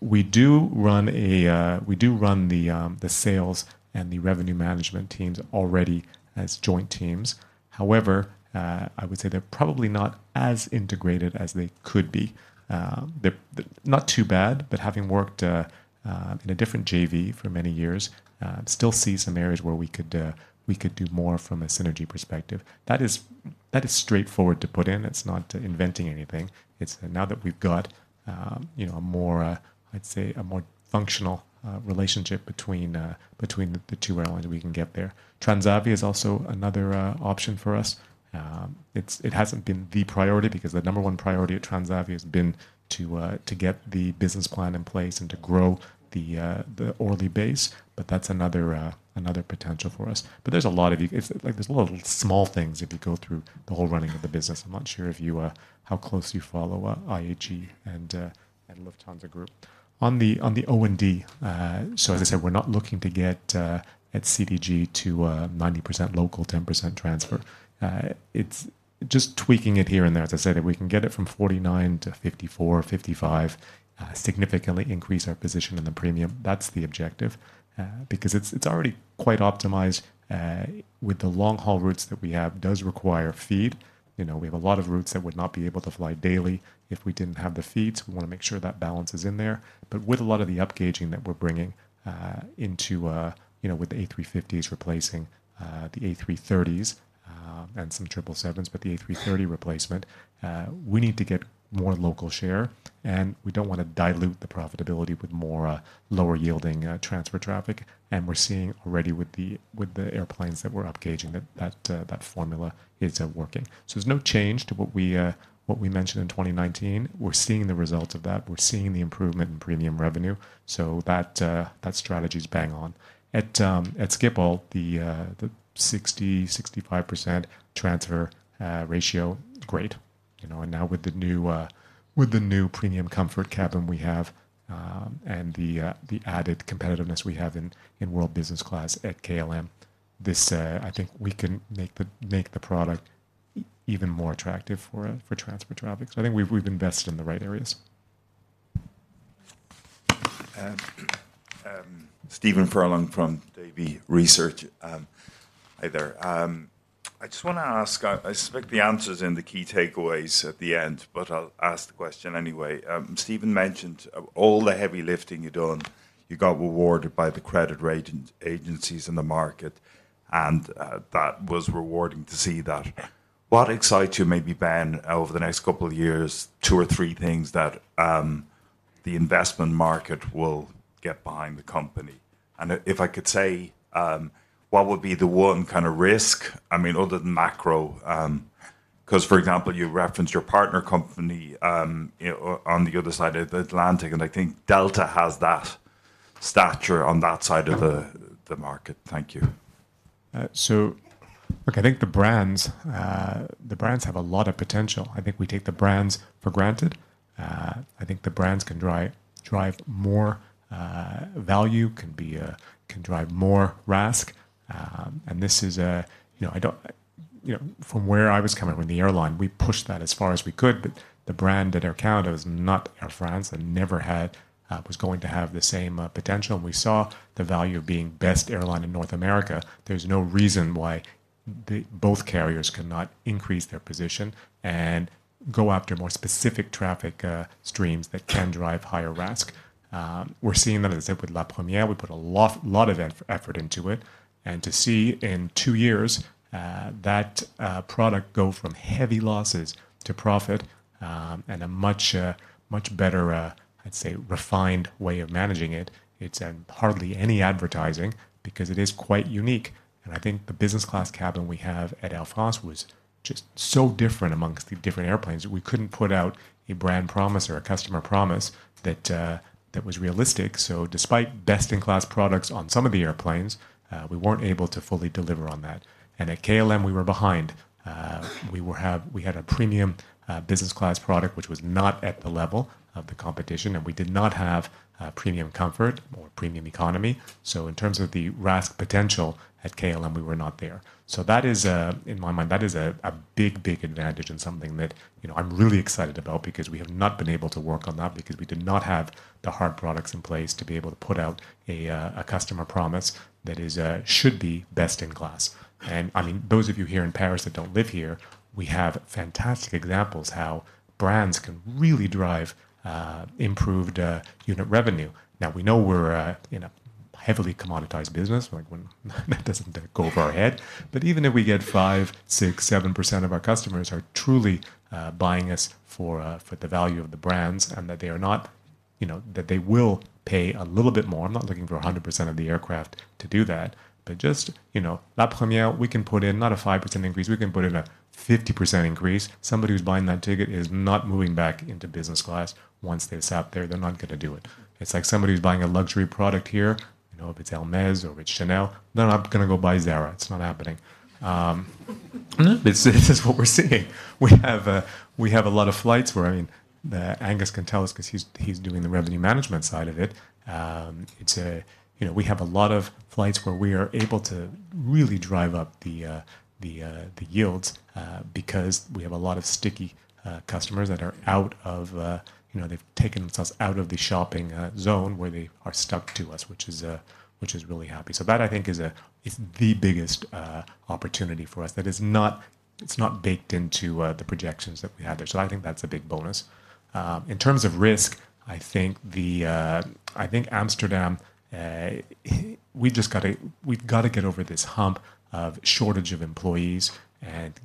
We do run the sales and the revenue management teams already as joint teams. However, I would say they're probably not as integrated as they could be. They're not too bad, but having worked in a different JV for many years, still see some areas where we could do more from a synergy perspective. That is straightforward to put in. It's not inventing anything. It's now that we've got, you know, a more, I'd say, a more functional relationship between the two airlines, we can get there. Transavia is also another option for us. It hasn't been the priority, because the number one priority at Transavia has been to get the business plan in place and to grow the Orly base, but that's another potential for us. But there's a lot of it. It's like there's a lot of small things if you go through the whole running of the business. I'm not sure if you, how close you follow IAG and Lufthansa Group. On the O&D, so as I said, we're not looking to get at CDG to 90% local, 10% transfer. It's just tweaking it here and there. As I said, if we can get it from 49 to 54, 55, significantly increase our position in the premium, that's the objective, because it's already quite optimized with the long-haul routes that we have, does require feed. You know, we have a lot of routes that would not be able to fly daily if we didn't have the feeds. We want to make sure that balance is in there. But with a lot of the upgauging that we're bringing into you know with the A350s replacing the A330s and some 777, but the A330 replacement, we need to get more local share, and we don't want to dilute the profitability with more lower yielding transfer traffic. And we're seeing already with the airplanes that we're upgauging, that formula is working. So there's no change to what we mentioned in 2019. We're seeing the results of that. We're seeing the improvement in premium revenue, so that strategy is bang on. At Schiphol, the 65% transfer ratio, great. You know, and now with the new Premium Comfort cabin we have, and the added competitiveness we have in World Business Class at KLM, this, I think we can make the product even more attractive for transfer traffic. So I think we've invested in the right areas. Stephen Furlong from Davy Research. Hi there. I just want to ask, I suspect the answer is in the key takeaways at the end, but I'll ask the question anyway. Steven mentioned all the heavy lifting you've done, you got rewarded by the credit rating agencies in the market, and that was rewarding to see that. What excites you, maybe, Ben, over the next couple of years, two or three things that the investment market will get behind the company? And if I could say, what would be the one kind of risk, I mean, other than macro... Because, for example, you referenced your partner company, you know, on the other side of the Atlantic, and I think Delta has that stature on that side of the market. Thank you. So look, I think the brands, the brands have a lot of potential. I think we take the brands for granted. I think the brands can drive, drive more, value, can be, can drive more RASK. And this is, you know, I don't I, you know, from where I was coming, with the airline, we pushed that as far as we could, but the brand at Air Canada is not Air France, and never had, was going to have the same, potential. And we saw the value of being best airline in North America. There's no reason why the both carriers cannot increase their position and go after more specific traffic, streams that can drive higher RASK. We're seeing that, as I said, with La Première. We put a lot, lot of effort into it, and to see in two years that product go from heavy losses to profit, and a much, much better, I'd say, refined way of managing it. It's hardly any advertising because it is quite unique. And I think the Business Class cabin we have at Air France was just so different amongst the different airplanes that we couldn't put out a brand promise or a customer promise that was realistic. So despite best-in-class products on some of the airplanes, we weren't able to fully deliver on that. And at KLM, we were behind. We had a premium Business Class product which was not at the level of the competition, and we did not have Premium Comfort or Premium Economy. So in terms of the RASK potential at KLM, we were not there. So that is, in my mind, that is a, a big, big advantage and something that, you know, I'm really excited about because we have not been able to work on that because we did not have the hard products in place to be able to put out a, a customer promise that is, should be best in class. And, I mean, those of you here in Paris that don't live here, we have fantastic examples how brands can really drive, improved, unit revenue. Now, we know we're a, you know, heavily commoditized business, like, when that doesn't go over our head. But even if we get 5, 6, 7% of our customers are truly buying us for for the value of the brands, and that they are not, you know, that they will pay a little bit more. I'm not looking for 100% of the aircraft to do that, but just, you know, La Première, we can put in not a 5% increase, we can put in a 50% increase. Somebody who's buying that ticket is not moving back into business class once they sat there. They're not going to do it. It's like somebody who's buying a luxury product here, you know, if it's Hermès or it's Chanel, they're not going to go buy Zara. It's not happening. This is, this is what we're seeing. We have a lot of flights where, I mean, Angus can tell us 'cause he's doing the revenue management side of it. It's a, you know, we have a lot of flights where we are able to really drive up the yields because we have a lot of sticky customers that are out of, you know, they've taken themselves out of the shopping zone where they are stuck to us, which is really happy. So that, I think, is the biggest opportunity for us, that is not—it's not baked into the projections that we have there. So I think that's a big bonus. In terms of risk, I think the... I think Amsterdam, we've just got to, we've got to get over this hump of shortage of employees and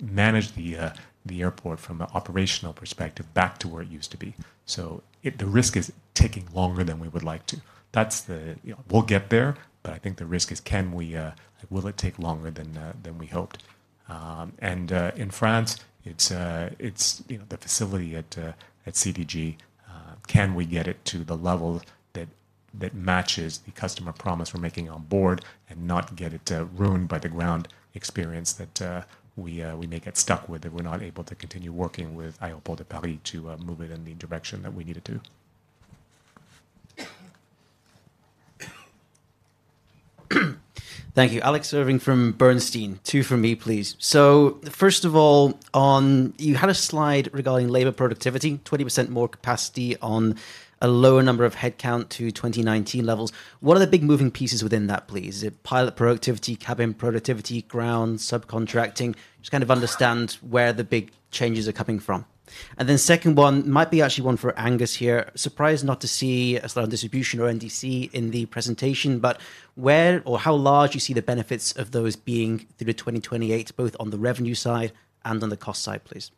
manage the, the airport from an operational perspective back to where it used to be. So if the risk is taking longer than we would like to, that's the, you know... We'll get there, but I think the risk is can we, will it take longer than, than we hoped? In France, it's, it's, you know, the facility at, at CDG, can we get it to the level that, that matches the customer promise we're making on board and not get it, ruined by the ground experience that, we, we may get stuck with, if we're not able to continue working with Aéroports de Paris to, move it in the direction that we need it to. Thank you. Alex Irving from Bernstein. Two from me, please. So first of all, on... You had a slide regarding labor productivity, 20% more capacity on a lower number of headcount to 2019 levels. What are the big moving pieces within that, please? Is it pilot productivity, cabin productivity, ground, subcontracting? Just kind of understand where the big changes are coming from. And then second one might be actually one for Angus here. Surprised not to see a slide on distribution or NDC in the presentation, but where or how large you see the benefits of those being through to 2028, both on the revenue side and on the cost side, please.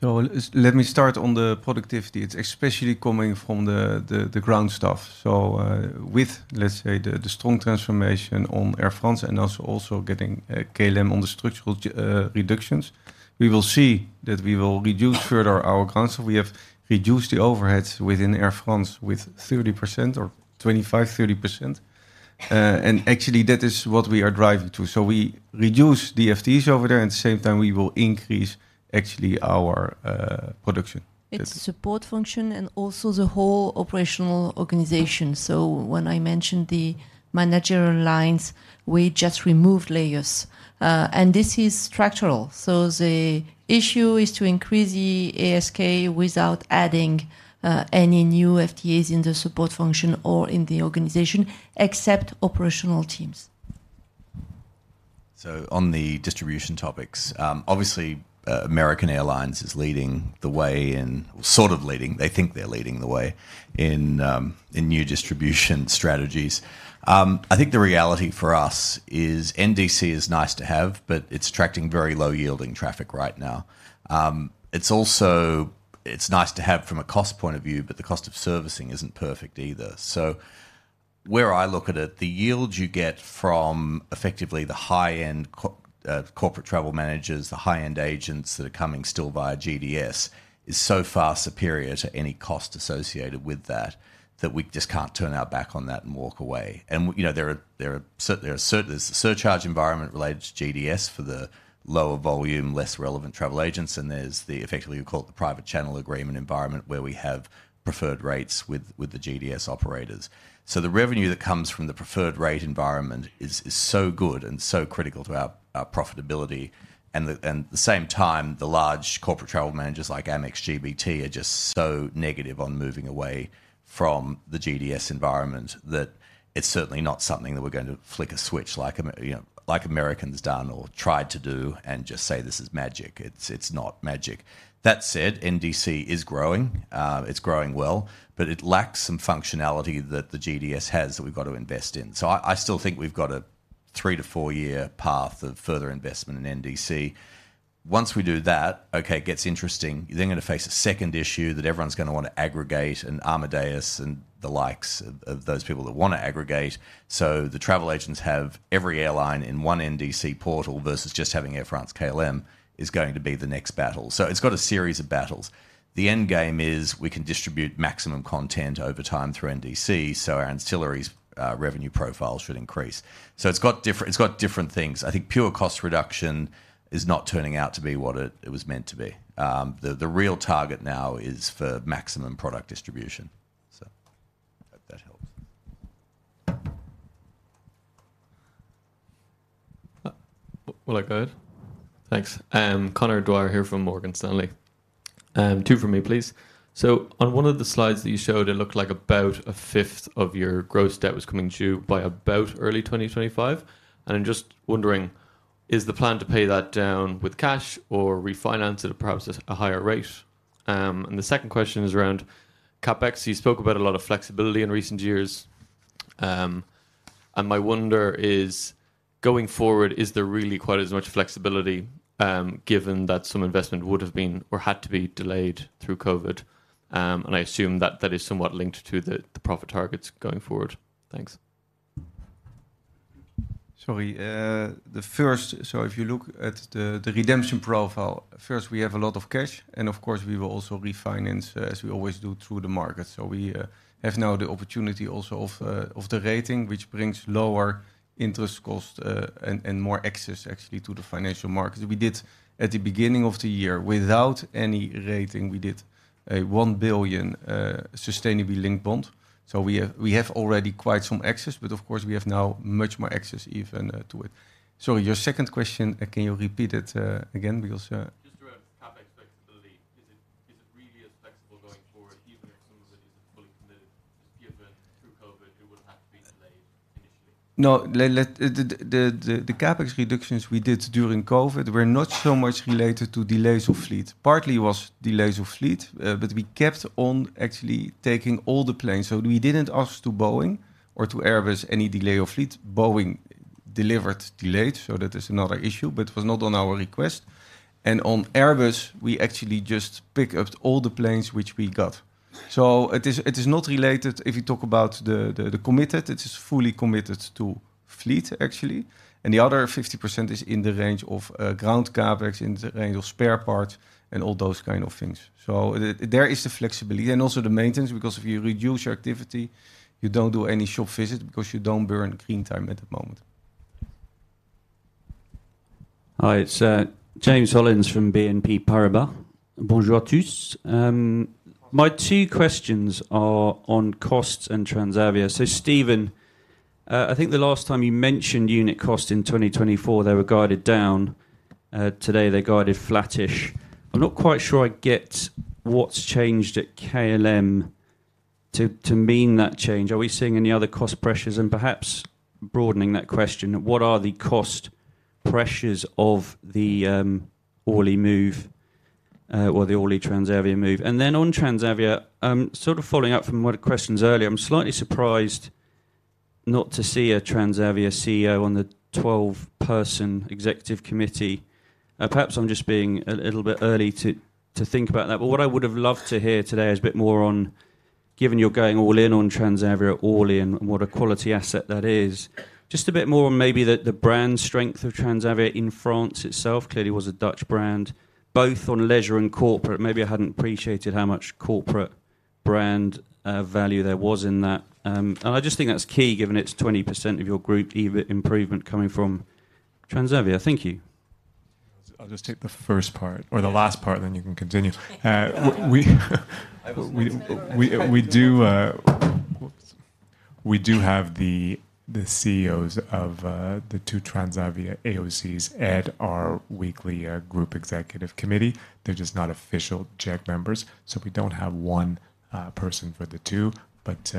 So let me start on the productivity. It's especially coming from the ground staff. So, with, let's say, the strong transformation on Air France and also getting KLM on the structural reductions, we will see that we will reduce further our costs. We have reduced the overheads within Air France with 30% or 25%-30%. And actually, that is what we are driving to. So we reduce the FTEs over there, and the same time, we will increase actually our production. Its support function and also the whole operational organization. So when I mentioned the managerial lines, we just removed layers. This is structural, so the issue is to increase the ASK without adding any new FTEs in the support function or in the organization, except operational teams. So on the distribution topics, obviously, American Airlines is leading the way and sort of leading. They think they're leading the way in new distribution strategies. I think the reality for us is NDC is nice to have, but it's attracting very low-yielding traffic right now. It's also nice to have from a cost point of view, but the cost of servicing isn't perfect either. So where I look at it, the yield you get from effectively the high-end corporate travel managers, the high-end agents that are coming still via GDS, is so far superior to any cost associated with that, that we just can't turn our back on that and walk away. You know, there are certain, there's a surcharge environment related to GDS for the lower volume, less relevant travel agents, and there's the, effectively, we call it the private channel agreement environment, where we have preferred rates with the GDS operators. So the revenue that comes from the preferred rate environment is so good and so critical to our profitability, and at the same time, the large corporate travel managers like Amex GBT, are just so negative on moving away from the GDS environment, that it's certainly not something that we're going to flick a switch like American, you know, like American's done or tried to do and just say, "This is magic." It's not magic. That said, NDC is growing. It's growing well, but it lacks some functionality that the GDS has that we've got to invest in. So I still think we've got a 3- to 4-year path of further investment in NDC. Once we do that, okay, it gets interesting. You're then gonna face a second issue, that everyone's gonna wanna aggregate, and Amadeus and the likes of those people that wanna aggregate. So the travel agents have every airline in one NDC portal versus just having Air France-KLM is going to be the next battle. So it's got a series of battles. The end game is, we can distribute maximum content over time through NDC, so our ancillaries revenue profile should increase. So it's got different, it's got different things. I think pure cost reduction is not turning out to be what it was meant to be. The real target now is for maximum product distribution. So I hope that helps. Will I go ahead? Thanks. I'm Conor Dwyer here from Morgan Stanley. Two from me, please. So on one of the slides that you showed, it looked like about a fifth of your gross debt was coming due by about early 2025. And I'm just wondering, is the plan to pay that down with cash or refinance it at perhaps at a higher rate? And the second question is around CapEx. You spoke about a lot of flexibility in recent years, and my wonder is, going forward, is there really quite as much flexibility, given that some investment would've been or had to be delayed through COVID? And I assume that that is somewhat linked to the, the profit targets going forward. Thanks. Sorry, the first... So if you look at the, the redemption profile, first, we have a lot of cash, and of course, we will also refinance as we always do through the market. So we have now the opportunity also of the rating, which brings lower interest cost and more access actually to the financial market. We did, at the beginning of the year, without any rating, we did a 1 billion sustainably linked bond. So we have, we have already quite some access, but of course, we have now much more access even to it. So your second question, can you repeat it again, because- Just around CapEx flexibility. Is it, is it really as flexible going forward, even if some of it isn't fully committed, given through COVID, it would have to be delayed initially? No. The CapEx reductions we did during COVID were not so much related to delays of fleet. Partly it was delays of fleet, but we kept on actually taking all the planes. So we didn't ask to Boeing or to Airbus any delay of fleet. Boeing delivered delayed, so that is another issue, but it was not on our request. And on Airbus, we actually just picked up all the planes which we got. So it is not related, if you talk about the committed, it is fully committed to fleet, actually, and the other 50% is in the range of ground CapEx, in the range of spare parts and all those kind of things. So the... There is the flexibility and also the maintenance, because if you reduce your activity, you don't do any short visit because you don't burn clean time at the moment. Hi, it's James Hollins from BNP Paribas. Bonjour a tous. My two questions are on costs and Transavia. So Steven, I think the last time you mentioned unit cost in 2024, they were guided down. Today, they guided flattish. I'm not quite sure I get what's changed at KLM to mean that change. Are we seeing any other cost pressures? And perhaps broadening that question, what are the cost pressures of the Orly move, or the Orly Transavia move? And then on Transavia, sort of following up from one of the questions earlier, I'm slightly surprised not to see a Transavia CEO on the 12-person executive committee. Perhaps I'm just being a little bit early to think about that. But what I would have loved to hear today is a bit more on, given you're going all in on Transavia, Orly, and what a quality asset that is, just a bit more on maybe the, the brand strength of Transavia in France itself. Clearly, it was a Dutch brand, both on leisure and corporate. Maybe I hadn't appreciated how much corporate brand value there was in that. And I just think that's key, given it's 20% of your group EBIT improvement coming from Transavia. Thank you. I'll just take the first part or the last part, then you can continue. I was- We do have the CEOs of the two Transavia AOCs at our weekly group executive committee. They're just not official exec members, so we don't have one person for the two. But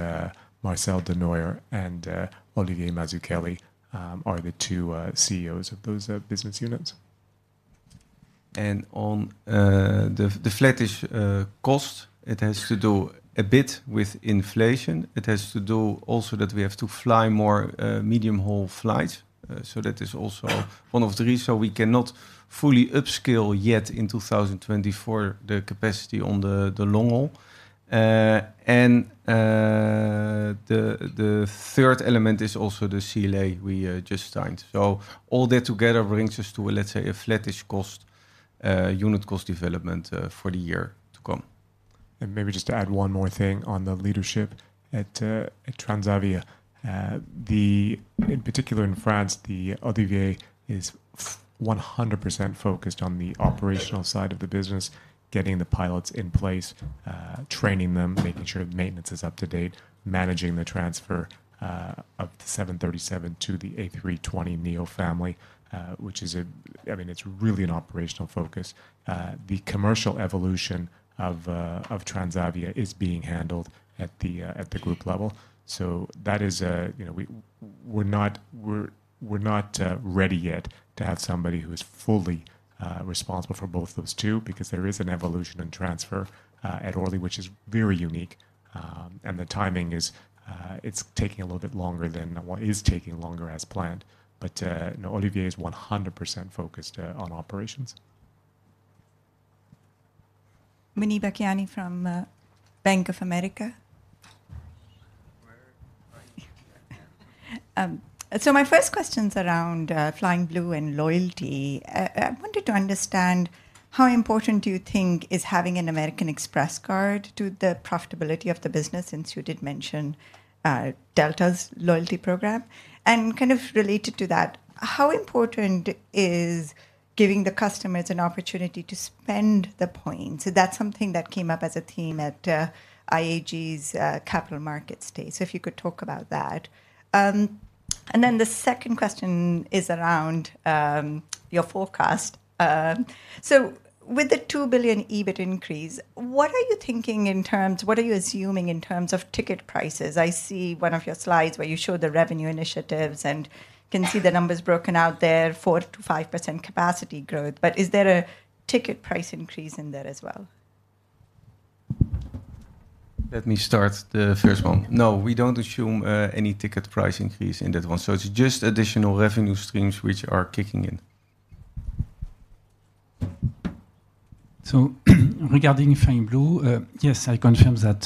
Marcel de Nooijer and Olivier Mazzucchelli are the two CEOs of those business units. On the flattish cost, it has to do a bit with inflation. It has to do also that we have to fly more medium-haul flights. So that is also one of the reason we cannot fully upscale yet in 2024, the capacity on the long haul. And the third element is also the CLA we just signed. So all that together brings us to, let's say, a flattish cost unit cost development for the year to come. Maybe just to add one more thing on the leadership at, at Transavia. In particular in France, Olivier is one hundred percent focused on the operational side of the business, getting the pilots in place, training them, making sure maintenance is up to date, managing the transfer of the 737 to the A320neo family, which is I mean, it's really an operational focus. The commercial evolution of Transavia is being handled at the group level. So that is, you know, we, we're not, we're, we're not ready yet to have somebody who is fully responsible for both those two, because there is an evolution and transfer at Orly, which is very unique. And the timing is, it's taking a little bit longer than... Well, it is taking longer as planned, but no, Olivier is 100% focused on operations. Muneeba Kayani from Bank of America. Where are you? So my first question's around Flying Blue and loyalty. I wanted to understand, how important do you think is having an American Express card to the profitability of the business, since you did mention Delta's loyalty program? And kind of related to that, how important is giving the customers an opportunity to spend the points? So that's something that came up as a theme at IAG's Capital Markets Day. So if you could talk about that. And then the second question is around your forecast. So with the 2 billion EBIT increase, what are you thinking in terms-- what are you assuming in terms of ticket prices? I see one of your slides where you showed the revenue initiatives, and can see the numbers broken out there, 4%-5% capacity growth. Is there a ticket price increase in there as well? Let me start the first one. No, we don't assume any ticket price increase in that one. So it's just additional revenue streams which are kicking in. Regarding Flying Blue, yes, I confirm that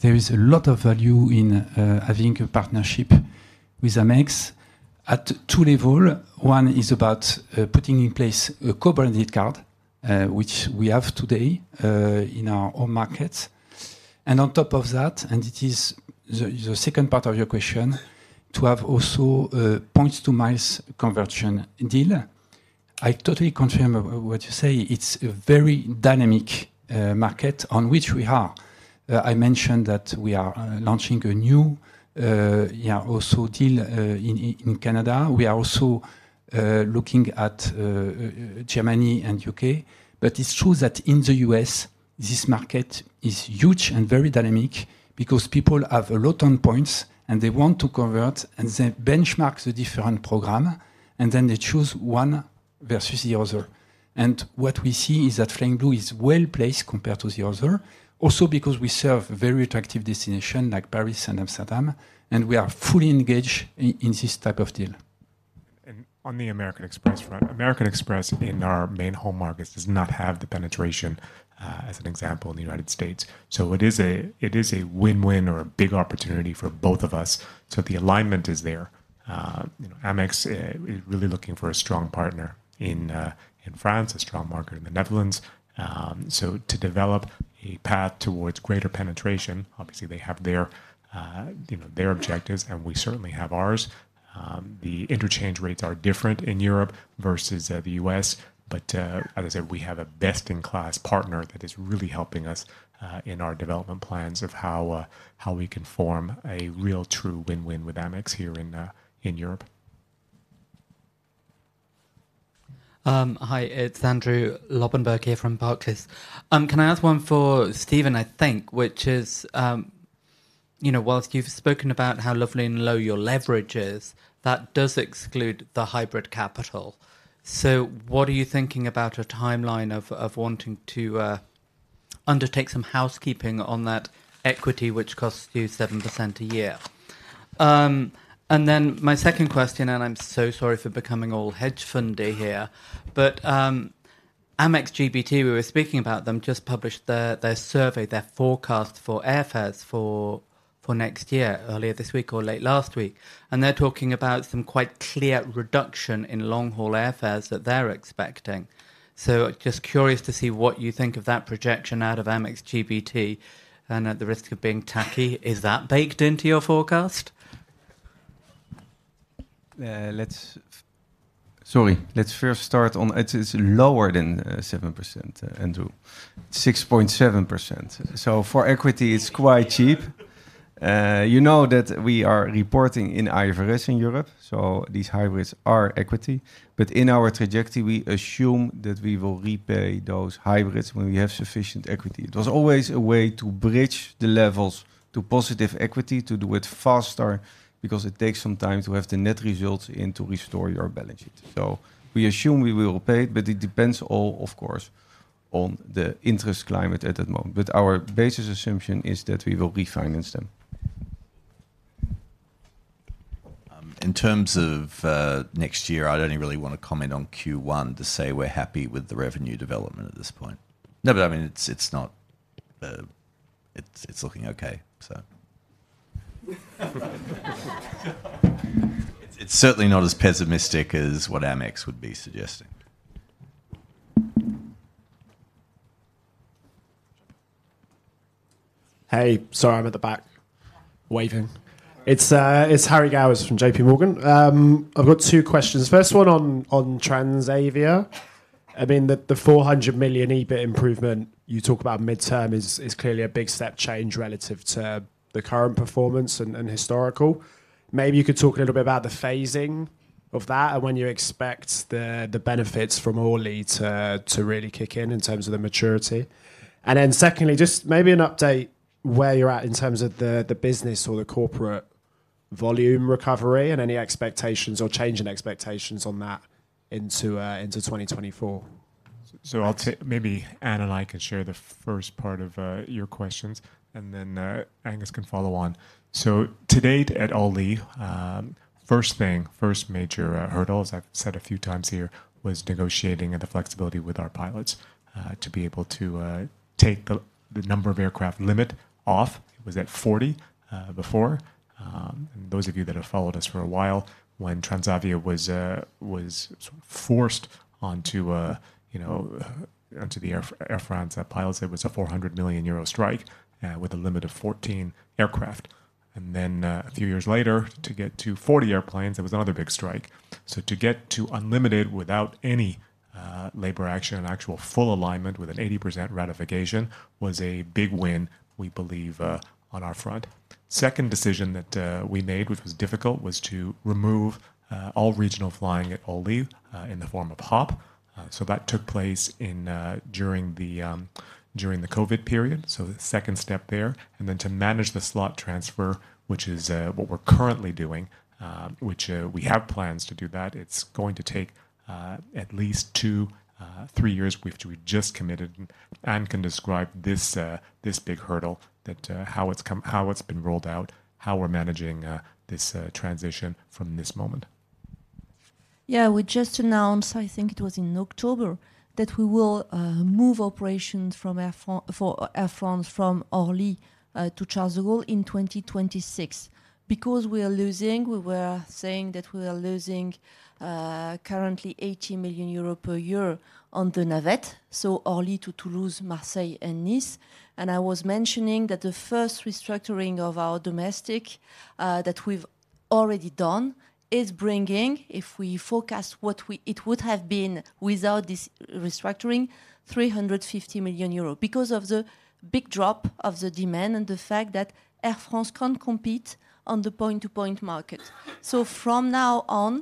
there is a lot of value in having a partnership with Amex at two level. One is about putting in place a co-branded card, which we have today in our own market. And on top of that, and it is the second part of your question, to have also points-to-miles conversion deal. I totally confirm what you say. It's a very dynamic market on which we are. I mentioned that we are launching a new deal also in Canada. We are also looking at Germany and UK. It's true that in the U.S., this market is huge and very dynamic because people have a lot on points, and they want to convert, and they benchmark the different program, and then they choose one versus the other. What we see is that Flying Blue is well-placed compared to the other. Also because we serve very attractive destination, like Paris and Amsterdam, and we are fully engaged in this type of deal. On the American Express front, American Express, in our main home markets, does not have the penetration, as an example, in the United States. So it is a, it is a win-win or a big opportunity for both of us, so the alignment is there. You know, Amex is really looking for a strong partner in, in France, a strong partner in the Netherlands. So to develop a path towards greater penetration, obviously, they have their, you know, their objectives, and we certainly have ours. The interchange rates are different in Europe versus, the U.S., but, as I said, we have a best-in-class partner that is really helping us, in our development plans of how, how we can form a real, true win-win with Amex here in, in Europe. Hi, it's Andrew Lobbenberg here from Barclays. Can I ask one for Steven, I think, which is, you know, while you've spoken about how lovely and low your leverage is, that does exclude the hybrid capital. So what are you thinking about a timeline of wanting to undertake some housekeeping on that equity, which costs you 7% a year? And then my second question, and I'm so sorry for becoming all hedge fundy here, but Amex GBT, we were speaking about them, just published their survey, their forecast for airfares for next year, earlier this week or late last week. They're talking about some quite clear reduction in long-haul airfares that they're expecting. So just curious to see what you think of that projection out of Amex GBT, and at the risk of being tacky, is that baked into your forecast? It is lower than 7%, Andrew, 6.7%. So for equity, it's quite cheap. You know that we are reporting in IFRS in Europe, so these hybrids are equity. But in our trajectory, we assume that we will repay those hybrids when we have sufficient equity. There's always a way to bridge the levels to positive equity, to do it faster, because it takes some time to have the net results and to restore your balance sheet. So we assume we will pay, but it depends all, of course, on the interest climate at that moment. But our basis assumption is that we will refinance them.... in terms of next year, I'd only really want to comment on Q1 to say we're happy with the revenue development at this point. No, but I mean, it's not, it's looking okay, so. It's certainly not as pessimistic as what Amex would be suggesting. Hey, sorry, I'm at the back, waving. It's Harry Gowers from JPMorgan. I've got two questions. First one on Transavia, I mean, the 400 million EBIT improvement you talk about midterm is clearly a big step change relative to the current performance and historical. Maybe you could talk a little bit about the phasing of that and when you expect the benefits from Orly to really kick in, in terms of the maturity. And then secondly, just maybe an update where you're at in terms of the business or the corporate volume recovery and any expectations or change in expectations on that into 2024. So I'll take, maybe Anne and I can share the first part of your questions, and then Angus can follow on. So to date, at Orly, first thing, first major hurdle, as I've said a few times here, was negotiating the flexibility with our pilots to be able to take the number of aircraft limit off. It was at 40 before. Those of you that have followed us for a while, when Transavia was forced onto, you know, onto the Air France pilots, it was a 400 million euro strike with a limit of 14 aircraft. And then a few years later, to get to 40 airplanes, there was another big strike. To get to unlimited without any labor action and actual full alignment with an 80% ratification was a big win, we believe, on our front. Second decision that we made, which was difficult, was to remove all regional flying at Orly in the form of HOP. So that took place during the COVID period, so the second step there. And then to manage the slot transfer, which is what we're currently doing, which we have plans to do that. It's going to take at least 2-3 years, which we just committed, and Anne can describe this big hurdle, that how it's been rolled out, how we're managing this transition from this moment. Yeah, we just announced, I think it was in October, that we will move operations for Air France from Orly to Charles de Gaulle in 2026. Because we are losing, we were saying that we are losing currently 80 million euro per year on the Navette, so Orly to Toulouse, Marseille, and Nice. And I was mentioning that the first restructuring of our domestic that we've already done is bringing, if we forecast what it would have been without this restructuring, 350 million euros, because of the big drop of the demand and the fact that Air France can't compete on the point-to-point market. So from now on,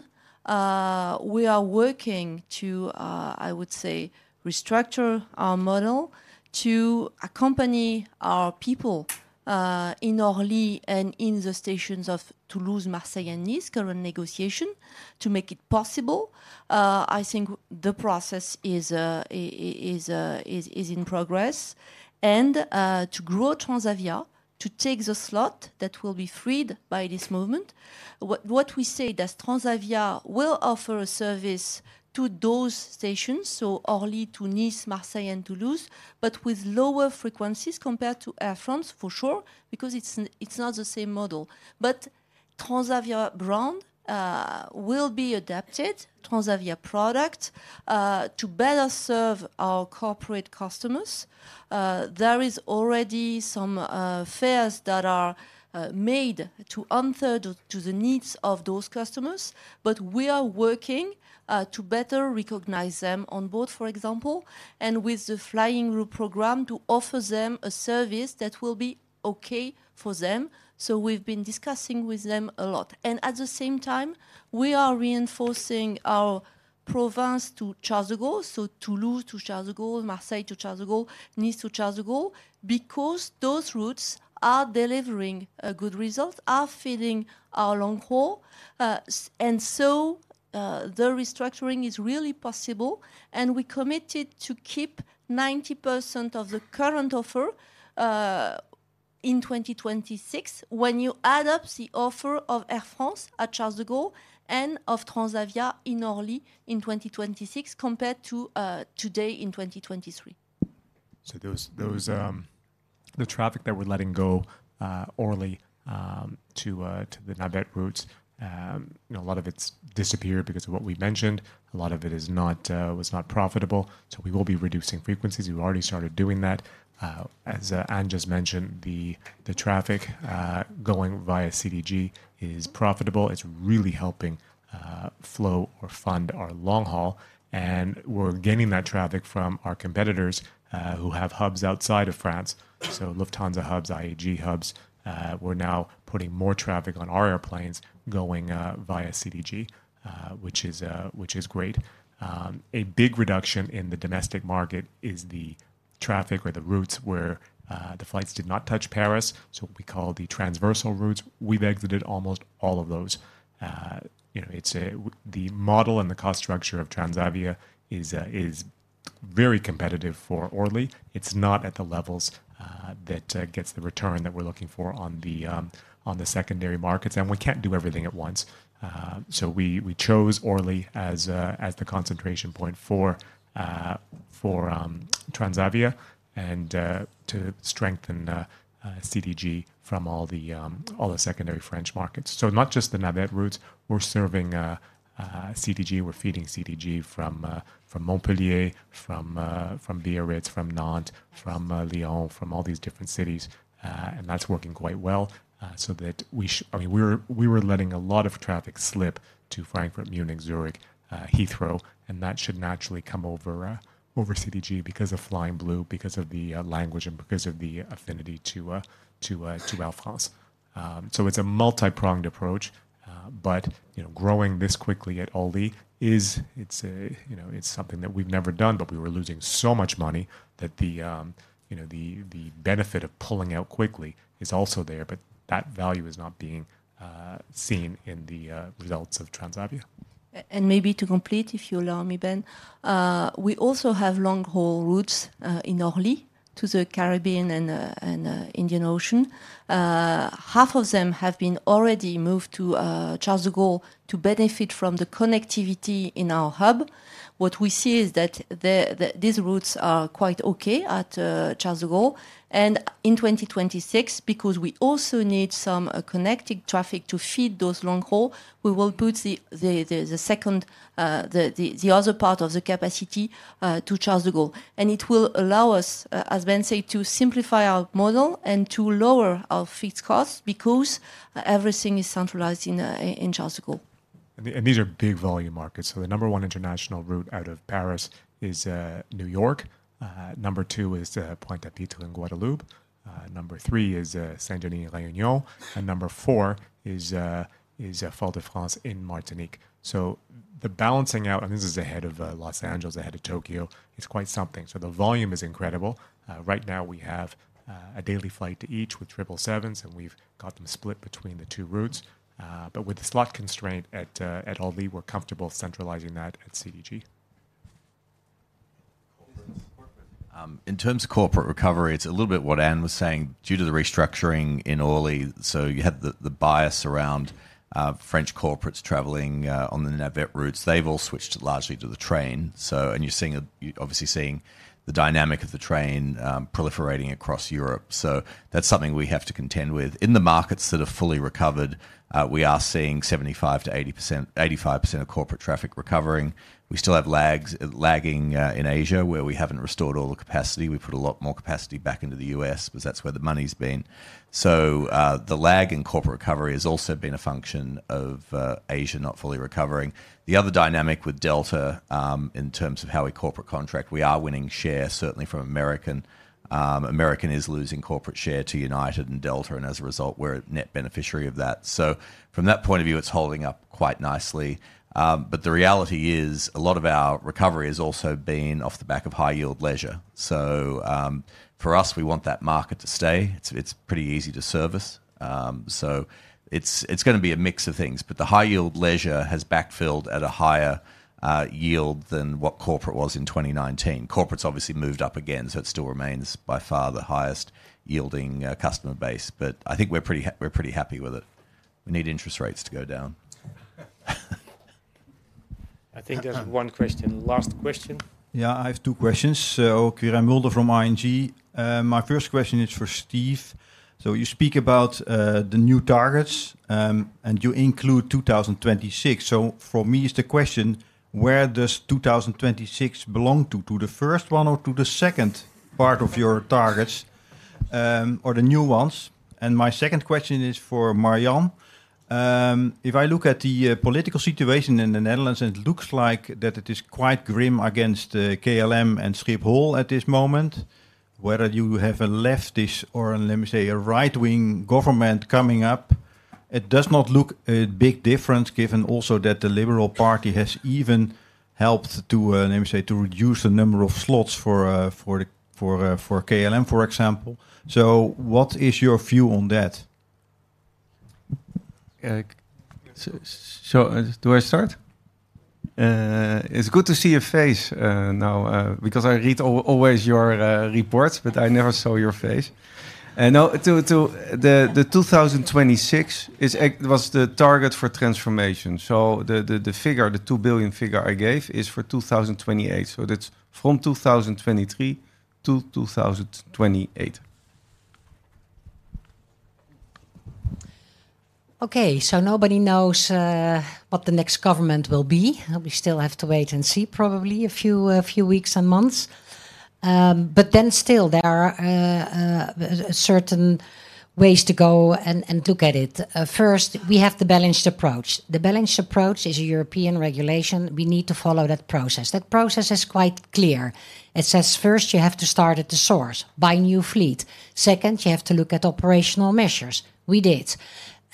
we are working to, I would say, restructure our model to accompany our people in Orly and in the stations of Toulouse, Marseille, and Nice, current negotiation, to make it possible. I think the process is in progress and to grow Transavia, to take the slot that will be freed by this movement. What we say that Transavia will offer a service to those stations, so Orly to Nice, Marseille and Toulouse, but with lower frequencies compared to Air France, for sure, because it's not the same model. But Transavia brand will be adapted, Transavia product to better serve our corporate customers. There is already some fares that are made to answer the, to the needs of those customers, but we are working to better recognize them on board, for example, and with the Flying Blue program, to offer them a service that will be okay for them. So we've been discussing with them a lot. And at the same time, we are reinforcing our presence to Charles de Gaulle, so Toulouse to Charles de Gaulle, Marseille to Charles de Gaulle, Nice to Charles de Gaulle, because those routes are delivering a good result, are feeding our long haul. And so, the restructuring is really possible, and we committed to keep 90% of the current offer, in 2026. When you add up the offer of Air France at Charles de Gaulle and of Transavia in Orly in 2026, compared to today in 2023. So the traffic that we're letting go, Orly to the Navette routes, you know, a lot of it's disappeared because of what we mentioned. A lot of it is not, was not profitable, so we will be reducing frequencies. We've already started doing that. As Anne just mentioned, the traffic going via CDG is profitable. It's really helping flow or fund our long haul, and we're gaining that traffic from our competitors who have hubs outside of France, so Lufthansa hubs, IAG hubs. We're now putting more traffic on our airplanes going via CDG, which is great. A big reduction in the domestic market is the traffic or the routes where the flights did not touch Paris, so what we call the transversal routes. We've exited almost all of those. You know, it's the model and the cost structure of Transavia is very competitive for Orly. It's not at the levels that gets the return that we're looking for on the secondary markets, and we can't do everything at once. So we chose Orly as the concentration point for Transavia and to strengthen CDG from all the secondary French markets. So not just the Navette routes, we're serving CDG, we're feeding CDG from Montpellier, from Biarritz, from Nantes, from Lyon, from all these different cities. And that's working quite well, so that we—I mean, we were letting a lot of traffic slip to Frankfurt, Munich, Zurich, Heathrow, and that should naturally come over CDG because of Flying Blue, because of the language and because of the affinity to Air France. So it's a multi-pronged approach, but, you know, growing this quickly at Orly is, it's a, you know, it's something that we've never done, but we were losing so much money that the, you know, the benefit of pulling out quickly is also there, but that value is not being seen in the results of Transavia. And maybe to complete, if you allow me, Ben. We also have long-haul routes in Orly to the Caribbean and Indian Ocean. Half of them have been already moved to Charles de Gaulle to benefit from the connectivity in our hub. What we see is that these routes are quite okay at Charles de Gaulle. And in 2026, because we also need some connecting traffic to feed those long-haul, we will put the second, the other part of the capacity to Charles de Gaulle. And it will allow us, as Ben said, to simplify our model and to lower our fixed costs because everything is centralized in Charles de Gaulle. These are big volume markets. So the number one international route out of Paris is New York. Number two is Pointe-à-Pitre in Guadeloupe. Number three is Saint-Denis de La Réunion, and number four is Fort-de-France in Martinique. So the balancing out, and this is ahead of Los Angeles, ahead of Tokyo, is quite something. So the volume is incredible. Right now, we have a daily flight to each with triple sevens, and we've got them split between the two routes. But with the slot constraint at Orly, we're comfortable centralizing that at CDG.... In terms of corporate recovery, it's a little bit what Anne was saying due to the restructuring in Orly. So you had the, the bias around French corporates traveling on the Navette routes. They've all switched largely to the train, so... You're obviously seeing the dynamic of the train proliferating across Europe. So that's something we have to contend with. In the markets that have fully recovered, we are seeing 75%-80%, 85% of corporate traffic recovering. We still have lags in Asia, where we haven't restored all the capacity. We've put a lot more capacity back into the U.S. because that's where the money's been. So the lag in corporate recovery has also been a function of Asia not fully recovering. The other dynamic with Delta, in terms of how we corporate contract, we are winning share, certainly from American. American is losing corporate share to United and Delta, and as a result, we're a net beneficiary of that. So from that point of view, it's holding up quite nicely. But the reality is, a lot of our recovery has also been off the back of high-yield leisure. So, for us, we want that market to stay. It's, it's pretty easy to service. So it's, it's gonna be a mix of things, but the high-yield leisure has backfilled at a higher yield than what corporate was in 2019. Corporate's obviously moved up again, so it still remains by far the highest yielding customer base, but I think we're pretty happy with it. We need interest rates to go down. I think there's one question. Last question. Yeah, I have two questions. So Quirijn Mulder from ING. My first question is for Steve. So you speak about the new targets, and you include 2026. So for me, it's the question: where does 2026 belong to? To the first one or to the second part of your targets, or the new ones? And my second question is for Marjan. If I look at the political situation in the Netherlands, and it looks like that it is quite grim against KLM and Schiphol at this moment, whether you have a leftist or, let me say, a right-wing government coming up, it does not look a big difference, given also that the Liberal Party has even helped to, let me say, to reduce the number of slots for the, for KLM, for example. What is your view on that? So, do I start? It's good to see your face now, because I always read your reports, but I never saw your face. And now... The 2026 was the target for transformation. So the figure, the 2 billion figure I gave, is for 2028. So that's from 2023 to 2028. Okay, so nobody knows what the next government will be. We still have to wait and see, probably a few weeks and months. But then still there are certain ways to go and to get it. First, we have the Balanced Approach. The Balanced Approach is a European regulation. We need to follow that process. That process is quite clear. It says, first, you have to start at the source, buy a new fleet. Second, you have to look at operational measures. We did.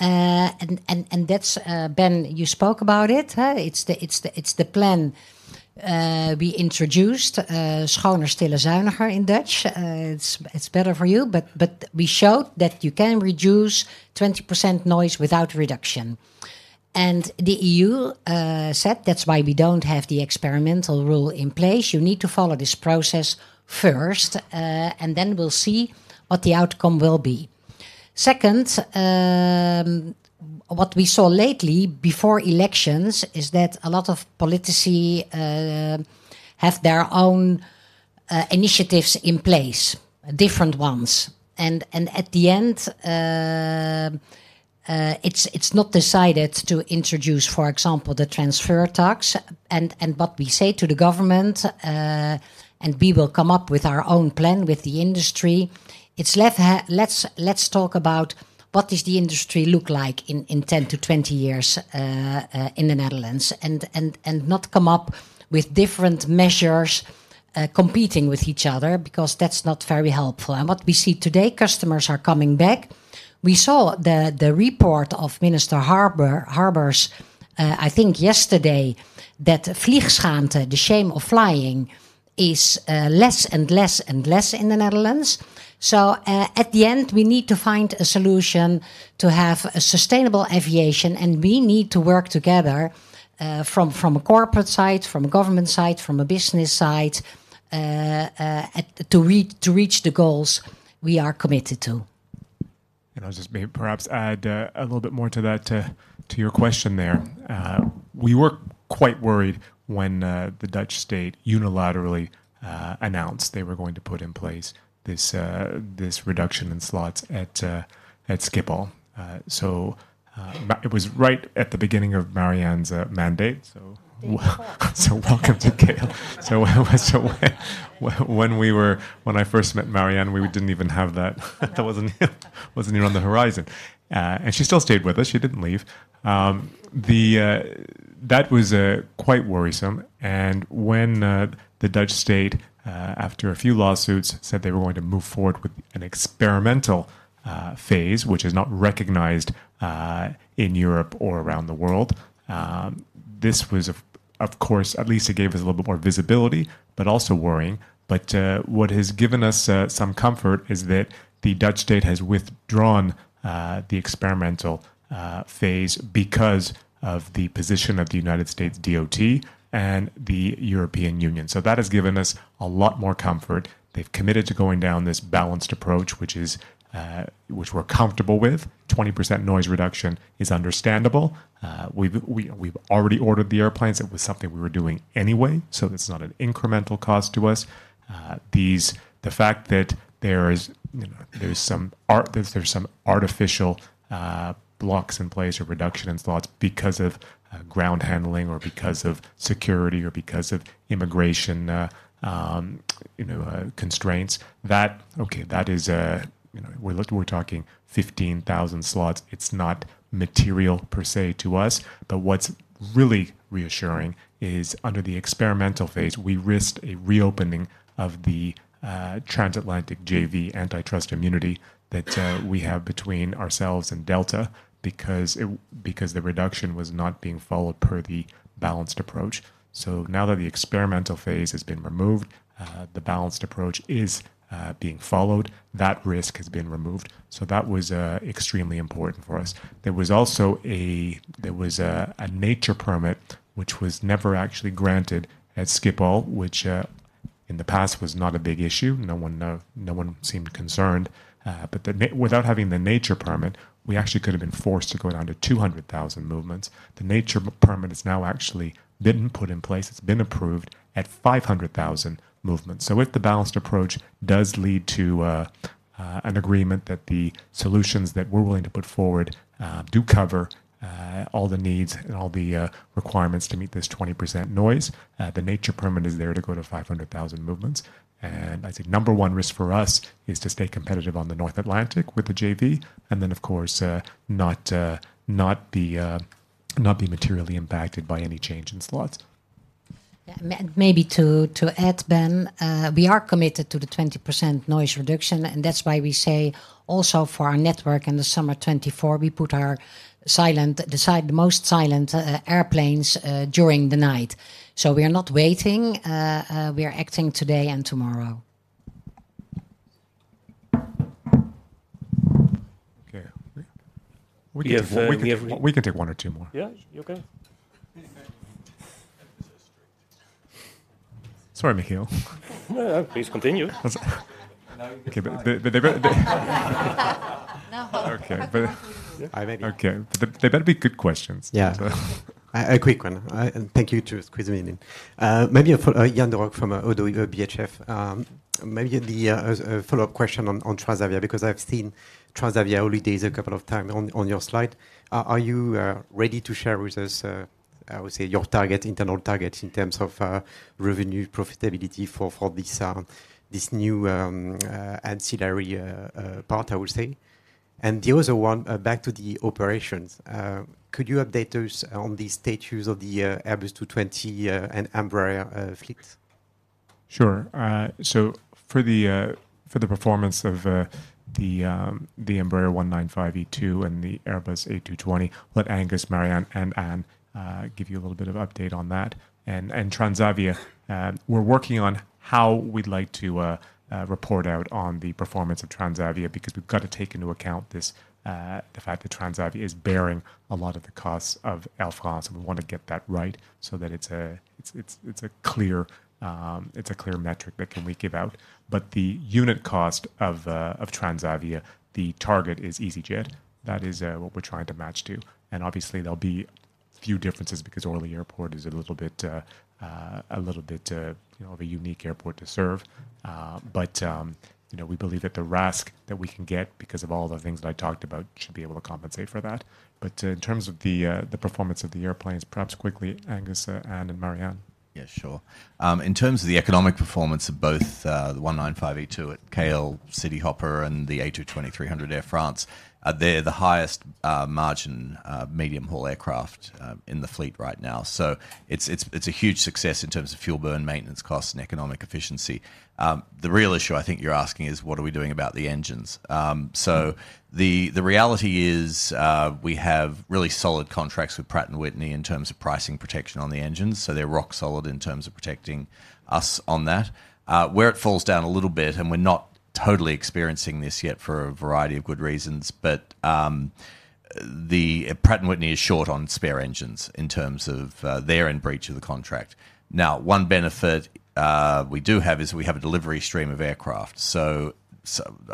And that's Ben, you spoke about it, huh? It's the plan we introduced, schoner, stiller, zuiniger in Dutch. It's better for you, but we showed that you can reduce 20% noise without reduction.... and the EU said that's why we don't have the experimental rule in place. You need to follow this process first, and then we'll see what the outcome will be. Second, what we saw lately before elections is that a lot of politicians have their own initiatives in place, different ones. At the end, it's not decided to introduce, for example, the transfer tax. What we say to the government, and we will come up with our own plan with the industry. It's, let's talk about what the industry looks like in 10-20 years in the Netherlands. And not come up with different measures competing with each other, because that's not very helpful. What we see today, customers are coming back. We saw the report of Minister Harbers, I think yesterday, that vliegschaamte, the shame of flying, is less and less and less in the Netherlands. So, at the end, we need to find a solution to have a sustainable aviation, and we need to work together, from a corporate side, from a government side, from a business side, to reach the goals we are committed to. And I'll just maybe perhaps add a little bit more to that, to your question there. We were quite worried when the Dutch state unilaterally announced they were going to put in place this reduction in slots at Schiphol. So, but it was right at the beginning of Marjan's mandate, so welcome to KLM. So when I first met Marjan, we didn't even have that. That wasn't even on the horizon. And she still stayed with us. She didn't leave. That was quite worrisome. When the Dutch state, after a few lawsuits, said they were going to move forward with an experimental phase, which is not recognized in Europe or around the world, this was of course at least it gave us a little bit more visibility, but also worrying. But what has given us some comfort is that the Dutch state has withdrawn the experimental phase because of the position of the United States DOT and the European Union. So that has given us a lot more comfort. They've committed to going down this Balanced Approach, which we're comfortable with. 20% noise reduction is understandable. We've already ordered the airplanes. It was something we were doing anyway, so that's not an incremental cost to us. The fact that there is, you know, there's some artificial blocks in place or reduction in slots because of ground handling, or because of security, or because of immigration, you know, constraints. That is, you know, we're talking 15,000 slots. It's not material per se to us, but what's really reassuring is, under the experimental phase, we risked a reopening of the transatlantic JV antitrust immunity that we have between ourselves and Delta because the reduction was not being followed per the Balanced Approach. So now that the experimental phase has been removed, the Balanced Approach is being followed. That risk has been removed, so that was extremely important for us. There was also a nature permit, which was never actually granted at Schiphol, which in the past was not a big issue. No one seemed concerned, but without having the nature permit, we actually could have been forced to go down to 200,000 movements. The nature permit is now actually been put in place. It's been approved at 500,000 movements. So if the Balanced Approach does lead to an agreement that the solutions that we're willing to put forward do cover all the needs and all the requirements to meet this 20% noise, the nature permit is there to go to 500,000 movements. I think number one risk for us is to stay competitive on the North Atlantic with the JV, and then, of course, not be materially impacted by any change in slots. Yeah, and maybe to add, Ben, we are committed to the 20% noise reduction, and that's why we say also for our network in the summer 2024, we put our silent, the most silent airplanes during the night. So we are not waiting, we are acting today and tomorrow. Okay. We can take one or two more. Yeah, okay. Sorry, Michiel. No, please continue. That's... Okay, but the- No. Okay, but- I maybe- Okay. But they better be good questions. Yeah. A quick one. And thank you to squeeze me in. Maybe a follow... Yan Derocles from ODDO BHF. Maybe the, a, a follow-up question on, on Transavia, because I've seen Transavia Holidays a couple of times on, on your slide. Are you, ready to share with us, I would say, your target, internal target in terms of, revenue profitability for, for this, this new, ancillary, part, I would say? And the other one, back to the operations. Could you update us on the status of the, Airbus 220, and Embraer, fleets?... Sure. So for the performance of the Embraer E195-E2 and the Airbus A220, let Angus, Marjan, and Anne give you a little bit of update on that. And Transavia, we're working on how we'd like to report out on the performance of Transavia because we've got to take into account this the fact that Transavia is bearing a lot of the costs of Air France, and we want to get that right so that it's a clear metric that can we give out. But the unit cost of Transavia, the target is easyJet. That is what we're trying to match to. Obviously, there'll be a few differences because Orly Airport is a little bit, you know, of a unique airport to serve. But, you know, we believe that the RASK that we can get because of all the things that I talked about should be able to compensate for that. But, in terms of the performance of the airplanes, perhaps quickly, Angus, Anne, and Marjan. Yeah, sure. In terms of the economic performance of both the 195 E2 at KLM Cityhopper and the A220-300 Air France, they're the highest margin medium-haul aircraft in the fleet right now. So it's a huge success in terms of fuel burn, maintenance costs, and economic efficiency. The real issue I think you're asking is: What are we doing about the engines? So the reality is, we have really solid contracts with Pratt & Whitney in terms of pricing protection on the engines, so they're rock solid in terms of protecting us on that. Where it falls down a little bit, and we're not totally experiencing this yet for a variety of good reasons, but the Pratt & Whitney is short on spare engines in terms of, they're in breach of the contract. Now, one benefit we do have is we have a delivery stream of aircraft. So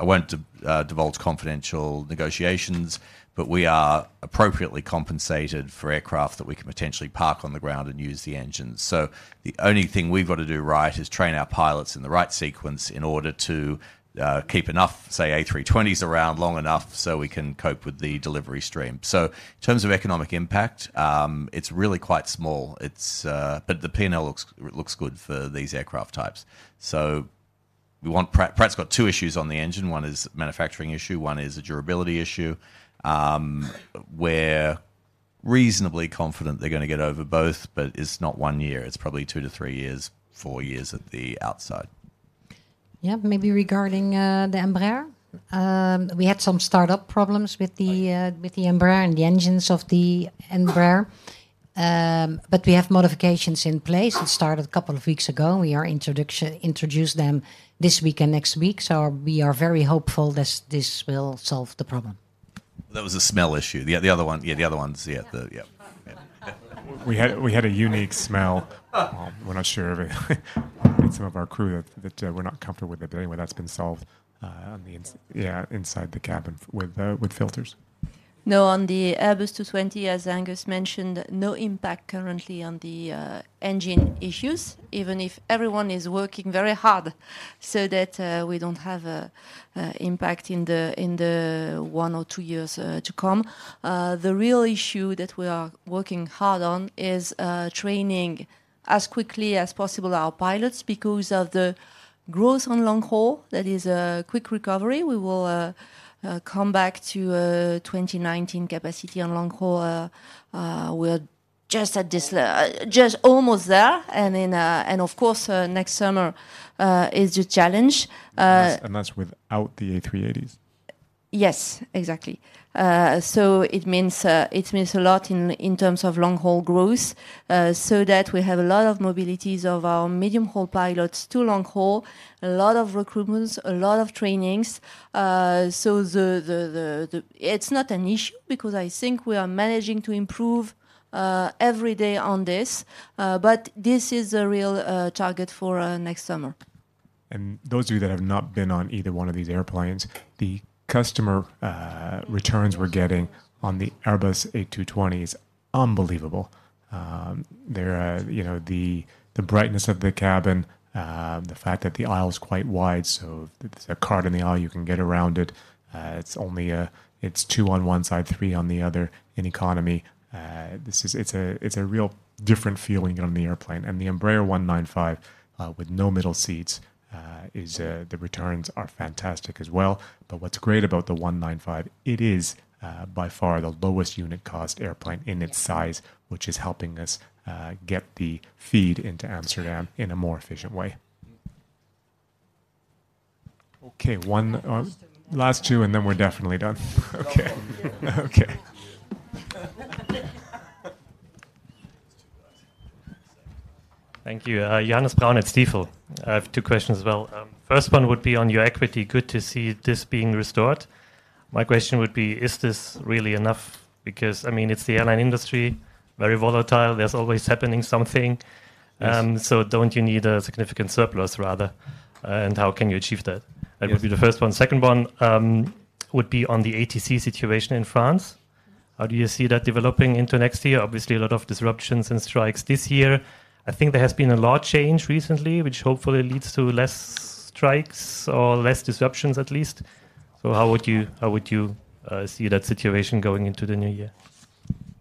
I won't divulge confidential negotiations, but we are appropriately compensated for aircraft that we can potentially park on the ground and use the engines. So the only thing we've got to do right is train our pilots in the right sequence in order to keep enough, say, A320s around long enough so we can cope with the delivery stream. So in terms of economic impact, it's really quite small. It's... But the P&L looks good for these aircraft types. So we want Pratt's got two issues on the engine. One is a manufacturing issue, one is a durability issue. We're reasonably confident they're gonna get over both, but it's not one year; it's probably two to three years, four years at the outside. Yeah. Maybe regarding the Embraer, we had some startup problems with the Embraer and the engines of the Embraer. But we have modifications in place. It started a couple of weeks ago, and we are introducing them this week and next week, so we are very hopeful this will solve the problem. That was a smell issue. The other one. Yeah, the other ones. Yeah, the... Yep. We had a unique smell. We're not sure of it. Some of our crew were not comfortable with it, but anyway, that's been solved inside the cabin with filters. No, on the Airbus 220, as Angus mentioned, no impact currently on the engine issues, even if everyone is working very hard so that we don't have a impact in the one or two years to come. The real issue that we are working hard on is training as quickly as possible our pilots because of the growth on long haul. That is a quick recovery. We will come back to 2019 capacity on long haul. We're just at this just almost there. And then and of course next summer is the challenge. And that's without the A380s? Yes, exactly. So it means a lot in terms of long-haul growth, so that we have a lot of mobilities of our medium-haul pilots to long-haul, a lot of recruitments, a lot of trainings. So it's not an issue because I think we are managing to improve every day on this, but this is a real target for next summer. Those of you that have not been on either one of these airplanes, the customer returns we're getting on the Airbus A220 is unbelievable. There are, you know, the brightness of the cabin, the fact that the aisle is quite wide, so if there's a cart in the aisle, you can get around it. It's only a—it's two on one side, three on the other in economy. This is—it's a, it's a real different feeling on the airplane. And the Embraer 195 with no middle seats is the returns are fantastic as well. But what's great about the 195, it is by far the lowest unit cost airplane in its size, which is helping us get the feed into Amsterdam in a more efficient way. Okay, one, Last two. Last two, and then we're definitely done. Okay. Okay. Thank you. Johannes Braun at Stifel. I have two questions as well. First one would be on your equity. Good to see this being restored. My question would be: Is this really enough? Because, I mean, it's the airline industry, very volatile. There's always happening something. Yes. Don't you need a significant surplus rather, and how can you achieve that? Yes. That would be the first one. Second one, would be on the ATC situation in France. How do you see that developing into next year? Obviously, a lot of disruptions and strikes this year. I think there has been a law change recently, which hopefully leads to less strikes or less disruptions at least. So how would you see that situation going into the new year?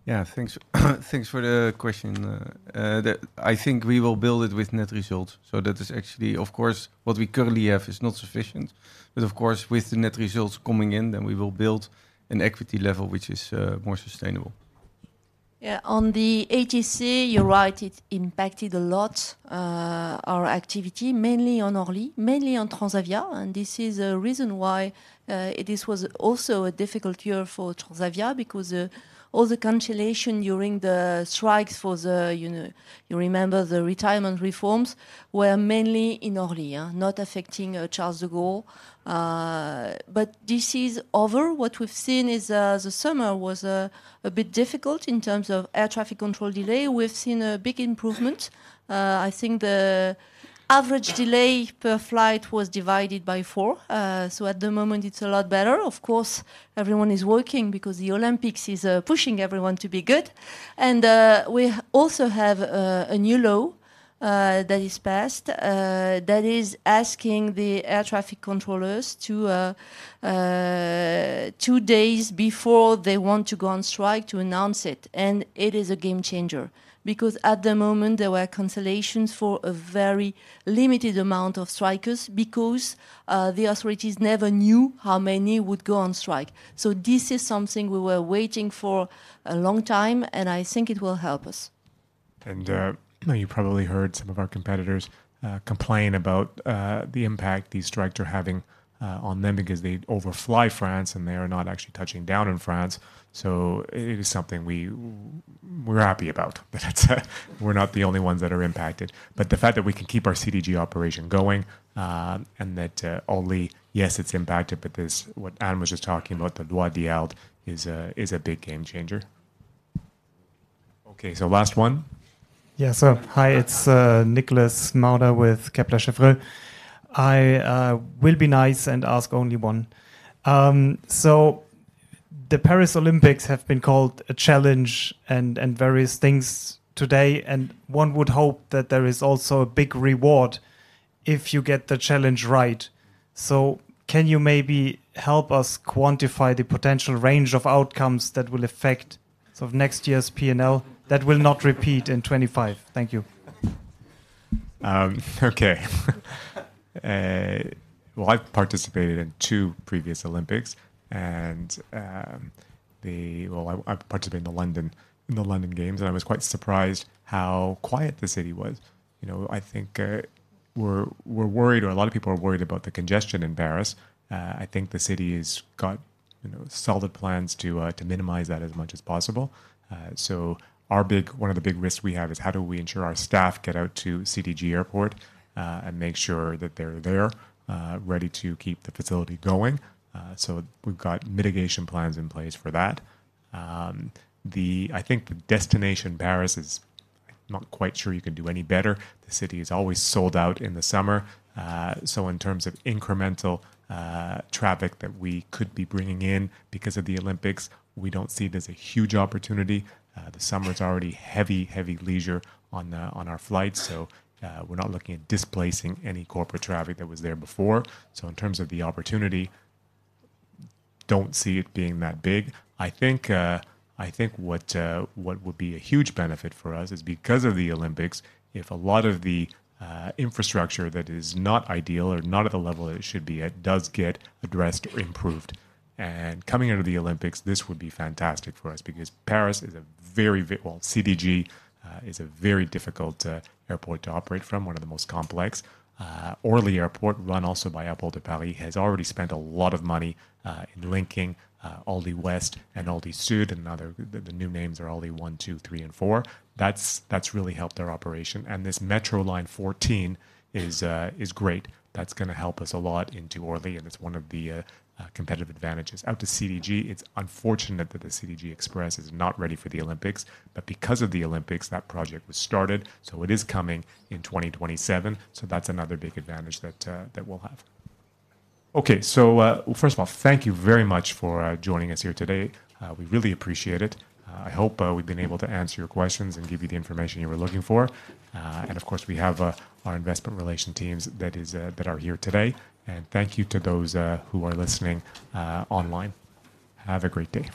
Yeah, thanks, thanks for the question. I think we will build it with net results. So that is actually... Of course, what we currently have is not sufficient, but of course, with the net results coming in, then we will build an equity level which is more sustainable. ... Yeah, on the ATC, you're right, it impacted a lot, our activity, mainly on Orly, mainly on Transavia, and this is a reason why, this was also a difficult year for Transavia, because, all the cancellation during the strikes for the, you know, you remember the retirement reforms, were mainly in Orly, yeah, not affecting, Charles de Gaulle. But this is over. What we've seen is, the summer was, a bit difficult in terms of air traffic control delay. We've seen a big improvement. I think the average delay per flight was divided by four. So at the moment, it's a lot better. Of course, everyone is working because the Olympics is, pushing everyone to be good. We also have a new law that is passed that is asking the air traffic controllers to two days before they want to go on strike, to announce it. It is a game changer, because at the moment, there were cancellations for a very limited amount of strikers because the authorities never knew how many would go on strike. So this is something we were waiting for a long time, and I think it will help us. You know, you probably heard some of our competitors complain about the impact these strikes are having on them because they overfly France and they are not actually touching down in France. So it is something we're happy about, but it's... We're not the only ones that are impacted. But the fact that we can keep our CDG operation going, and that Orly, yes, it's impacted, but there's, what Anne was just talking about, the droit de grève, is a big game changer. Okay, so last one. Yeah. So hi, it's Nicholas Marder with Kepler Cheuvreux. I will be nice and ask only one. So the Paris Olympics have been called a challenge and various things today, and one would hope that there is also a big reward if you get the challenge right. So can you maybe help us quantify the potential range of outcomes that will affect sort of next year's P&L, that will not repeat in 2025? Thank you. Okay. Well, I've participated in two previous Olympics, and, well, I participated in the London, in the London Games, and I was quite surprised how quiet the city was. You know, I think, we're worried, or a lot of people are worried about the congestion in Paris. I think the city has got, you know, solid plans to, to minimize that as much as possible. So our big-- one of the big risks we have is, how do we ensure our staff get out to CDG Airport, and make sure that they're there, ready to keep the facility going? So we've got mitigation plans in place for that. The-- I think the destination Paris is, not quite sure you can do any better. The city is always sold out in the summer. So in terms of incremental traffic that we could be bringing in because of the Olympics, we don't see it as a huge opportunity. The summer's already heavy, heavy leisure on our flights, so we're not looking at displacing any corporate traffic that was there before. So in terms of the opportunity, don't see it being that big. I think what would be a huge benefit for us is, because of the Olympics, if a lot of the infrastructure that is not ideal or not at the level it should be at, does get addressed or improved. Coming into the Olympics, this would be fantastic for us because Paris is a very big, well, CDG is a very difficult airport to operate from, one of the most complex. Orly Airport, run also by Aéroports de Paris, has already spent a lot of money in linking Orly Ouest and Orly Sud, and now the new names are Orly 1, 2, 3, and 4. That's really helped their operation. This Metro Line 14 is great. That's gonna help us a lot into Orly, and it's one of the competitive advantages. Out to CDG, it's unfortunate that the CDG Express is not ready for the Olympics, but because of the Olympics, that project was started, so it is coming in 2027. So that's another big advantage that we'll have. Okay. So, first of all, thank you very much for joining us here today. We really appreciate it. I hope we've been able to answer your questions and give you the information you were looking for. Of course, we have our Investor Relations teams that is that are here today. Thank you to those who are listening online. Have a great day.